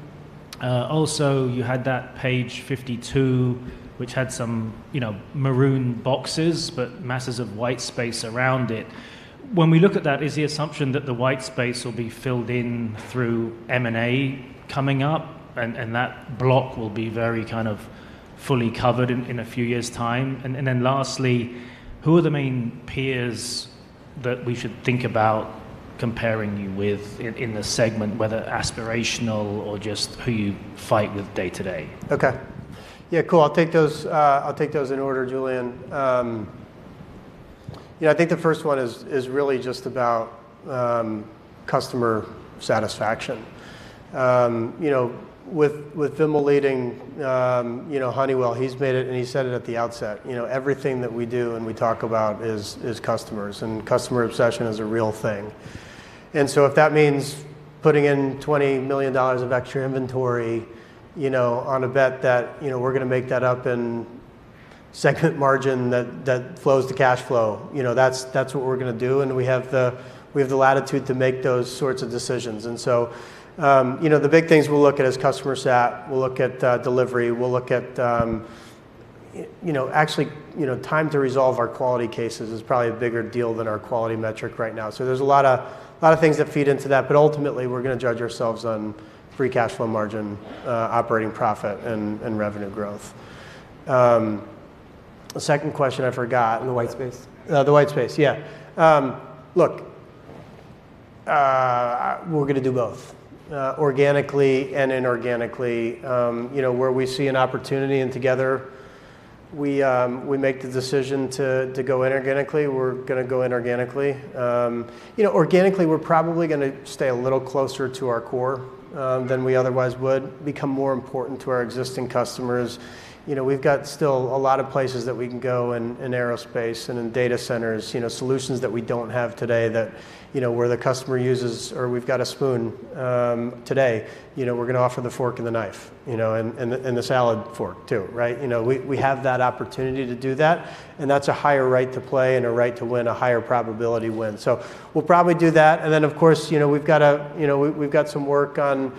Also, you had that page 52, which had some maroon boxes, but masses of white space around it. When we look at that, is the assumption that the white space will be filled in through M&A coming up, and that block will be very kind of fully covered in a few years' time? Lastly, who are the main peers that we should think about comparing you with in the segment, whether aspirational or just who you fight with day-to-day? Okay. Yeah, cool. I'll take those in order, Julian. I think the first one is really just about customer satisfaction. With Vimal leading Honeywell, he's made it and he said it at the outset, everything that we do and we talk about is customers, and customer obsession is a real thing. If that means putting in $20 million of extra inventory on a bet that we're going to make that up in second margin that flows to cash flow, that's what we're going to do, and we have the latitude to make those sorts of decisions. The big things we'll look at is customer sat, we'll look at delivery. Actually, time to resolve our quality cases is probably a bigger deal than our quality metric right now. There's a lot of things that feed into that, but ultimately, we're going to judge ourselves on free cash flow margin, operating profit, and revenue growth. The second question I forgot. The white space. The white space, yeah. Look, we're going to do both, organically and inorganically. Where we see an opportunity and together we make the decision to go inorganically, we're going to go inorganically. Organically, we're probably going to stay a little closer to our core than we otherwise would, become more important to our existing customers. We've got still a lot of places that we can go in aerospace and in data centers, solutions that we don't have today where the customer uses, or we've got a spoon today. We're going to offer the fork and the knife, and the salad fork, too, right? We have that opportunity to do that, and that's a higher right to play and a right to win, a higher probability win. We'll probably do that, and then, of course, we've got some work on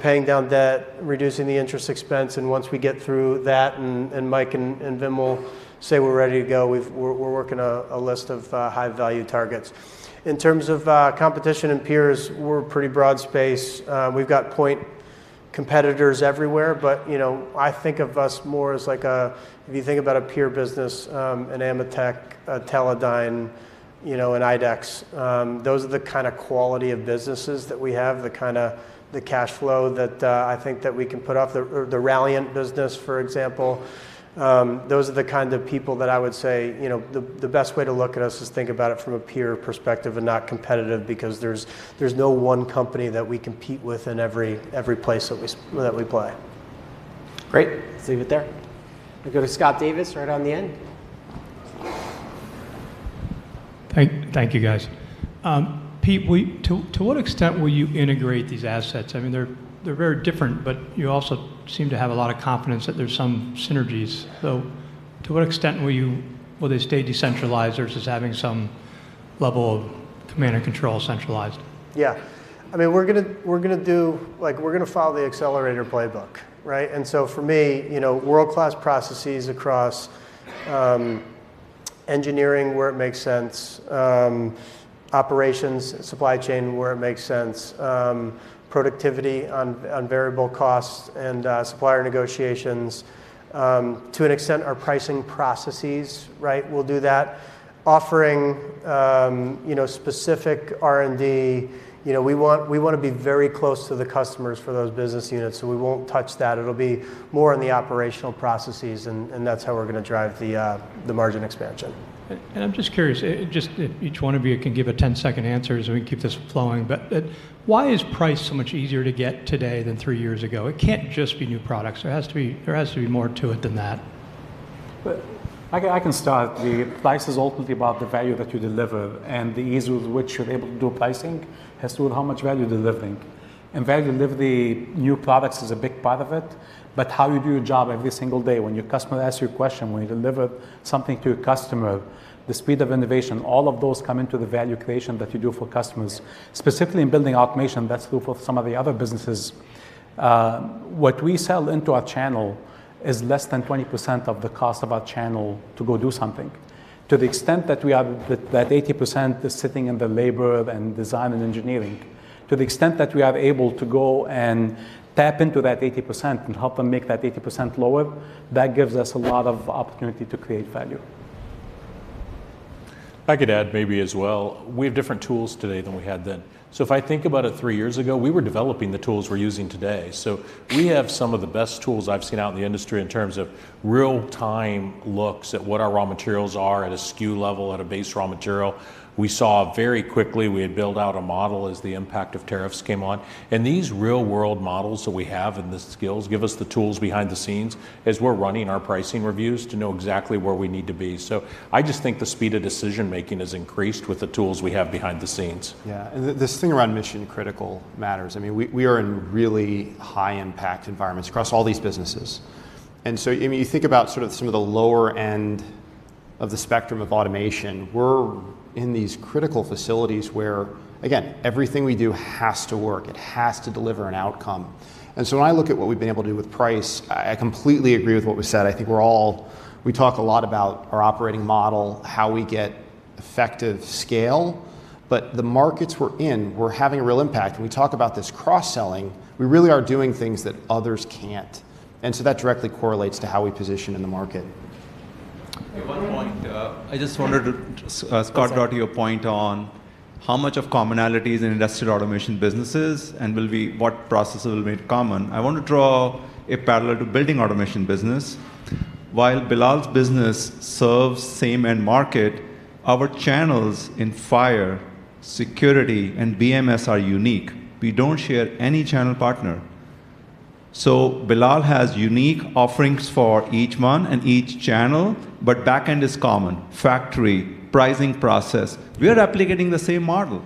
paying down debt, reducing the interest expense. Once we get through that, Mike and Vimal will say we're ready to go, we're working a list of high-value targets. In terms of competition and peers, we're a pretty broad space. We've got point competitors everywhere, I think of us more as like a, if you think about a peer business, an AMETEK, a Teledyne, an IDEX. Those are the kind of quality of businesses that we have, the cash flow that I think that we can put off, or the *audio distortion* business, for example. Those are the kind of people that I would say the best way to look at us is think about it from a peer perspective and not competitive, because there's no one company that we compete with in every place that we play. Great. Let's leave it there. We'll go to Scott Davis right on the end. Thank you, guys. Pete, to what extent will you integrate these assets? They're very different, you also seem to have a lot of confidence that there's some synergies. To what extent will they stay decentralized versus having some level of command and control centralized? Yeah. We're going to follow the accelerator playbook, right? For me, world-class processes across engineering where it makes sense, operations, supply chain where it makes sense, productivity on variable costs, and supplier negotiations. To an extent, our pricing processes, right, will do that. Offering specific R&D. We want to be very close to the customers for those business units, so we won't touch that. It'll be more on the operational processes, and that's how we're going to drive the margin expansion. I'm just curious, if just each one of you can give a 10-second answer so we can keep this flowing. Why is price so much easier to get today than three years ago? It can't just be new products. There has to be more to it than that. I can start. The price is ultimately about the value that you deliver, and the ease with which you're able to do pricing has to do with how much value you're delivering. Value delivery, new products is a big part of it, but how you do your job every single day. When your customer asks you a question, when you deliver something to a customer, the speed of innovation, all of those come into the value creation that you do for customers. Specifically in Building Automation, that's true for some of the other businesses. What we sell into our channel is less than 20% of the cost of our channel to go do something. To the extent that 80% is sitting in the labor and design and engineering, to the extent that we are able to go and tap into that 80% and help them make that 80% lower, that gives us a lot of opportunity to create value. I could add maybe as well. We have different tools today than we had then. If I think about it, three years ago, we were developing the tools we're using today. We have some of the best tools I've seen out in the industry in terms of real-time looks at what our raw materials are at a SKU level, at a base raw material. We saw very quickly, we had built out a model as the impact of tariffs came on. These real-world models that we have and the skills give us the tools behind the scenes as we're running our pricing reviews to know exactly where we need to be. I just think the speed of decision-making has increased with the tools we have behind the scenes. This thing around mission-critical matters. We are in really high-impact environments across all these businesses. You think about some of the lower end of the spectrum of automation. We're in these critical facilities where, again, everything we do has to work. It has to deliver an outcome. When I look at what we've been able to do with price, I completely agree with what was said. I think we talk a lot about our operating model, how we get effective scale. The markets we're in, we're having a real impact. When we talk about this cross-selling, we really are doing things that others can't, that directly correlates to how we position in the market. One point. I just wanted to. Oh, sorry Scott, brought to your point on how much of commonalities in Industrial Automation businesses, and what processes will be made common. I want to draw a parallel to Building Automation business. While Billal's business serves same end market, our channels in fire, security, and BMS are unique. We don't share any channel partner. Billal has unique offerings for each one and each channel, but back end is common. Factory, pricing process. We are replicating the same model.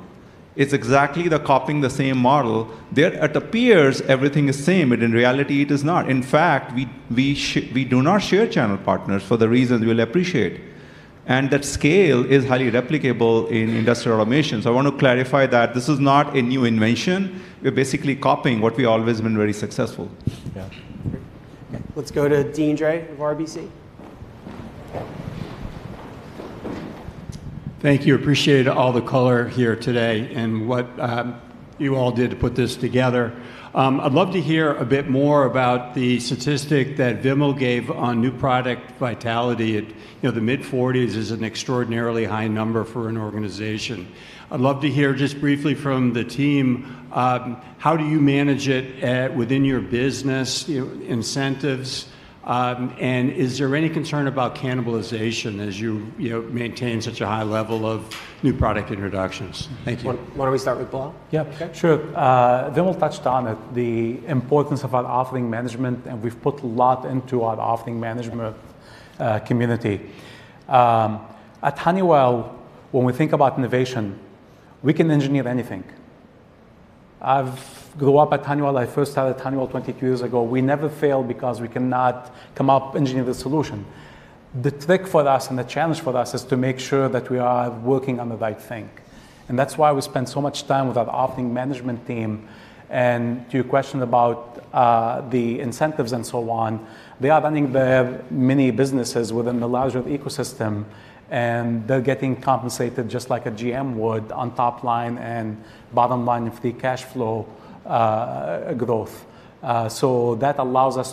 It's exactly the copying the same model. It appears everything is same, but in reality, it is not. In fact, we do not share channel partners for the reasons we'll appreciate. That scale is highly replicable in Industrial Automation. I want to clarify that this is not a new invention. We're basically copying what we always been very successful. Yeah. Great. Let's go to Deane Dray of RBC. Thank you. Appreciate all the color here today and what you all did to put this together. I'd love to hear a bit more about the statistic that Vimal gave on new product vitality. The mid-40s% is an extraordinarily high number for an organization. I'd love to hear just briefly from the team, how do you manage it within your business incentives, and is there any concern about cannibalization as you maintain such a high level of New Product Introductions? Thank you. Why don't we start with Billal? Yeah. Okay. Sure. Vimal touched on it, the importance of our offering management. We've put a lot into our offering management community. At Honeywell, when we think about innovation, we can engineer anything. I've grew up at Honeywell. I first started at Honeywell 22 years ago. We never fail because we cannot come up engineer the solution. The trick for us and the challenge for us is to make sure that we are working on the right thing. That's why we spend so much time with our offering management team. To your question about the incentives and so on, they are running their many businesses within the larger ecosystem, and they're getting compensated just like a GM would on top line and bottom line free cash flow growth. That allows us.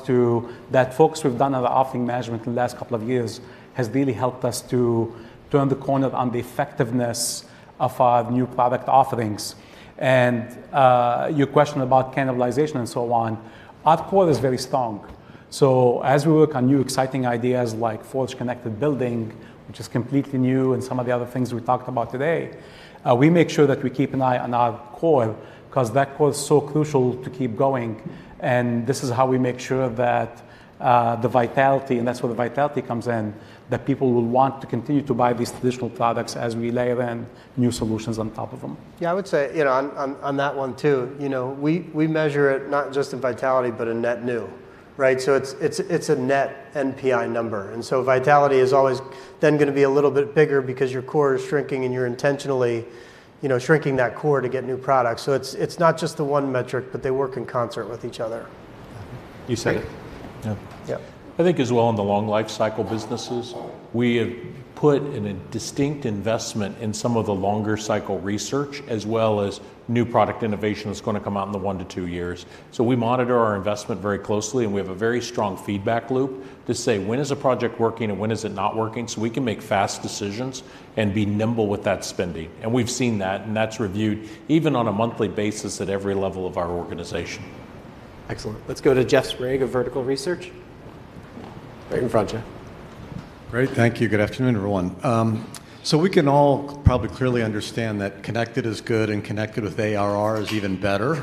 That focus we've done on the offering management in the last couple of years has really helped us to turn the corner on the effectiveness of our new product offerings. Your question about cannibalization and so on, our core is very strong. As we work on new exciting ideas like Forge Connected Building, which is completely new, and some of the other things we talked about today, we make sure that we keep an eye on our core because that core is so crucial to keep going. This is how we make sure that the vitality, and that's where the vitality comes in, that people will want to continue to buy these traditional products as we layer in new solutions on top of them. Yeah, I would say on that one too, we measure it not just in vitality, but in net new, right? It's a net NPI number. Vitality is always then going to be a little bit bigger because your core is shrinking and you're intentionally shrinking that core to get new products. It's not just the one metric, but they work in concert with each other. You said it. Great. Yeah. Yeah. I think as well, in the long lifecycle businesses, we have put in a distinct investment in some of the longer cycle research as well as new product innovation that's going to come out in the one to two years. We monitor our investment very closely, and we have a very strong feedback loop to say, "When is a project working and when is it not working?" We can make fast decisions and be nimble with that spending. We've seen that, and that's reviewed even on a monthly basis at every level of our organization. Excellent. Let's go to Jeff Sprague of Vertical Research Partners. Right in front, Jeff. Great. Thank you. Good afternoon, everyone. We can all probably clearly understand that connected is good and connected with ARR is even better,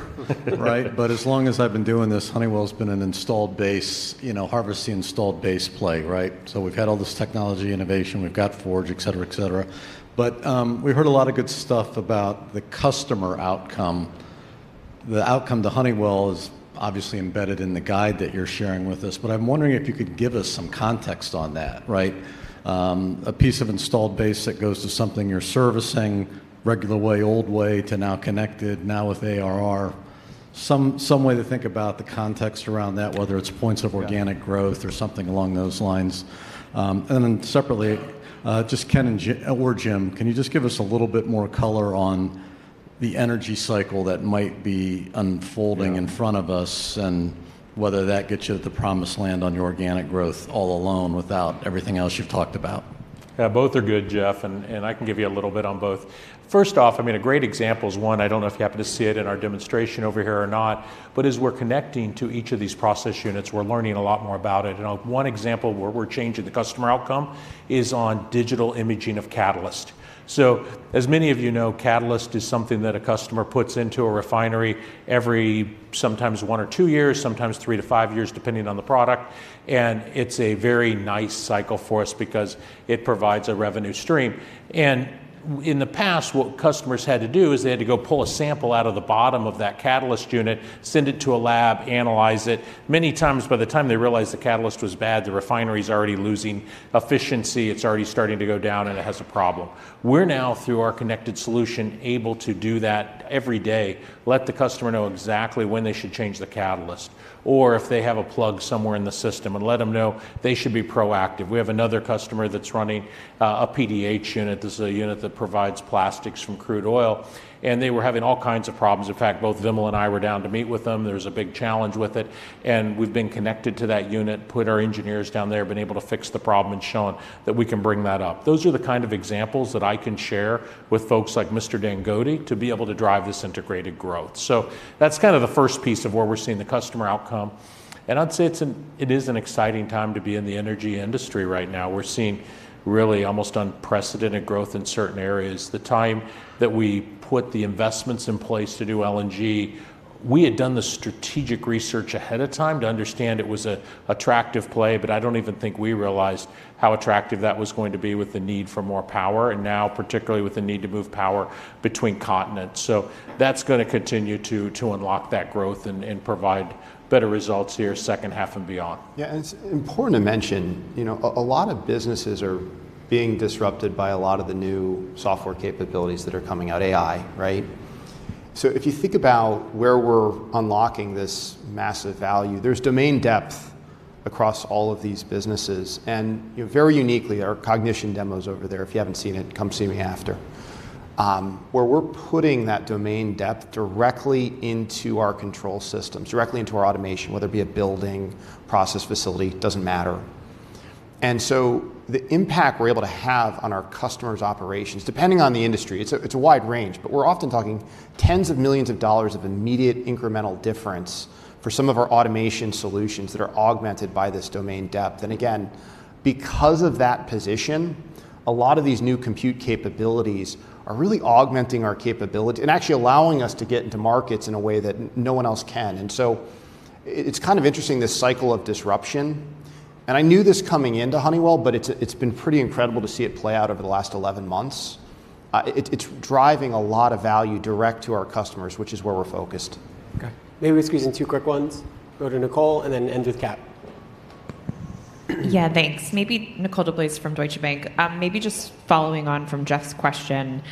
right? As long as I've been doing this, Honeywell's been an installed base, harvesting installed base play, right? We've had all this technology innovation. We've got Honeywell Forge, et cetera. We heard a lot of good stuff about the customer outcome, the outcome to Honeywell is obviously embedded in the guide that you're sharing with us, but I'm wondering if you could give us some context on that, right? A piece of installed base that goes to something you're servicing, regular way, old way to now connected, now with ARR. Some way to think about the context around that, whether it's points of organic growth or something along those lines. Separately, just Ken or Jim, can you just give us a little bit more color on the energy cycle that might be unfolding in front of us, and whether that gets you to the promised land on your organic growth all alone without everything else you've talked about? Yeah, both are good, Jeff, and I can give you a little bit on both. First off, a great example is one, I don't know if you happened to see it in our demonstration over here or not, but as we're connecting to each of these process units, we're learning a lot more about it. One example where we're changing the customer outcome is on digital imaging of catalyst. As many of you know, catalyst is something that a customer puts into a refinery every sometimes one or two years, sometimes three to five years, depending on the product. It's a very nice cycle for us because it provides a revenue stream. In the past, what customers had to do is they had to go pull a sample out of the bottom of that catalyst unit, send it to a lab, analyze it. Many times, by the time they realized the catalyst was bad, the refinery's already losing efficiency. It's already starting to go down and it has a problem. We're now, through our connected solution, able to do that every day, let the customer know exactly when they should change the catalyst or if they have a plug somewhere in the system and let them know they should be proactive. We have another customer that's running a PDH unit. This is a unit that provides plastics from crude oil. They were having all kinds of problems. In fact, both Vimal and I were down to meet with them. There's a big challenge with it. We've been connected to that unit, put our engineers down there, been able to fix the problem and shown that we can bring that up. Those are the kind of examples that I can share with folks like Mr. Dangote to be able to drive this integrated growth. That's kind of the first piece of where we're seeing the customer outcome. I'd say it is an exciting time to be in the energy industry right now. We're seeing really almost unprecedented growth in certain areas. The time that we put the investments in place to do LNG, we had done the strategic research ahead of time to understand it was an attractive play. I don't even think we realized how attractive that was going to be with the need for more power and now particularly with the need to move power between continents. That's going to continue to unlock that growth and provide better results here second half and beyond. Yeah. It's important to mention, a lot of businesses are being disrupted by a lot of the new software capabilities that are coming out, AI, right. If you think about where we're unlocking this massive value, there's domain depth across all of these businesses. Very uniquely, our cognition demo's over there, if you haven't seen it, come see me after, where we're putting that domain depth directly into our control systems, directly into our automation, whether it be a building, process facility, doesn't matter. The impact we're able to have on our customers' operations, depending on the industry, it's a wide range, but we're often talking tens of millions of dollars of immediate incremental difference for some of our automation solutions that are augmented by this domain depth. Again, because of that position, a lot of these new compute capabilities are really augmenting our capability and actually allowing us to get into markets in a way that no one else can. It's kind of interesting, this cycle of disruption, and I knew this coming into Honeywell, but it's been pretty incredible to see it play out over the last 11 months. It's driving a lot of value direct to our customers, which is where we're focused. Okay, maybe we squeeze in two quick ones. Go to Nicole and then end with Kat. Yeah, thanks. Nicole DeBlase from Deutsche Bank. Maybe just following on from Jeff's question.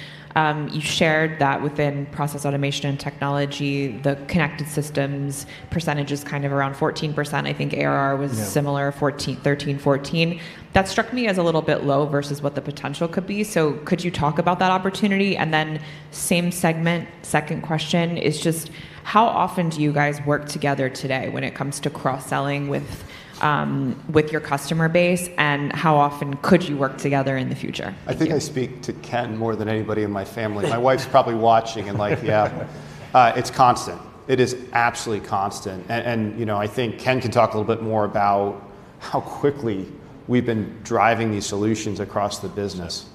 You shared that within Process Automation and technology, the connected systems percentage is kind of around 14%. I think ARR was- Yeah similar, 13%, 14%. That struck me as a little bit low versus what the potential could be. Could you talk about that opportunity? Same segment, second question is just how often do you guys work together today when it comes to cross-selling with your customer base, and how often could you work together in the future? Thank you. I think I speak to Ken more than anybody in my family. My wife's probably watching and like, yeah. It's constant. It is absolutely constant. I think Ken can talk a little bit more about how quickly we've been driving these solutions across the business.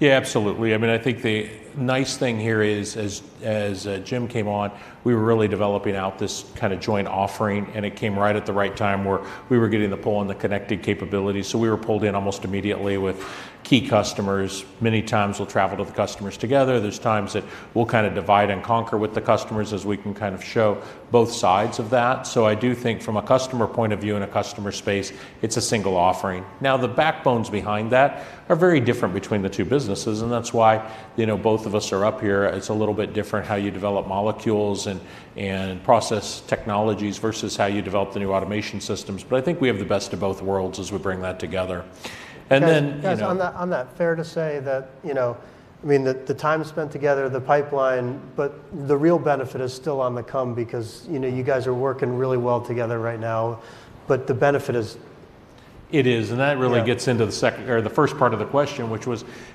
Yeah, absolutely. I think the nice thing here is, as Jim came on, we were really developing out this kind of joint offering, and it came right at the right time where we were getting the pull on the connected capabilities. We were pulled in almost immediately with key customers. Many times, we'll travel to the customers together. There's times that we'll kind of divide and conquer with the customers as we can kind of show both sides of that. I do think from a customer point of view and a customer space, it's a single offering. Now, the backbones behind that are very different between the two businesses, and that's why both of us are up here. It's a little bit different how you develop molecules and process technologies versus how you develop the new automation systems. I think we have the best of both worlds as we bring that together. Guys, on that, fair to say that the time spent together, the pipeline, but the real benefit is still on the come because you guys are working really well together right now, but the benefit is? It is. That really gets into the first part of the question.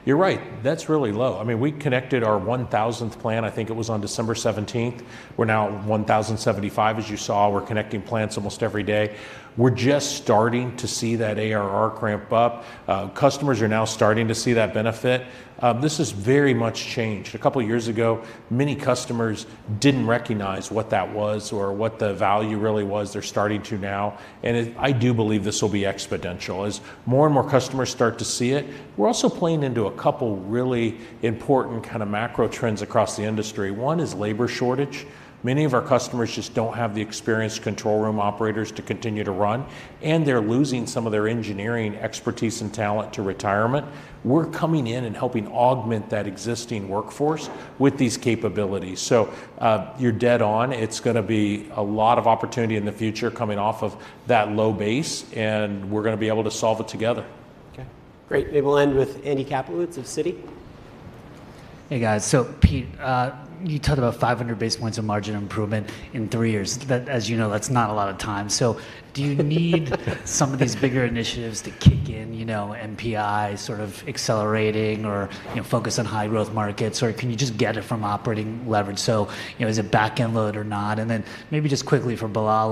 You're right. That's really low. We connected our 1,000th plant, I think it was on December 17th. We're now at 1,075 as you saw. We're connecting plants almost every day. We're just starting to see that ARR ramp up. Customers are now starting to see that benefit. This has very much changed. A couple of years ago, many customers didn't recognize what that was or what the value really was. They're starting to now. I do believe this will be exponential. As more and more customers start to see it, we're also playing into a couple really important kind of macro trends across the industry. One is labor shortage. Many of our customers just don't have the experienced control room operators to continue to run, and they're losing some of their engineering expertise and talent to retirement. We're coming in and helping augment that existing workforce with these capabilities. You're dead on. It's going to be a lot of opportunity in the future coming off of that low base, and we're going to be able to solve it together. Okay, great. Maybe we'll end with Andy Kaplowitz of Citi. Hey, guys. Pete, you talked about 500 basis points of margin improvement in three years. As you know, that's not a lot of time. Do you need some of these bigger initiatives to kick in, NPI sort of accelerating or focus on high-growth markets, or can you just get it from operating leverage? Is it backend load or not? Maybe just quickly for Billal,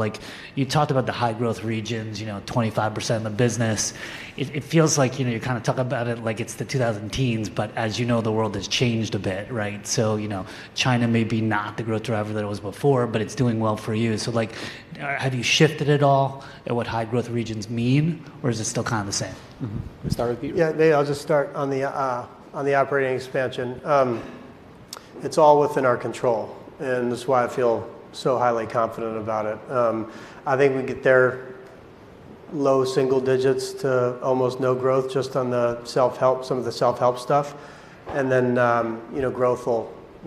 you talked about the high-growth regions, 25% of the business. It feels like you kind of talk about it like it's the 2010s, but as you know, the world has changed a bit, right? China may be not the growth driver that it was before, but it's doing well for you. Have you shifted at all in what high-growth regions mean, or is it still kind of the same? We'll start with you. I'll just start on the operating expansion. It's all within our control, and this is why I feel so highly confident about it. I think we can get there low single digits to almost no growth just on some of the self-help stuff.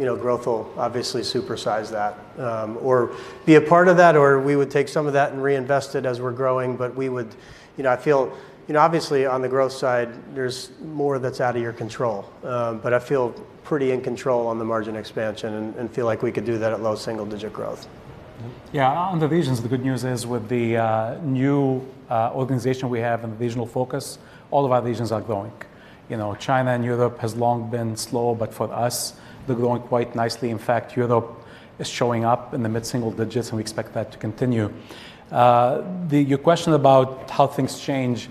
Growth will obviously supersize that, or be a part of that, or we would take some of that and reinvest it as we're growing. Obviously, on the growth side, there's more that's out of your control. I feel pretty in control on the margin expansion and feel like we could do that at low single-digit growth. On the regions, the good news is with the new organization we have and the regional focus, all of our regions are growing. China and Europe has long been slow, but for us, they're growing quite nicely. In fact, Europe is showing up in the mid-single digits, and we expect that to continue. Your question about how things change,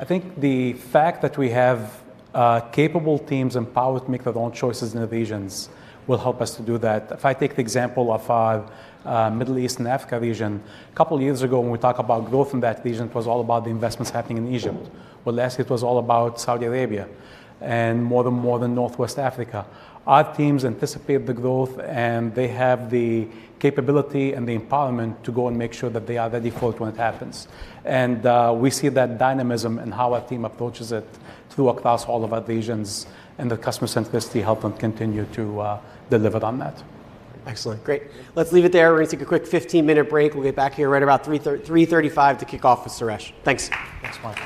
I think the fact that we have capable teams empowered to make their own choices in the regions will help us to do that. If I take the example of our Middle East and Africa region, couple of years ago when we talk about growth in that region, it was all about the investments happening in Egypt. Last year, it was all about Saudi Arabia and more than Northwest Africa. Our teams anticipate the growth, they have the capability and the empowerment to go and make sure that they are ready for it when it happens. We see that dynamism in how our team approaches it through across all of our regions, and the customer centricity help them continue to deliver on that. Excellent. Great. Let's leave it there. We're going to take a quick 15-minute break. We'll get back here right around 3:35 P.M. to kick off with Suresh. Thanks. Thanks, Mark.